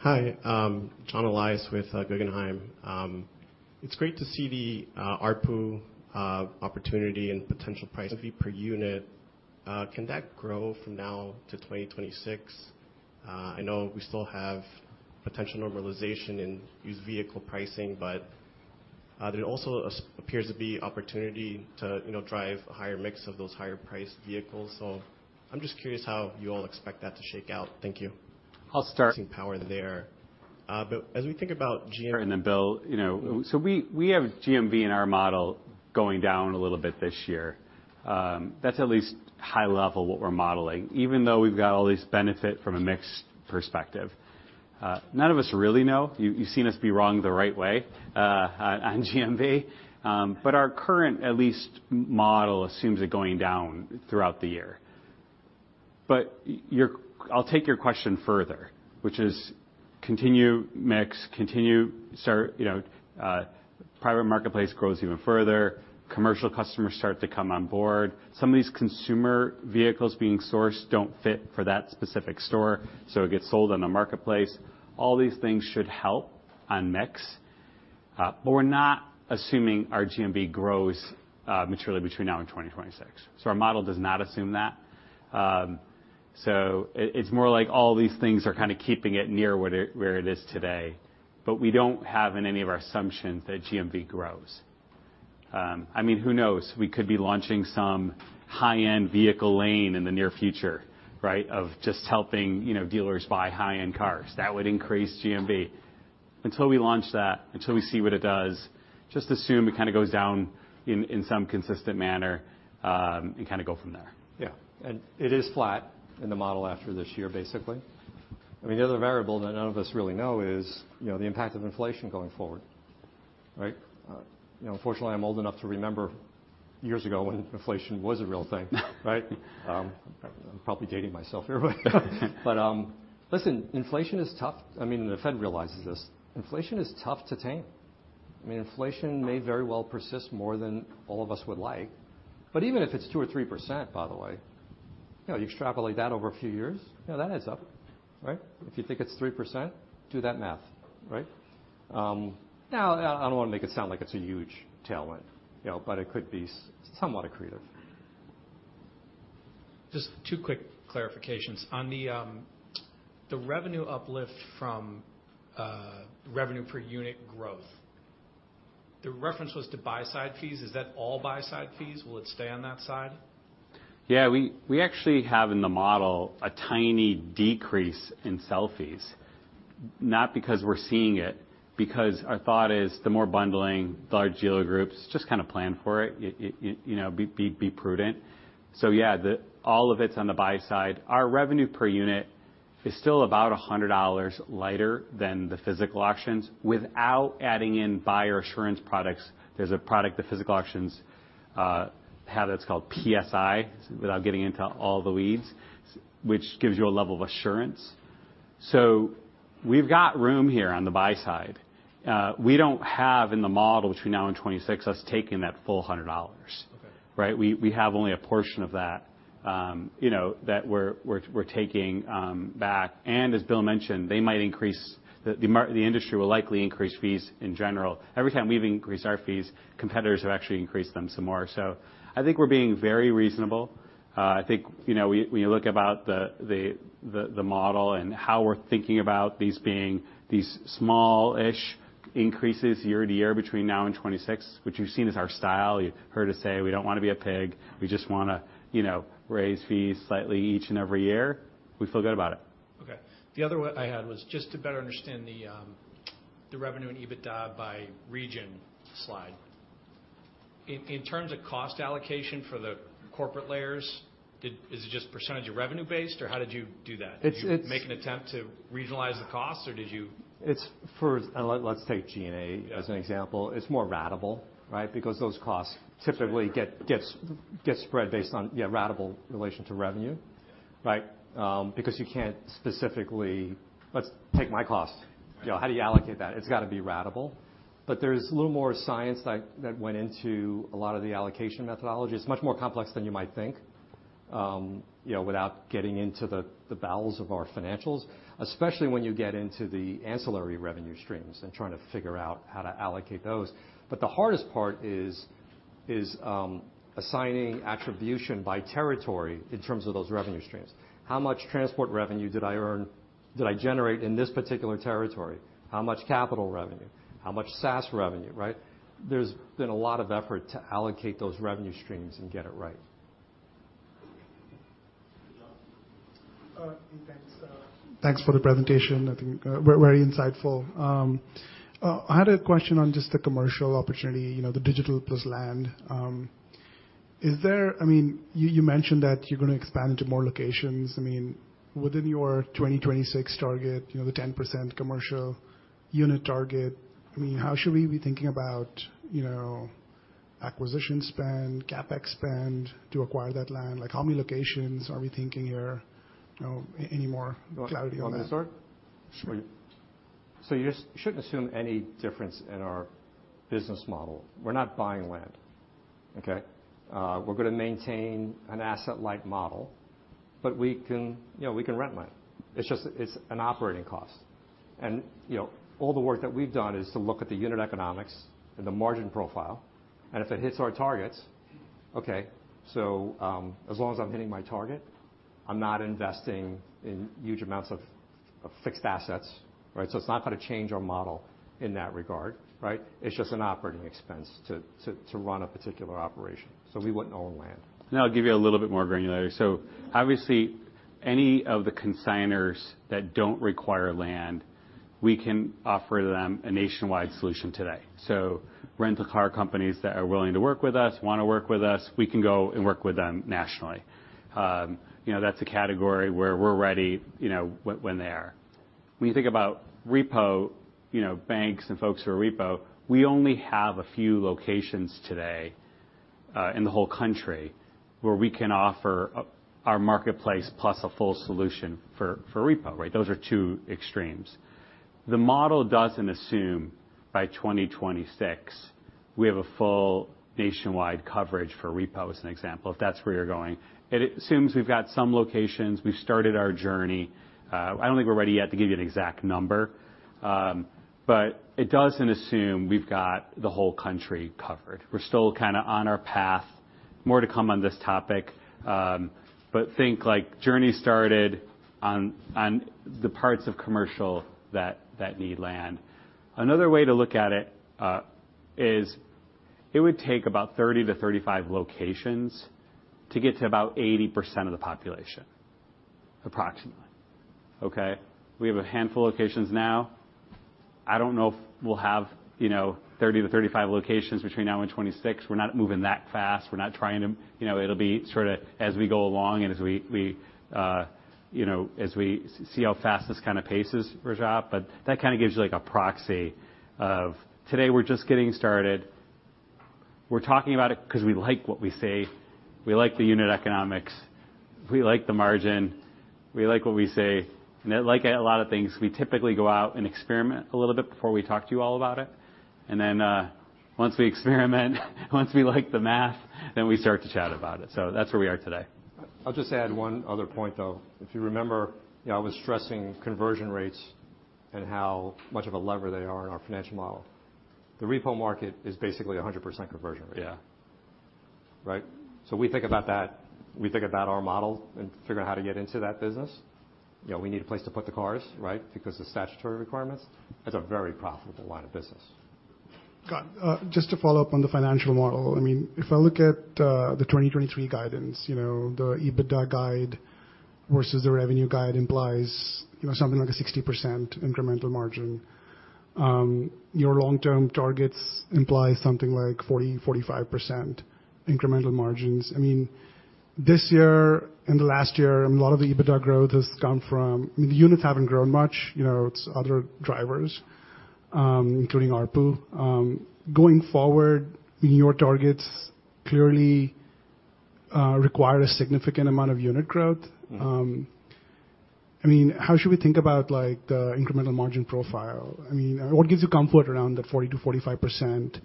Thanks. Hi, John Elias with Guggenheim. It's great to see the ARPU opportunity and potential price per unit. Can that grow from now to 2026? I know we still have potential normalization in used vehicle pricing, but there also appears to be opportunity to, you know, drive a higher mix of those higher priced vehicles. I'm just curious how you all expect that to shake out. Thank you. I'll start- Seeing power there. As we think about GM-. Bill, you know, we have GMV in our model going down a little bit this year. That's at least high level, what we're modeling, even though we've got all this benefit from a mix perspective. None of us really know. You've seen us be wrong the right way on GMV, our current, at least, model assumes it going down throughout the year. I'll take your question further, which is continue mix, continue start, you know, private marketplace grows even further, commercial customers start to come on board. Some of these consumer vehicles being sourced don't fit for that specific store, it gets sold on the marketplace. All these things should help on mix, we're not assuming our GMV grows materially between now and 2026. Our model does not assume that. It's more like all these things are kind of keeping it near where it is today, but we don't have in any of our assumptions that GMV grows. I mean, who knows? We could be launching some high-end vehicle lane in the near future, right? Of just helping, you know, dealers buy high-end cars. That would increase GMV. Until we launch that, until we see what it does, just assume it kind of goes down in some consistent manner, and kind of go from there. Yeah. It is flat in the model after this year, basically. I mean, the other variable that none of us really know is, you know, the impact of inflation going forward, right? You know, unfortunately, I'm old enough to remember years ago when inflation was a real thing, right? I'm probably dating myself here, listen, inflation is tough. I mean, the Fed realizes this. Inflation is tough to tame. I mean, inflation may very well persist more than all of us would like. Even if it's 2% or 3%, by the way, you know, you extrapolate that over a few years, you know, that adds up, right? If you think it's 3%, do that math, right? I don't want to make it sound like it's a huge tailwind, you know, but it could be somewhat accretive. Just two quick clarifications. On the revenue uplift from, revenue per unit. The reference was to buy-side fees. Is that all buy-side fees? Will it stay on that side? Yeah, we actually have in the model a tiny decrease in sell fees, not because we're seeing it, because our thought is the more bundling, the large dealer groups just kind of plan for it, you know, be prudent. Yeah, all of it's on the buy side. Our revenue per unit is still about $100 lighter than the physical auctions without adding in buyer assurance products. There's a product, the physical auctions have that's called PSI, without getting into all the weeds, which gives you a level of assurance. We've got room here on the buy side. We don't have in the model between now and 2026, us taking that full $100. Okay. Right? We have only a portion of that, you know, that we're taking back, and as Bill mentioned, they might increase the industry will likely increase fees in general. Every time we've increased our fees, competitors have actually increased them some more. I think we're being very reasonable. I think, you know, when you look about the model and how we're thinking about these being these small-ish increases year to year between now and 2026, which you've seen is our style. You've heard us say, we don't want to be a pig. We just want to, you know, raise fees slightly each and every year. We feel good about it. Okay. The other one I had was just to better understand the revenue and EBITDA by region slide. In terms of cost allocation for the corporate layers, is it just % of revenue based, or how did you do that? It's. Did you make an attempt to regionalize the cost, or did you? Let's take G&A as an example. It's more ratable, right? Because those costs typically get spread based on, yeah, ratable relation to revenue, right? You can't specifically. Let's take my cost. Right. How do you allocate that? It's got to be ratable. There's a little more science that went into a lot of the allocation methodology. It's much more complex than you might think, you know, without getting into the bowels of our financials, especially when you get into the ancillary revenue streams and trying to figure out how to allocate those. The hardest part is assigning attribution by territory in terms of those revenue streams. How much transport revenue did I generate in this particular territory? How much capital revenue? How much SaaS revenue, right? There's been a lot of effort to allocate those revenue streams and get it right. John? Thanks. Thanks for the presentation. I think, very insightful. I had a question on just the commercial opportunity, you know, the digital plus land. You, you mentioned that you're going to expand into more locations. I mean, within your 2026 target, you know, the 10% commercial unit target, I mean, how should we be thinking about, you know, acquisition spend, CapEx spend to acquire that land? Like, how many locations are we thinking here? You know, any more clarity on that? You want me to start? Sure. You shouldn't assume any difference in our business model. We're not buying land, okay? We're going to maintain an asset-light model, but we can, you know, we can rent land. It's just, it's an operating cost. You know, all the work that we've done is to look at the unit economics and the margin profile, and if it hits our targets, okay, as long as I'm hitting my target, I'm not investing in huge amounts of fixed assets, right? It's not going to change our model in that regard, right? It's just an operating expense to run a particular operation, so we wouldn't own land. I'll give you a little bit more granularity. Obviously, any of the consigners that don't require land, we can offer them a nationwide solution today. Rental car companies that are willing to work with us, want to work with us, we can go and work with them nationally. You know, that's a category where we're ready, you know, when they are. When you think about repo, you know, banks and folks who are repo, we only have a few locations today, in the whole country where we can offer our marketplace plus a full solution for repo, right? Those are two extremes. The model doesn't assume by 2026, we have a full nationwide coverage for repo, as an example, if that's where you're going. It assumes we've got some locations. We've started our journey. I don't think we're ready yet to give you an exact number, but it doesn't assume we've got the whole country covered. We're still kind of on our path. More to come on this topic, but think like journey started on the parts of commercial that need land. Another way to look at it, is it would take about 30 to 35 locations to get to about 80% of the population, approximately, okay? We have a handful of locations now. I don't know if we'll have, you know, 30 to 35 locations between now and 2026. We're not moving that fast. We're not trying to... You know, it'll be sort of as we go along and as we, you know, see how fast this kind of paces for job. That kind of gives you, like, a proxy of today, we're just getting started. We're talking about it because we like what we see. We like the unit economics, we like the margin, we like what we see. Like a lot of things, we typically go out and experiment a little bit before we talk to you all about it. Once we experiment, once we like the math, then we start to chat about it. That's where we are today. I'll just add one other point, though. If you remember, I was stressing conversion rates and how much of a lever they are in our financial model. The repo market is basically a 100% conversion rate. Yeah. Right? We think about that, we think about our model and figure out how to get into that business. You know, we need a place to put the cars, right, because the statutory requirements, it's a very profitable line of business. Got it. Just to follow up on the financial model, I mean, if I look at the 2023 guidance, you know, the EBITDA guide versus the revenue guide implies, you know, something like a 60% incremental margin. Your long-term targets imply something like 40%-45% incremental margins. I mean, this year and the last year, a lot of the EBITDA growth has come from the units haven't grown much, you know, it's other drivers, including ARPU. Going forward, your targets clearly require a significant amount of unit growth. Mm-hmm. I mean, how should we think about, like, the incremental margin profile? I mean, what gives you comfort around the 40%-45%,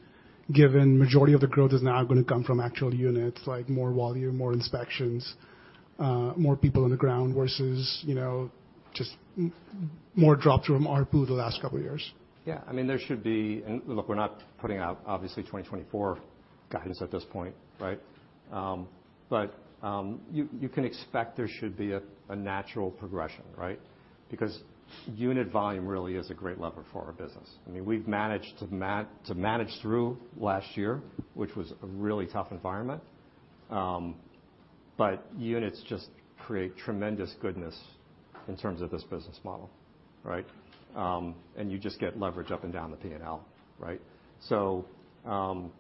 given majority of the growth is now gonna come from actual units, like more volume, more inspections, more people on the ground versus, you know, just more drop through from ARPU the last couple of years? I mean, there should be and look, we're not putting out, obviously, 2024 guidance at this point, right? You, you can expect there should be a natural progression, right? Because unit volume really is a great lever for our business. I mean, we've managed to manage through last year, which was a really tough environment. Units just create tremendous goodness in terms of this business model, right? You just get leverage up and down the P&L, right? I'm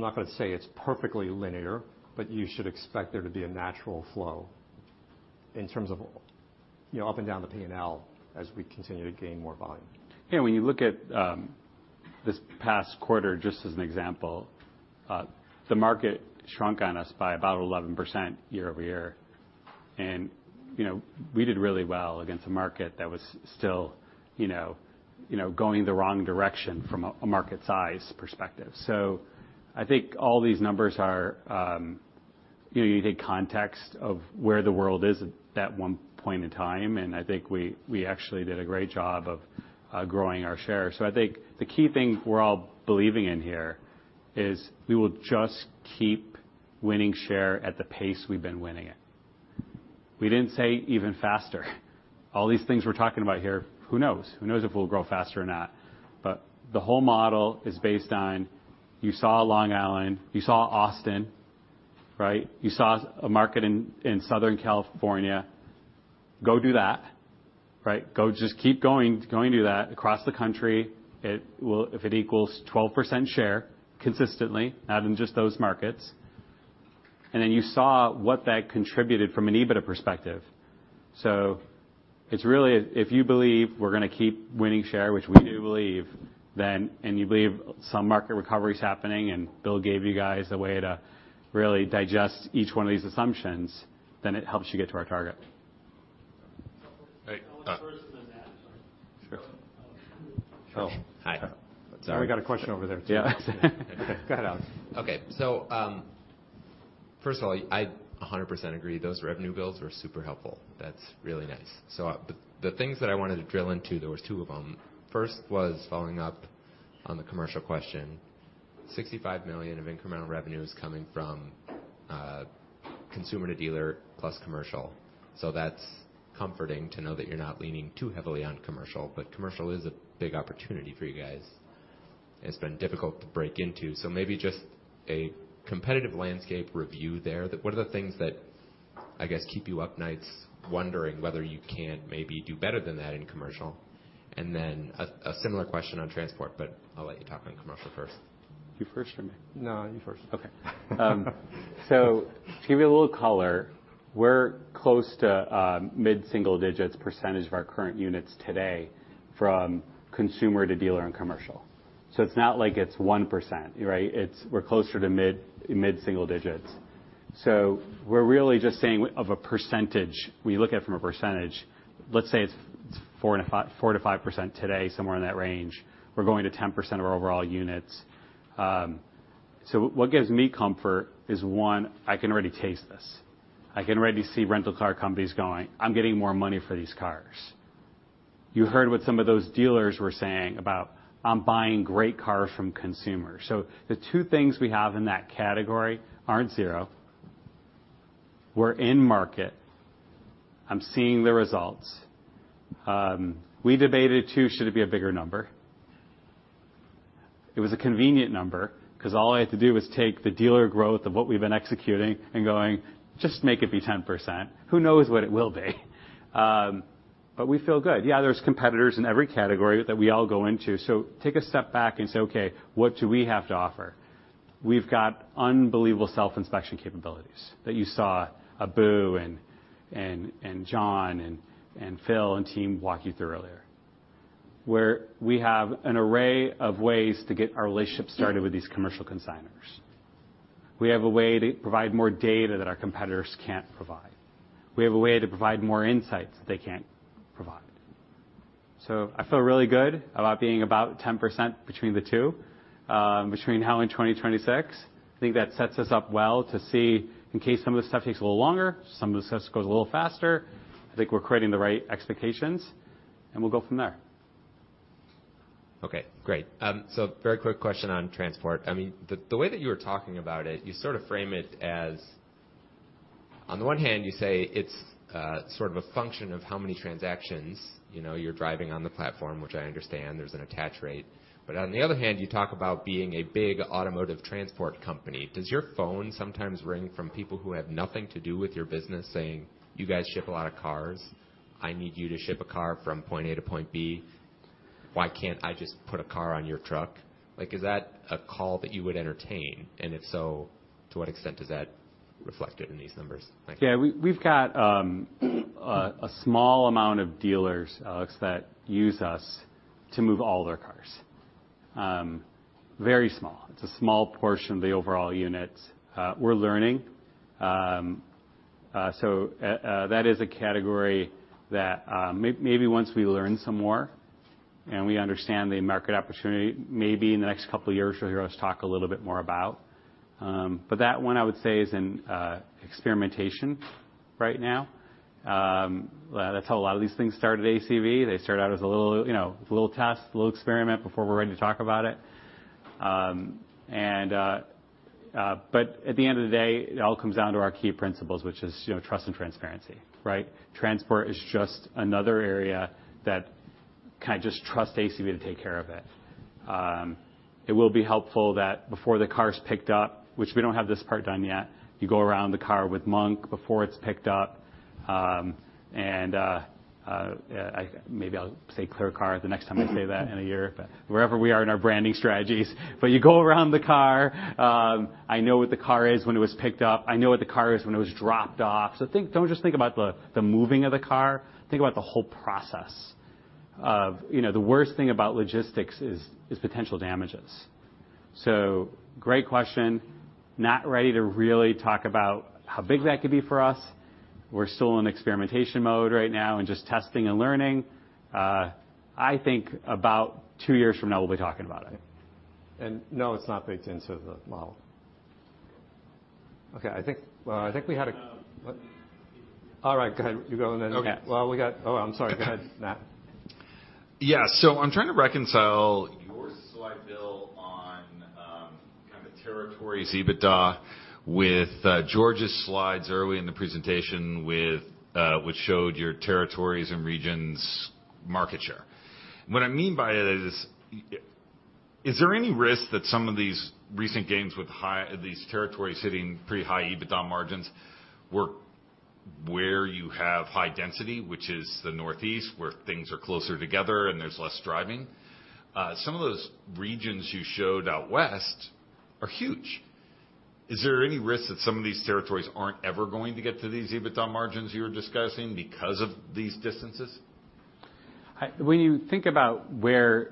not going to say it's perfectly linear, but you should expect there to be a natural flow in terms of, you know, up and down the P&L as we continue to gain more volume. Yeah, when you look at this past quarter, just as an example, the market shrunk on us by about 11% year-over-year. You know, we did really well against a market that was still, you know, going the wrong direction from a market size perspective. I think all these numbers are, you know, you take context of where the world is at that one point in time, and I think we actually did a great job of growing our share. I think the key thing we're all believing in here is we will just keep winning share at the pace we've been winning it. We didn't say even faster. All these things we're talking about here, who knows? Who knows if we'll grow faster or not. The whole model is based on, you saw Long Island, you saw Austin, right? You saw a market in Southern California. Go do that, right? Go, just keep going do that across the country. It will if it equals 12% share consistently, not in just those markets. You saw what that contributed from an EBITDA perspective. It's really, if you believe we're going to keep winning share, which we do believe, then, and you believe some market recovery is happening, and Bill gave you guys a way to really digest each one of these assumptions, then it helps you get to our target. Right. Oh. Hi. Sorry, we got a question over there, too. Yeah. Go ahead, Alex. First of all, I 100% agree, those revenue builds were super helpful. That's really nice. The things that I wanted to drill into, there was two of them. First was following up on the commercial question. $65 million of incremental revenue is coming from consumer to dealer plus commercial. That's comforting to know that you're not leaning too heavily on commercial, but commercial is a big opportunity for you guys. It's been difficult to break into. Maybe just a competitive landscape review there. What are the things that, I guess, keep you up nights wondering whether you can't maybe do better than that in commercial? A similar question on transport, but I'll let you talk on commercial first. You first or me? No, you first. Okay. To give you a little color, we're close to mid-single digits % of our current units today from consumer to dealer and commercial. It's not like it's 1%, right? We're closer to mid-single digits. We're really just saying of a percentage, we look at it from a percentage, let's say it's 4-5% today, somewhere in that range. We're going to 10% of our overall units. What gives me comfort is, one, I can already taste this. I can already see rental car companies going: I'm getting more money for these cars. You heard what some of those dealers were saying about, "I'm buying great cars from consumers." The two things we have in that category aren't zero. We're in market. I'm seeing the results. We debated, too, should it be a bigger number? It was a convenient number because all I had to do was take the dealer growth of what we've been executing and going, "Just make it be 10%. Who knows what it will be?" We feel good. Yeah, there's competitors in every category that we all go into. Take a step back and say, "Okay, what do we have to offer?" We've got unbelievable self-inspection capabilities that you saw Abou, and John and Phil and team walk you through earlier, where we have an array of ways to get our relationship started with these commercial consignors. We have a way to provide more data that our competitors can't provide. We have a way to provide more insights they can't provide. I feel really good about being about 10% between the two, between now and 2026. I think that sets us up well to see in case some of the stuff takes a little longer, some of the stuff goes a little faster. I think we're creating the right expectations, and we'll go from there. Okay, great. Very quick question on transport. I mean, the way that you were talking about it, you sort of frame it as, on the one hand, you say it's, sort of a function of how many transactions, you know, you're driving on the platform, which I understand there's an attach rate, but on the other hand, you talk about being a big automotive transport company. Does your phone sometimes ring from people who have nothing to do with your business, saying, "You guys ship a lot of cars. I need you to ship a car from point A to point B. Why can't I just put a car on your truck?" Like, is that a call that you would entertain? If so, to what extent is that reflected in these numbers? Thank you. Yeah, we've got a small amount of dealers, Alex, that use us to move all their cars. Very small. It's a small portion of the overall units. We're learning. That is a category that maybe once we learn some more and we understand the market opportunity, maybe in the next couple of years, you'll hear us talk a little bit more about. That one, I would say, is in experimentation right now. That's how a lot of these things start at ACV. They start out as a little, you know, a little test, a little experiment before we're ready to talk about it. At the end of the day, it all comes down to our key principles, which is, you know, trust and transparency, right? Transport is just another area that kind of trust ACV to take care of it. It will be helpful that before the car is picked up, which we don't have this part done yet, you go around the car with Monk before it's picked up. Maybe I'll say ClearCar the next time I say that in a year, wherever we are in our branding strategies. You go around the car. I know what the car is, when it was picked up. I know what the car is, when it was dropped off. Don't just think about the moving of the car, think about the whole process of... You know, the worst thing about logistics is potential damages. Great question. Not ready to really talk about how big that could be for us. We're still in experimentation mode right now and just testing and learning. I think about 2 years from now, we'll be talking about it. No, it's not baked into the model. Okay, I think, well, I think we had a- What? All right, go ahead. You go on then. Okay. Well, we got... Oh, I'm sorry. Go ahead, Matt. Yeah. I'm trying to reconcile your slide, Bill, on kind of territories EBITDA with George's slides early in the presentation with which showed your territories and regions market share. What I mean by it is there any risk that some of these recent gains with these territories hitting pretty high EBITDA margins were where you have high density, which is the Northeast, where things are closer together and there's less driving? Some of those regions you showed out west are huge. Is there any risk that some of these territories aren't ever going to get to these EBITDA margins you were discussing because of these distances? When you think about where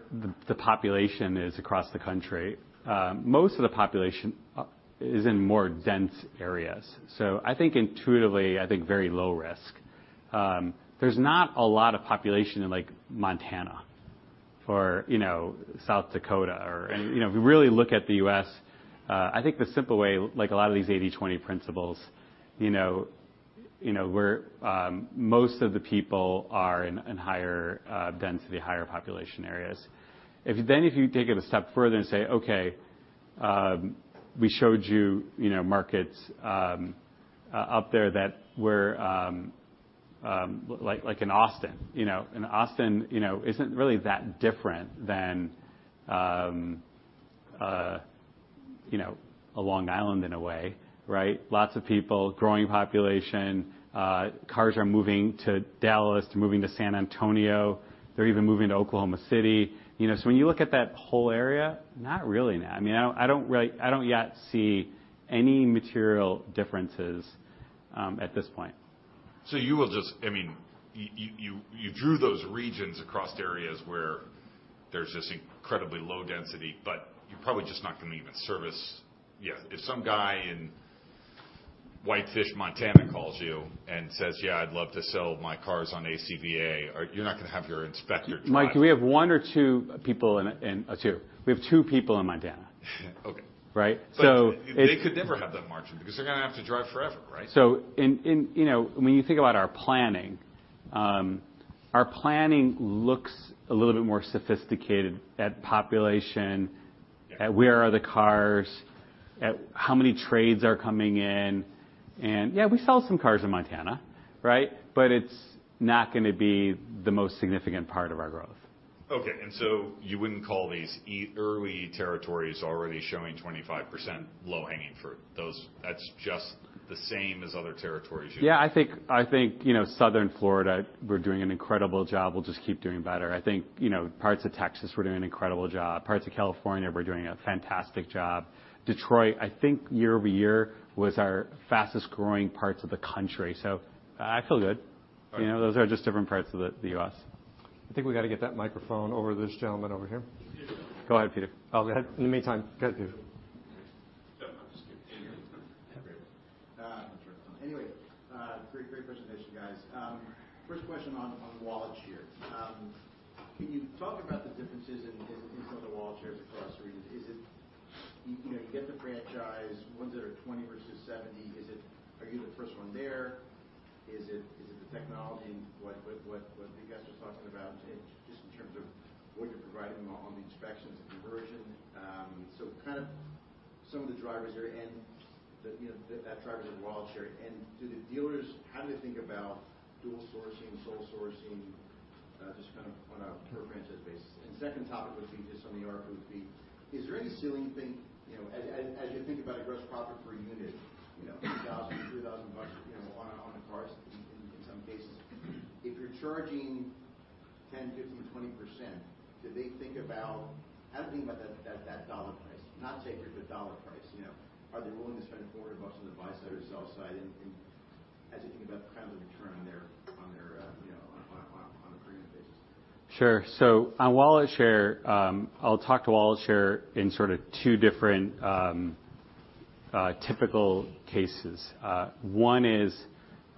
the population is across the country, most of the population is in more dense areas. I think intuitively, I think very low risk. There's not a lot of population in, like, Montana or, you know, South Dakota or... You know, if you really look at the U.S., I think the simple way, like a lot of these 80/20 principles, you know, you know, where most of the people are in higher density, higher population areas. If you take it a step further and say, "Okay, we showed you know, markets up there that were like in Austin, you know, and Austin, you know, isn't really that different than, you know, a Long Island in a way, right? Lots of people, growing population, cars are moving to Dallas, to moving to San Antonio. They're even moving to Oklahoma City. You know, when you look at that whole area, not really, now. I mean, I don't yet see any material differences at this point. I mean, you drew those regions across areas where there's just incredibly low density, but you're probably just not going to even service, yeah. If some guy in Whitefish, Montana, calls you and says, "Yeah, I'd love to sell my cars on ACV," you're not going to have your inspector drive? Mike, we have one or two people. Two. We have two people in Montana. Okay. Right? They could never have that margin because they're going to have to drive forever, right? You know, when you think about our planning, our planning looks a little bit more sophisticated at population, at where are the cars, at how many trades are coming in. Yeah, we sell some cars in Montana, right? It's not going to be the most significant part of our growth. Okay. You wouldn't call these early territories already showing 25% low-hanging fruit? That's just the same as other territories. Yeah, I think, you know, Southern Florida, we're doing an incredible job. We'll just keep doing better. I think, you know, parts of Texas, we're doing an incredible job. Parts of California, we're doing a fantastic job. Detroit, I think year-over-year, was our fastest-growing parts of the country, so I feel good. Okay. You know, those are just different parts of the U.S. I think we got to get that microphone over to this gentleman over here. Go ahead, Peter. Oh, go ahead. In the meantime, go ahead, Peter. Great presentation, guys. First question on wallet share. Can you talk about the differences in wallet shares across the regions. Is it, you know, you get the franchise, ones that are 20 versus 70, is it, are you the first one there? Is it, is it the technology and what you guys are talking about in just in terms of what you're providing on the inspections and conversion? Kind of some of the drivers are in the, you know, that drivers of wallet share. Do the dealers, how do they think about dual sourcing, sole sourcing, just kind of on a per franchise basis? Second topic would be just on the ARPU would be, is there any silly thing, you know, as you think about a gross profit per unit, you know, $2,000-$3,000 bucks, you know, on a cars in some cases. If you're charging 10%, 15%-20%, how do you think about that dollar price? Not take it, the dollar price, you know. Are they willing to spend $40 on the buy side or sell side and as you think about the kind of return on their, you know, on a per unit basis? Sure. On wallet share, I'll talk to wallet share in sort of two different typical cases. One is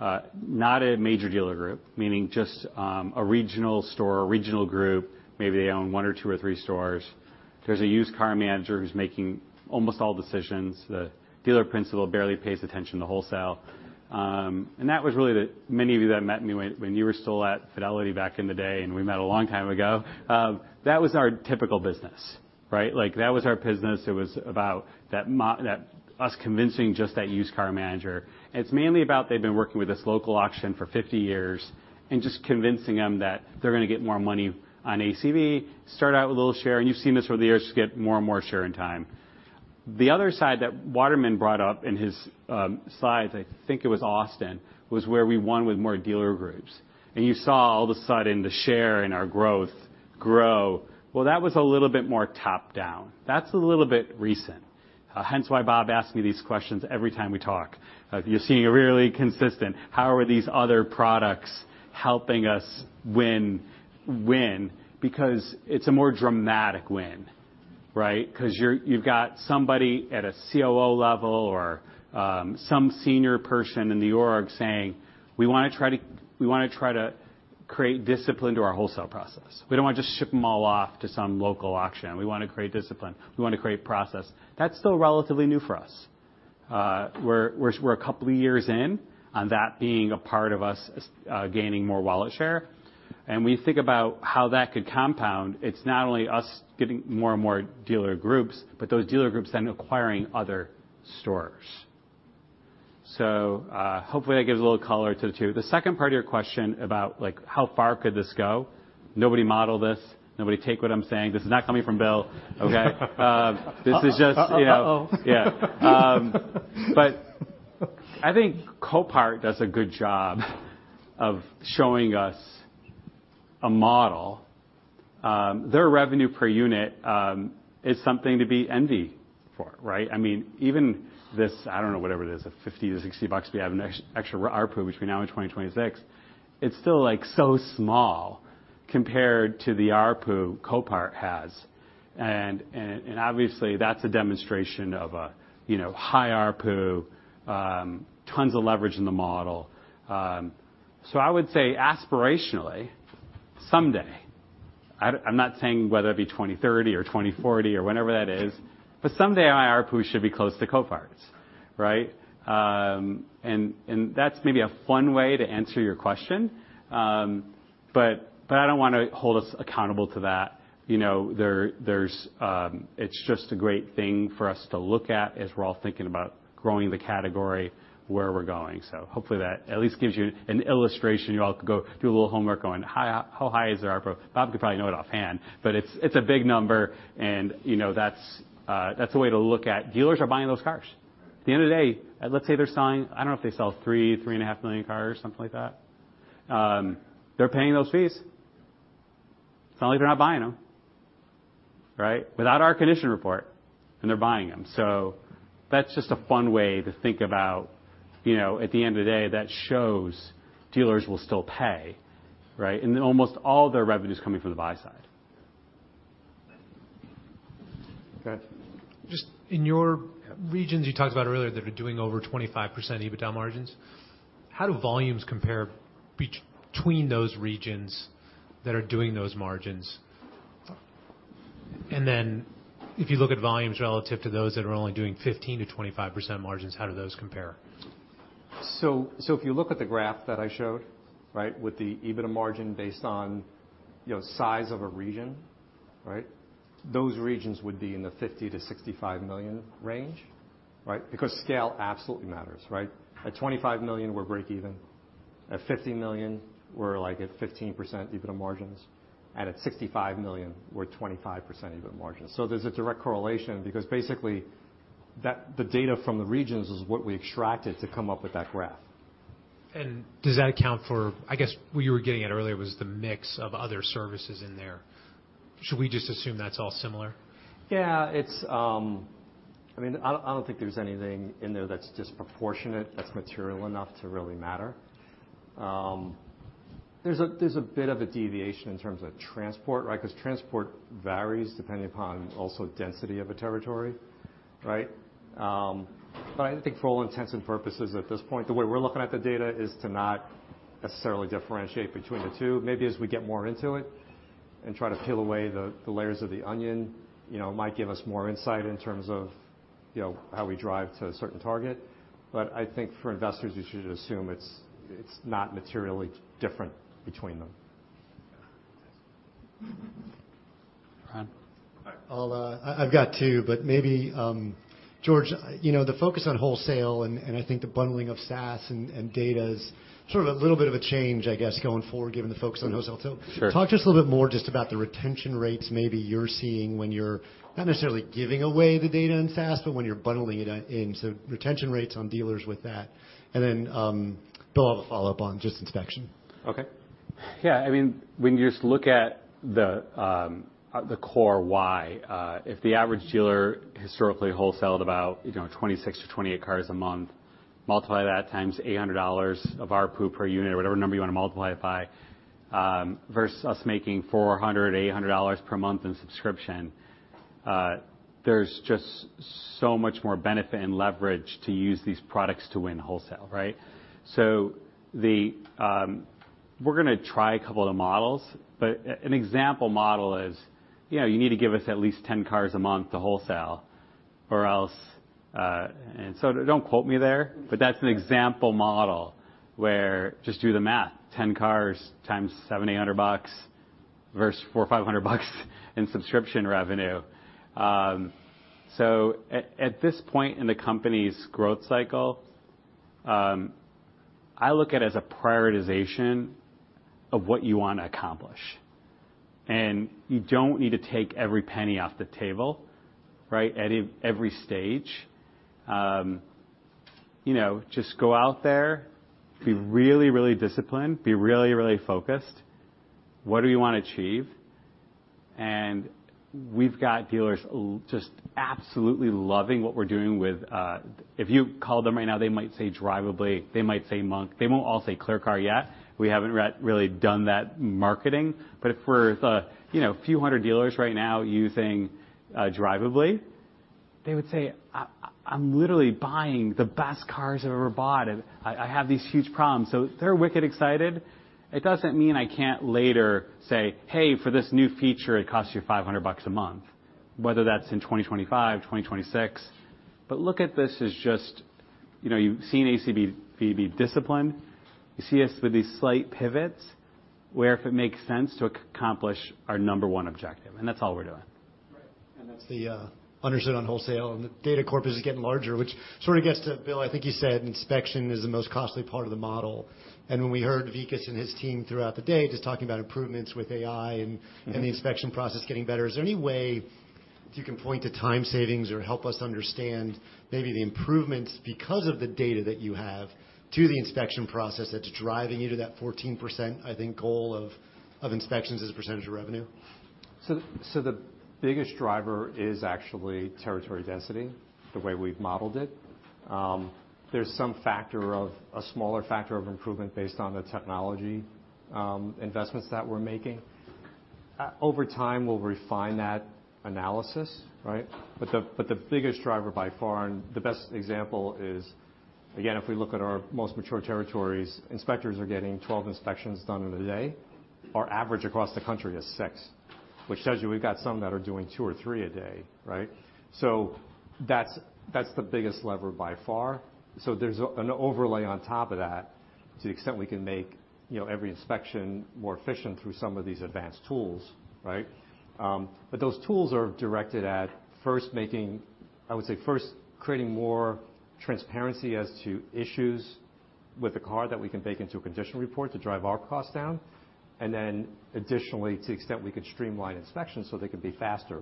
not a major dealer group, meaning just a regional store, a regional group. Maybe they own one or two or three stores. There's a used car manager who's making almost all decisions. The dealer principal barely pays attention to wholesale. That was really the many of you that met me when you were still at Fidelity back in the day, and we met a long time ago, that was our typical business, right? Like, that was our business. It was about that us convincing just that used car manager. It's mainly about they've been working with this local auction for 50 years and just convincing them that they're gonna get more money on ACV, start out with a little share, and you've seen this over the years, just get more and more share and time. The other side that Waterman brought up in his slides, I think it was Austin, was where we won with more dealer groups, and you saw all of a sudden the share in our growth grow. Well, that was a little bit more top-down. That's a little bit recent. Hence why Bob asks me these questions every time we talk. You're seeing it really consistent. How are these other products helping us win? Because it's a more dramatic win, right? You've got somebody at a COO level or some senior person in the org saying, "We wanna try to create discipline to our wholesale process. We don't want to just ship them all off to some local auction. We wanna create discipline. We wanna create process." That's still relatively new for us. We're a couple of years in on that being a part of us, gaining more wallet share, and we think about how that could compound. It's not only us getting more and more dealer groups, but those dealer groups then acquiring other stores. Hopefully, that gives a little color to the 2. The second part of your question about, like, how far could this go? Nobody model this. Nobody take what I'm saying. This is not coming from Bill, okay? this is just, you know- Uh-oh. Yeah. I think Copart does a good job of showing us a model. Their revenue per unit is something to be envied for, right? I mean, even this, I don't know, whatever it is, a $50-$60, we have an extra ARPU between now and 2026. It's still, like, so small compared to the ARPU Copart has. Obviously, that's a demonstration of a, you know, high ARPU, tons of leverage in the model. I would say aspirationally, someday, I'm not saying whether it be 2030 or 2040 or whenever that is, but someday, our ARPU should be close to Copart's, right? That's maybe a fun way to answer your question. I don't wanna hold us accountable to that. You know, there's... It's just a great thing for us to look at as we're all thinking about growing the category where we're going. Hopefully, that at least gives you an illustration. You all could go do a little homework on how high is our ARPU. Bob could probably know it offhand, but it's a big number, and, you know, that's a way to look at. Dealers are buying those cars. Right. At the end of the day, let's say they're selling, I don't know if they sell 3 and a half million cars, something like that. They're paying those fees. It's not like they're not buying them, right? Without our condition report, they're buying them. That's just a fun way to think about, you know, at the end of the day, that shows dealers will still pay, right? Almost all their revenue is coming from the buy side. Okay. Just in your regions, you talked about earlier, that are doing over 25% EBITDA margins, how do volumes compare between those regions that are doing those margins? If you look at volumes relative to those that are only doing 15%-25% margins, how do those compare? If you look at the graph that I showed, right, with the EBITDA margin based on, you know, size of a region, right? Those regions would be in the $50-$65 million range, right? Because scale absolutely matters, right? At $25 million, we're break even. At $50 million, we're like at 15% EBITDA margins, and at $65 million, we're 25% EBITDA margins. There's a direct correlation because basically, that the data from the regions is what we extracted to come up with that graph. Does that account for... I guess, what you were getting at earlier was the mix of other services in there. Should we just assume that's all similar? Yeah, it's... I mean, I don't think there's anything in there that's disproportionate, that's material enough to really matter. There's a bit of a deviation in terms of transport, right? Transport varies depending upon also density of a territory. Right? I think for all intents and purposes, at this point, the way we're looking at the data is to not necessarily differentiate between the two. Maybe as we get more into it and try to peel away the layers of the onion, you know, it might give us more insight in terms of, you know, how we drive to a certain target. I think for investors, you should assume it's not materially different between them. Ron? I've got two, but maybe, George, you know, the focus on wholesale, and I think the bundling of SaaS and data is sort of a little bit of a change, I guess, going forward, given the focus on wholesale. Sure. Talk to us a little bit more just about the retention rates maybe you're seeing when you're not necessarily giving away the data in SaaS, but when you're bundling it in, so retention rates on dealers with that. Then, Bill, I'll have a follow-up on just inspection. Okay. Yeah, I mean, when you just look at the core why, if the average dealer historically wholesaled about, you know, 26-28 cars a month, multiply that times $800 of ARPU per unit or whatever number you want to multiply it by, versus us making $400-$800 per month in subscription, there's just so much more benefit and leverage to use these products to win wholesale, right? So the. We're gonna try a couple of the models, but an example model is, you know, you need to give us at least 10 cars a month to wholesale or else. Don't quote me there, but that's an example model, where just do the math, 10 cars times $700-$800 bucks, versus $400-$500 bucks in subscription revenue. At, at this point in the company's growth cycle, I look at it as a prioritization of what you want to accomplish. You don't need to take every penny off the table, right, at every stage. You know, just go out there, be really, really disciplined, be really, really focused. What do you want to achieve? We've got dealers just absolutely loving what we're doing with... If you call them right now, they might say Drivably, they might say Monk. They won't all say ClearCar yet. We haven't really done that marketing. If we're, you know, a few hundred dealers right now using Drivably, they would say, "I'm literally buying the best cars I've ever bought, and I have these huge problems." They're wicked excited. It doesn't mean I can't later say, "Hey, for this new feature, it costs you $500 a month," whether that's in 2025, 2026. Look at this as just, you know, you've seen ACV be disciplined. You see us with these slight pivots, where if it makes sense to accomplish our number one objective, and that's all we're doing. Right. That's the understood on wholesale, and the data corpus is getting larger, which sort of gets to Bill, I think you said inspection is the most costly part of the model. When we heard Vikas and his team throughout the day, just talking about improvements with AI. Mm-hmm... and the inspection process getting better, is there any way you can point to time savings or help us understand maybe the improvements because of the data that you have to the inspection process that's driving you to that 14%, I think, goal of inspections as a percentage of revenue? The biggest driver is actually territory density, the way we've modeled it. There's a smaller factor of improvement based on the technology investments that we're making. Over time, we'll refine that analysis, right? The biggest driver by far and the best example is, again, if we look at our most mature territories, inspectors are getting 12 inspections done in a day. Our average across the country is six, which tells you we've got some that are doing two or three a day, right? That's the biggest lever by far. There's an overlay on top of that, to the extent we can make, you know, every inspection more efficient through some of these advanced tools, right? Those tools are directed at first making... I would say, first, creating more transparency as to issues with the car that we can bake into a condition report to drive our costs down, then additionally, to the extent we could streamline inspections so they could be faster,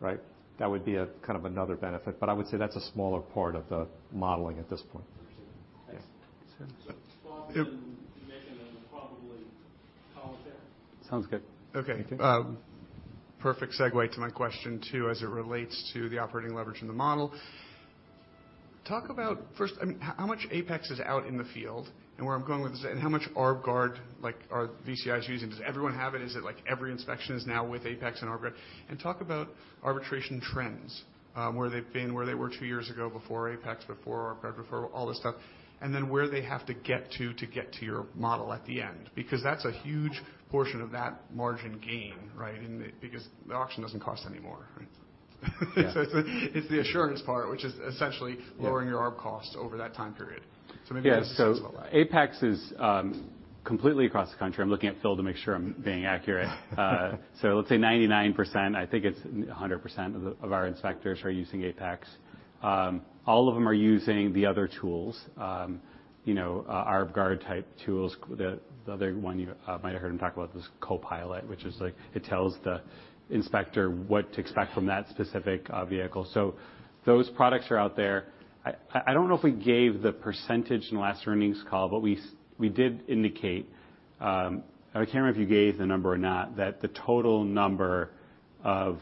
right? That would be a kind of another benefit, I would say that's a smaller part of the modeling at this point. Thanks. Yeah. While we've been making them, we'll probably call it there. Sounds good. Okay. Thank you. Perfect segue to my question, too, as it relates to the operating leverage in the model. Talk about, first, I mean, how much APEX is out in the field? Where I'm going with this, and how much ArbGuard, like, are VCI is using? Does everyone have it? Is it like every inspection is now with APEX and ArbGuard? Talk about arbitration trends, where they've been, where they were two years ago before APEX, before ArbGuard, before all this stuff, and then where they have to get to get to your model at the end, because that's a huge portion of that margin gain, right? Because the auction doesn't cost any more, right? Yeah. It's the assurance part, which is essentially. Yeah Lowering your Arb costs over that time period. APEX is completely across the country. I'm looking at Phil to make sure I'm being accurate. Let's say 99%, I think it's 100% of our inspectors are using APEX. All of them are using the other tools, you know, ArbGuard type tools. The other one you might have heard him talk about was CoPilot, which is like, it tells the inspector what to expect from that specific vehicle. Those products are out there. I don't know if we gave the percentage in the last earnings call, we did indicate, I can't remember if you gave the number or not, that the total number. of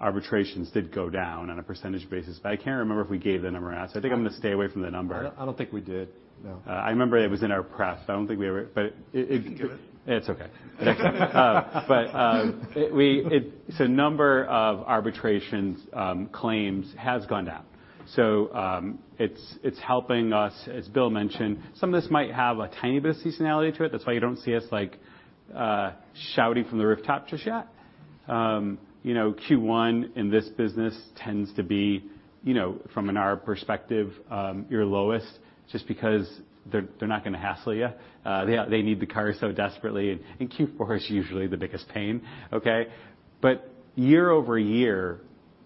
arbitrations did go down on a percentage basis. I can't remember if we gave the number out. I think I'm going to stay away from the number. I don't think we did, no. I remember it was in our prep. I don't think we ever. You can do it. It's okay. Number of arbitrations claims has gone down, it's helping us. As Bill mentioned, some of this might have a tiny bit of seasonality to it. That's why you don't see us like shouting from the rooftop just yet. You know, Q1 in this business tends to be from in our perspective, your lowest, just because they're not going to hassle you. They need the car so desperately, Q4 is usually the biggest pain. Okay? Year-over-year,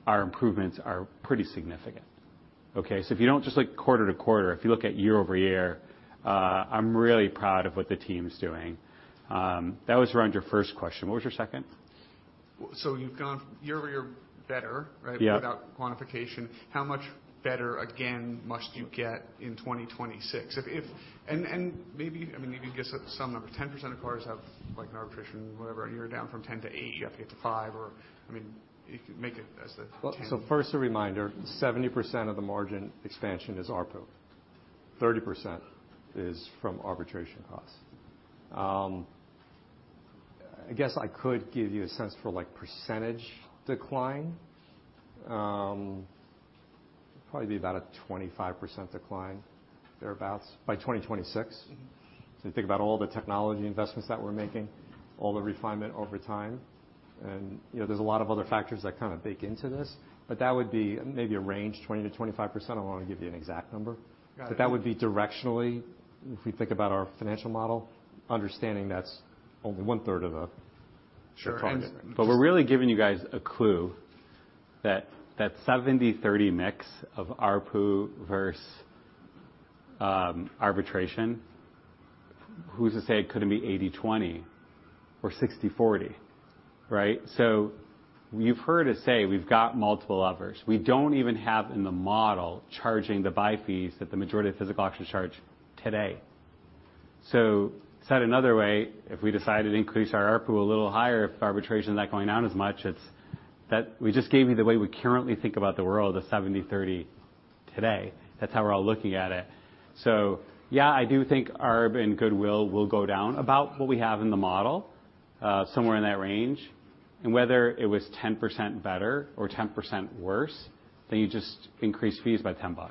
our improvements are pretty significant. Okay, if you don't just like quarter-to-quarter, if you look at year-over-year, I'm really proud of what the team's doing. That was around your first question. What was your second? You've gone year over year better, right? Yeah. Without quantification. How much better, again, must you get in 2026? If, and maybe I mean, you could give some number, 10% of cars have, like, an arbitration, whatever, you're down from 10 to eight, you have to get to five or I mean, you could make it as a 10. First, a reminder, 70% of the margin expansion is ARPU. 30% is from arbitration costs. I guess I could give you a sense for like percentage decline. Probably be about a 25% decline thereabouts by 2026. You think about all the technology investments that we're making, all the refinement over time, and, you know, there's a lot of other factors that kind of bake into this, but that would be maybe a range, 20%-25%. I don't want to give you an exact number. Got it. That would be directionally, if we think about our financial model, understanding that's only 1/3 of the target. We're really giving you guys a clue that 70/30 mix of ARPU versus arbitration, who's to say it couldn't be 80/20 or 60/40, right? You've heard us say we've got multiple levers. We don't even have in the model charging the buy fees that the majority of physical auctions charge today. Said another way, if we decided to increase our ARPU a little higher, if arbitration is not going down as much, that we just gave you the way we currently think about the world, the 70/30 today. That's how we're all looking at it. Yeah, I do think arb and goodwill will go down about what we have in the model, somewhere in that range, and whether it was 10% better or 10% worse, then you just increase fees by $10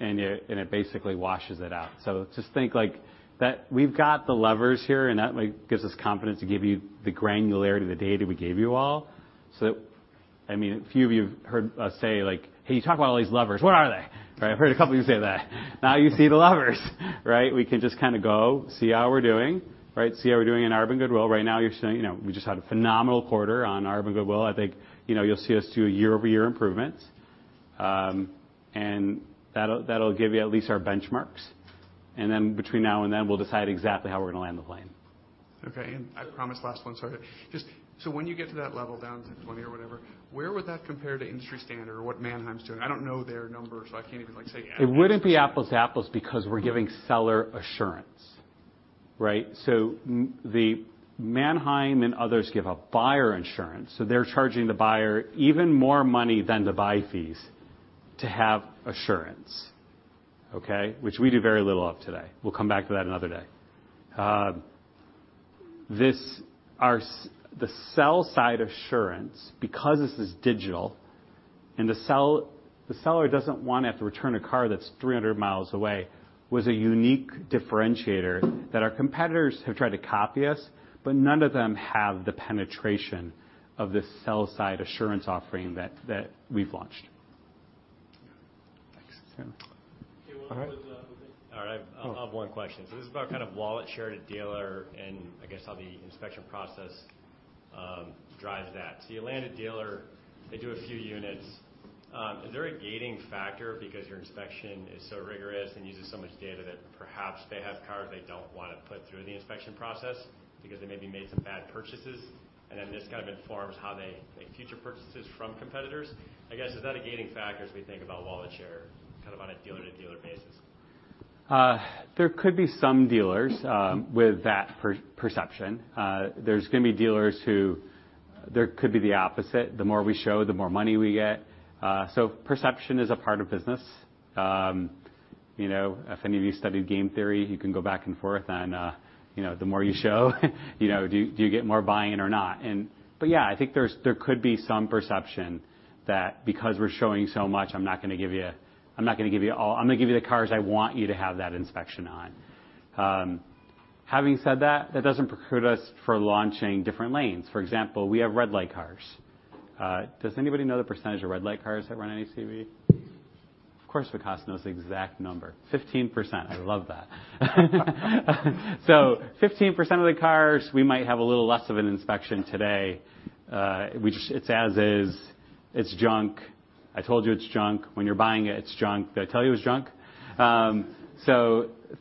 and it basically washes it out. Just think like that we've got the levers here, and that, like, gives us confidence to give you the granularity of the data we gave you all. I mean, a few of you have heard us say, like, "Hey, you talk about all these levers. What are they?" Right? I've heard a couple of you say that. Now you see the levers, right? We can just kind of go, see how we're doing, right? See how we're doing in arb and goodwill. Right now, you're seeing, you know, we just had a phenomenal quarter on arb and goodwill. I think, you know, you'll see us do year-over-year improvements. That'll give you at least our benchmarks. Between now and then, we'll decide exactly how we're going to land the plane. Okay. I promise last one. Sorry. Just when you get to that level, down to 20 or whatever, where would that compare to industry standard or what Manheim's doing? I don't know their numbers. I can't even, like, say- It wouldn't be apples to apples because we're giving seller assurance, right? The Manheim and others give a buyer insurance, so they're charging the buyer even more money than the buy fees to have assurance, okay? Which we do very little of today. We'll come back to that another day. This the sell side assurance, because this is digital and the seller doesn't want to have to return a car that's 300 miles away, was a unique differentiator that our competitors have tried to copy us, but none of them have the penetration of this sell side assurance offering that we've launched. Thanks. All right. I have one question. This is about kind of wallet share to dealer and I guess how the inspection process drives that. You land a dealer, they do a few units, is there a gating factor because your inspection is so rigorous and uses so much data that perhaps they have cars they don't want to put through the inspection process because they maybe made some bad purchases, and then this kind of informs how they make future purchases from competitors? I guess, is that a gating factor as we think about wallet share, kind of on a dealer to dealer basis? There could be some dealers with that perception. There's going to be dealers who there could be the opposite. The more we show, the more money we get. Perception is a part of business. You know, if any of you studied game theory, you can go back and forth on, you know, the more you show, you know, do you get more buying or not? Yeah, I think there could be some perception that because we're showing so much, I'm not going to give you, I'm not going to give you all. I'm going to give you the cars I want you to have that inspection on. Having said that doesn't preclude us for launching different lanes. For example, we have red light cars. Does anybody know the % of red light cars that run on ACV? Of course, Vikas knows the exact number. 15%. I love that. 15% of the cars, we might have a little less of an inspection today. Which it's as is, it's junk. I told you it's junk. When you're buying it's junk. Did I tell you it was junk?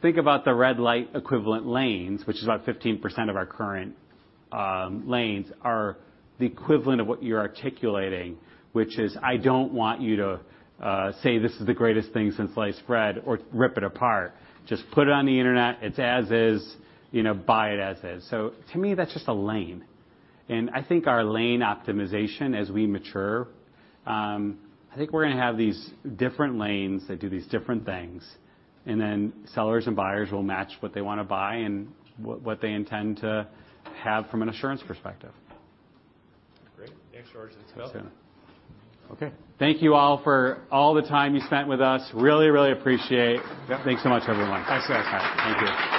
Think about the red light equivalent lanes, which is about 15% of our current lanes, are the equivalent of what you're articulating, which is: I don't want you to say, "This is the greatest thing since sliced bread," or rip it apart. Just put it on the internet. It's as is, you know, buy it as is. To me, that's just a lane. I think our lane optimization as we mature, I think we're going to have these different lanes that do these different things, and then sellers and buyers will match what they want to buy and what they intend to have from an assurance perspective. Great. Thanks, George. Thank you all for all the time you spent with us. Really, really appreciate. Thanks so much, everyone. Thanks, guys. Thank you.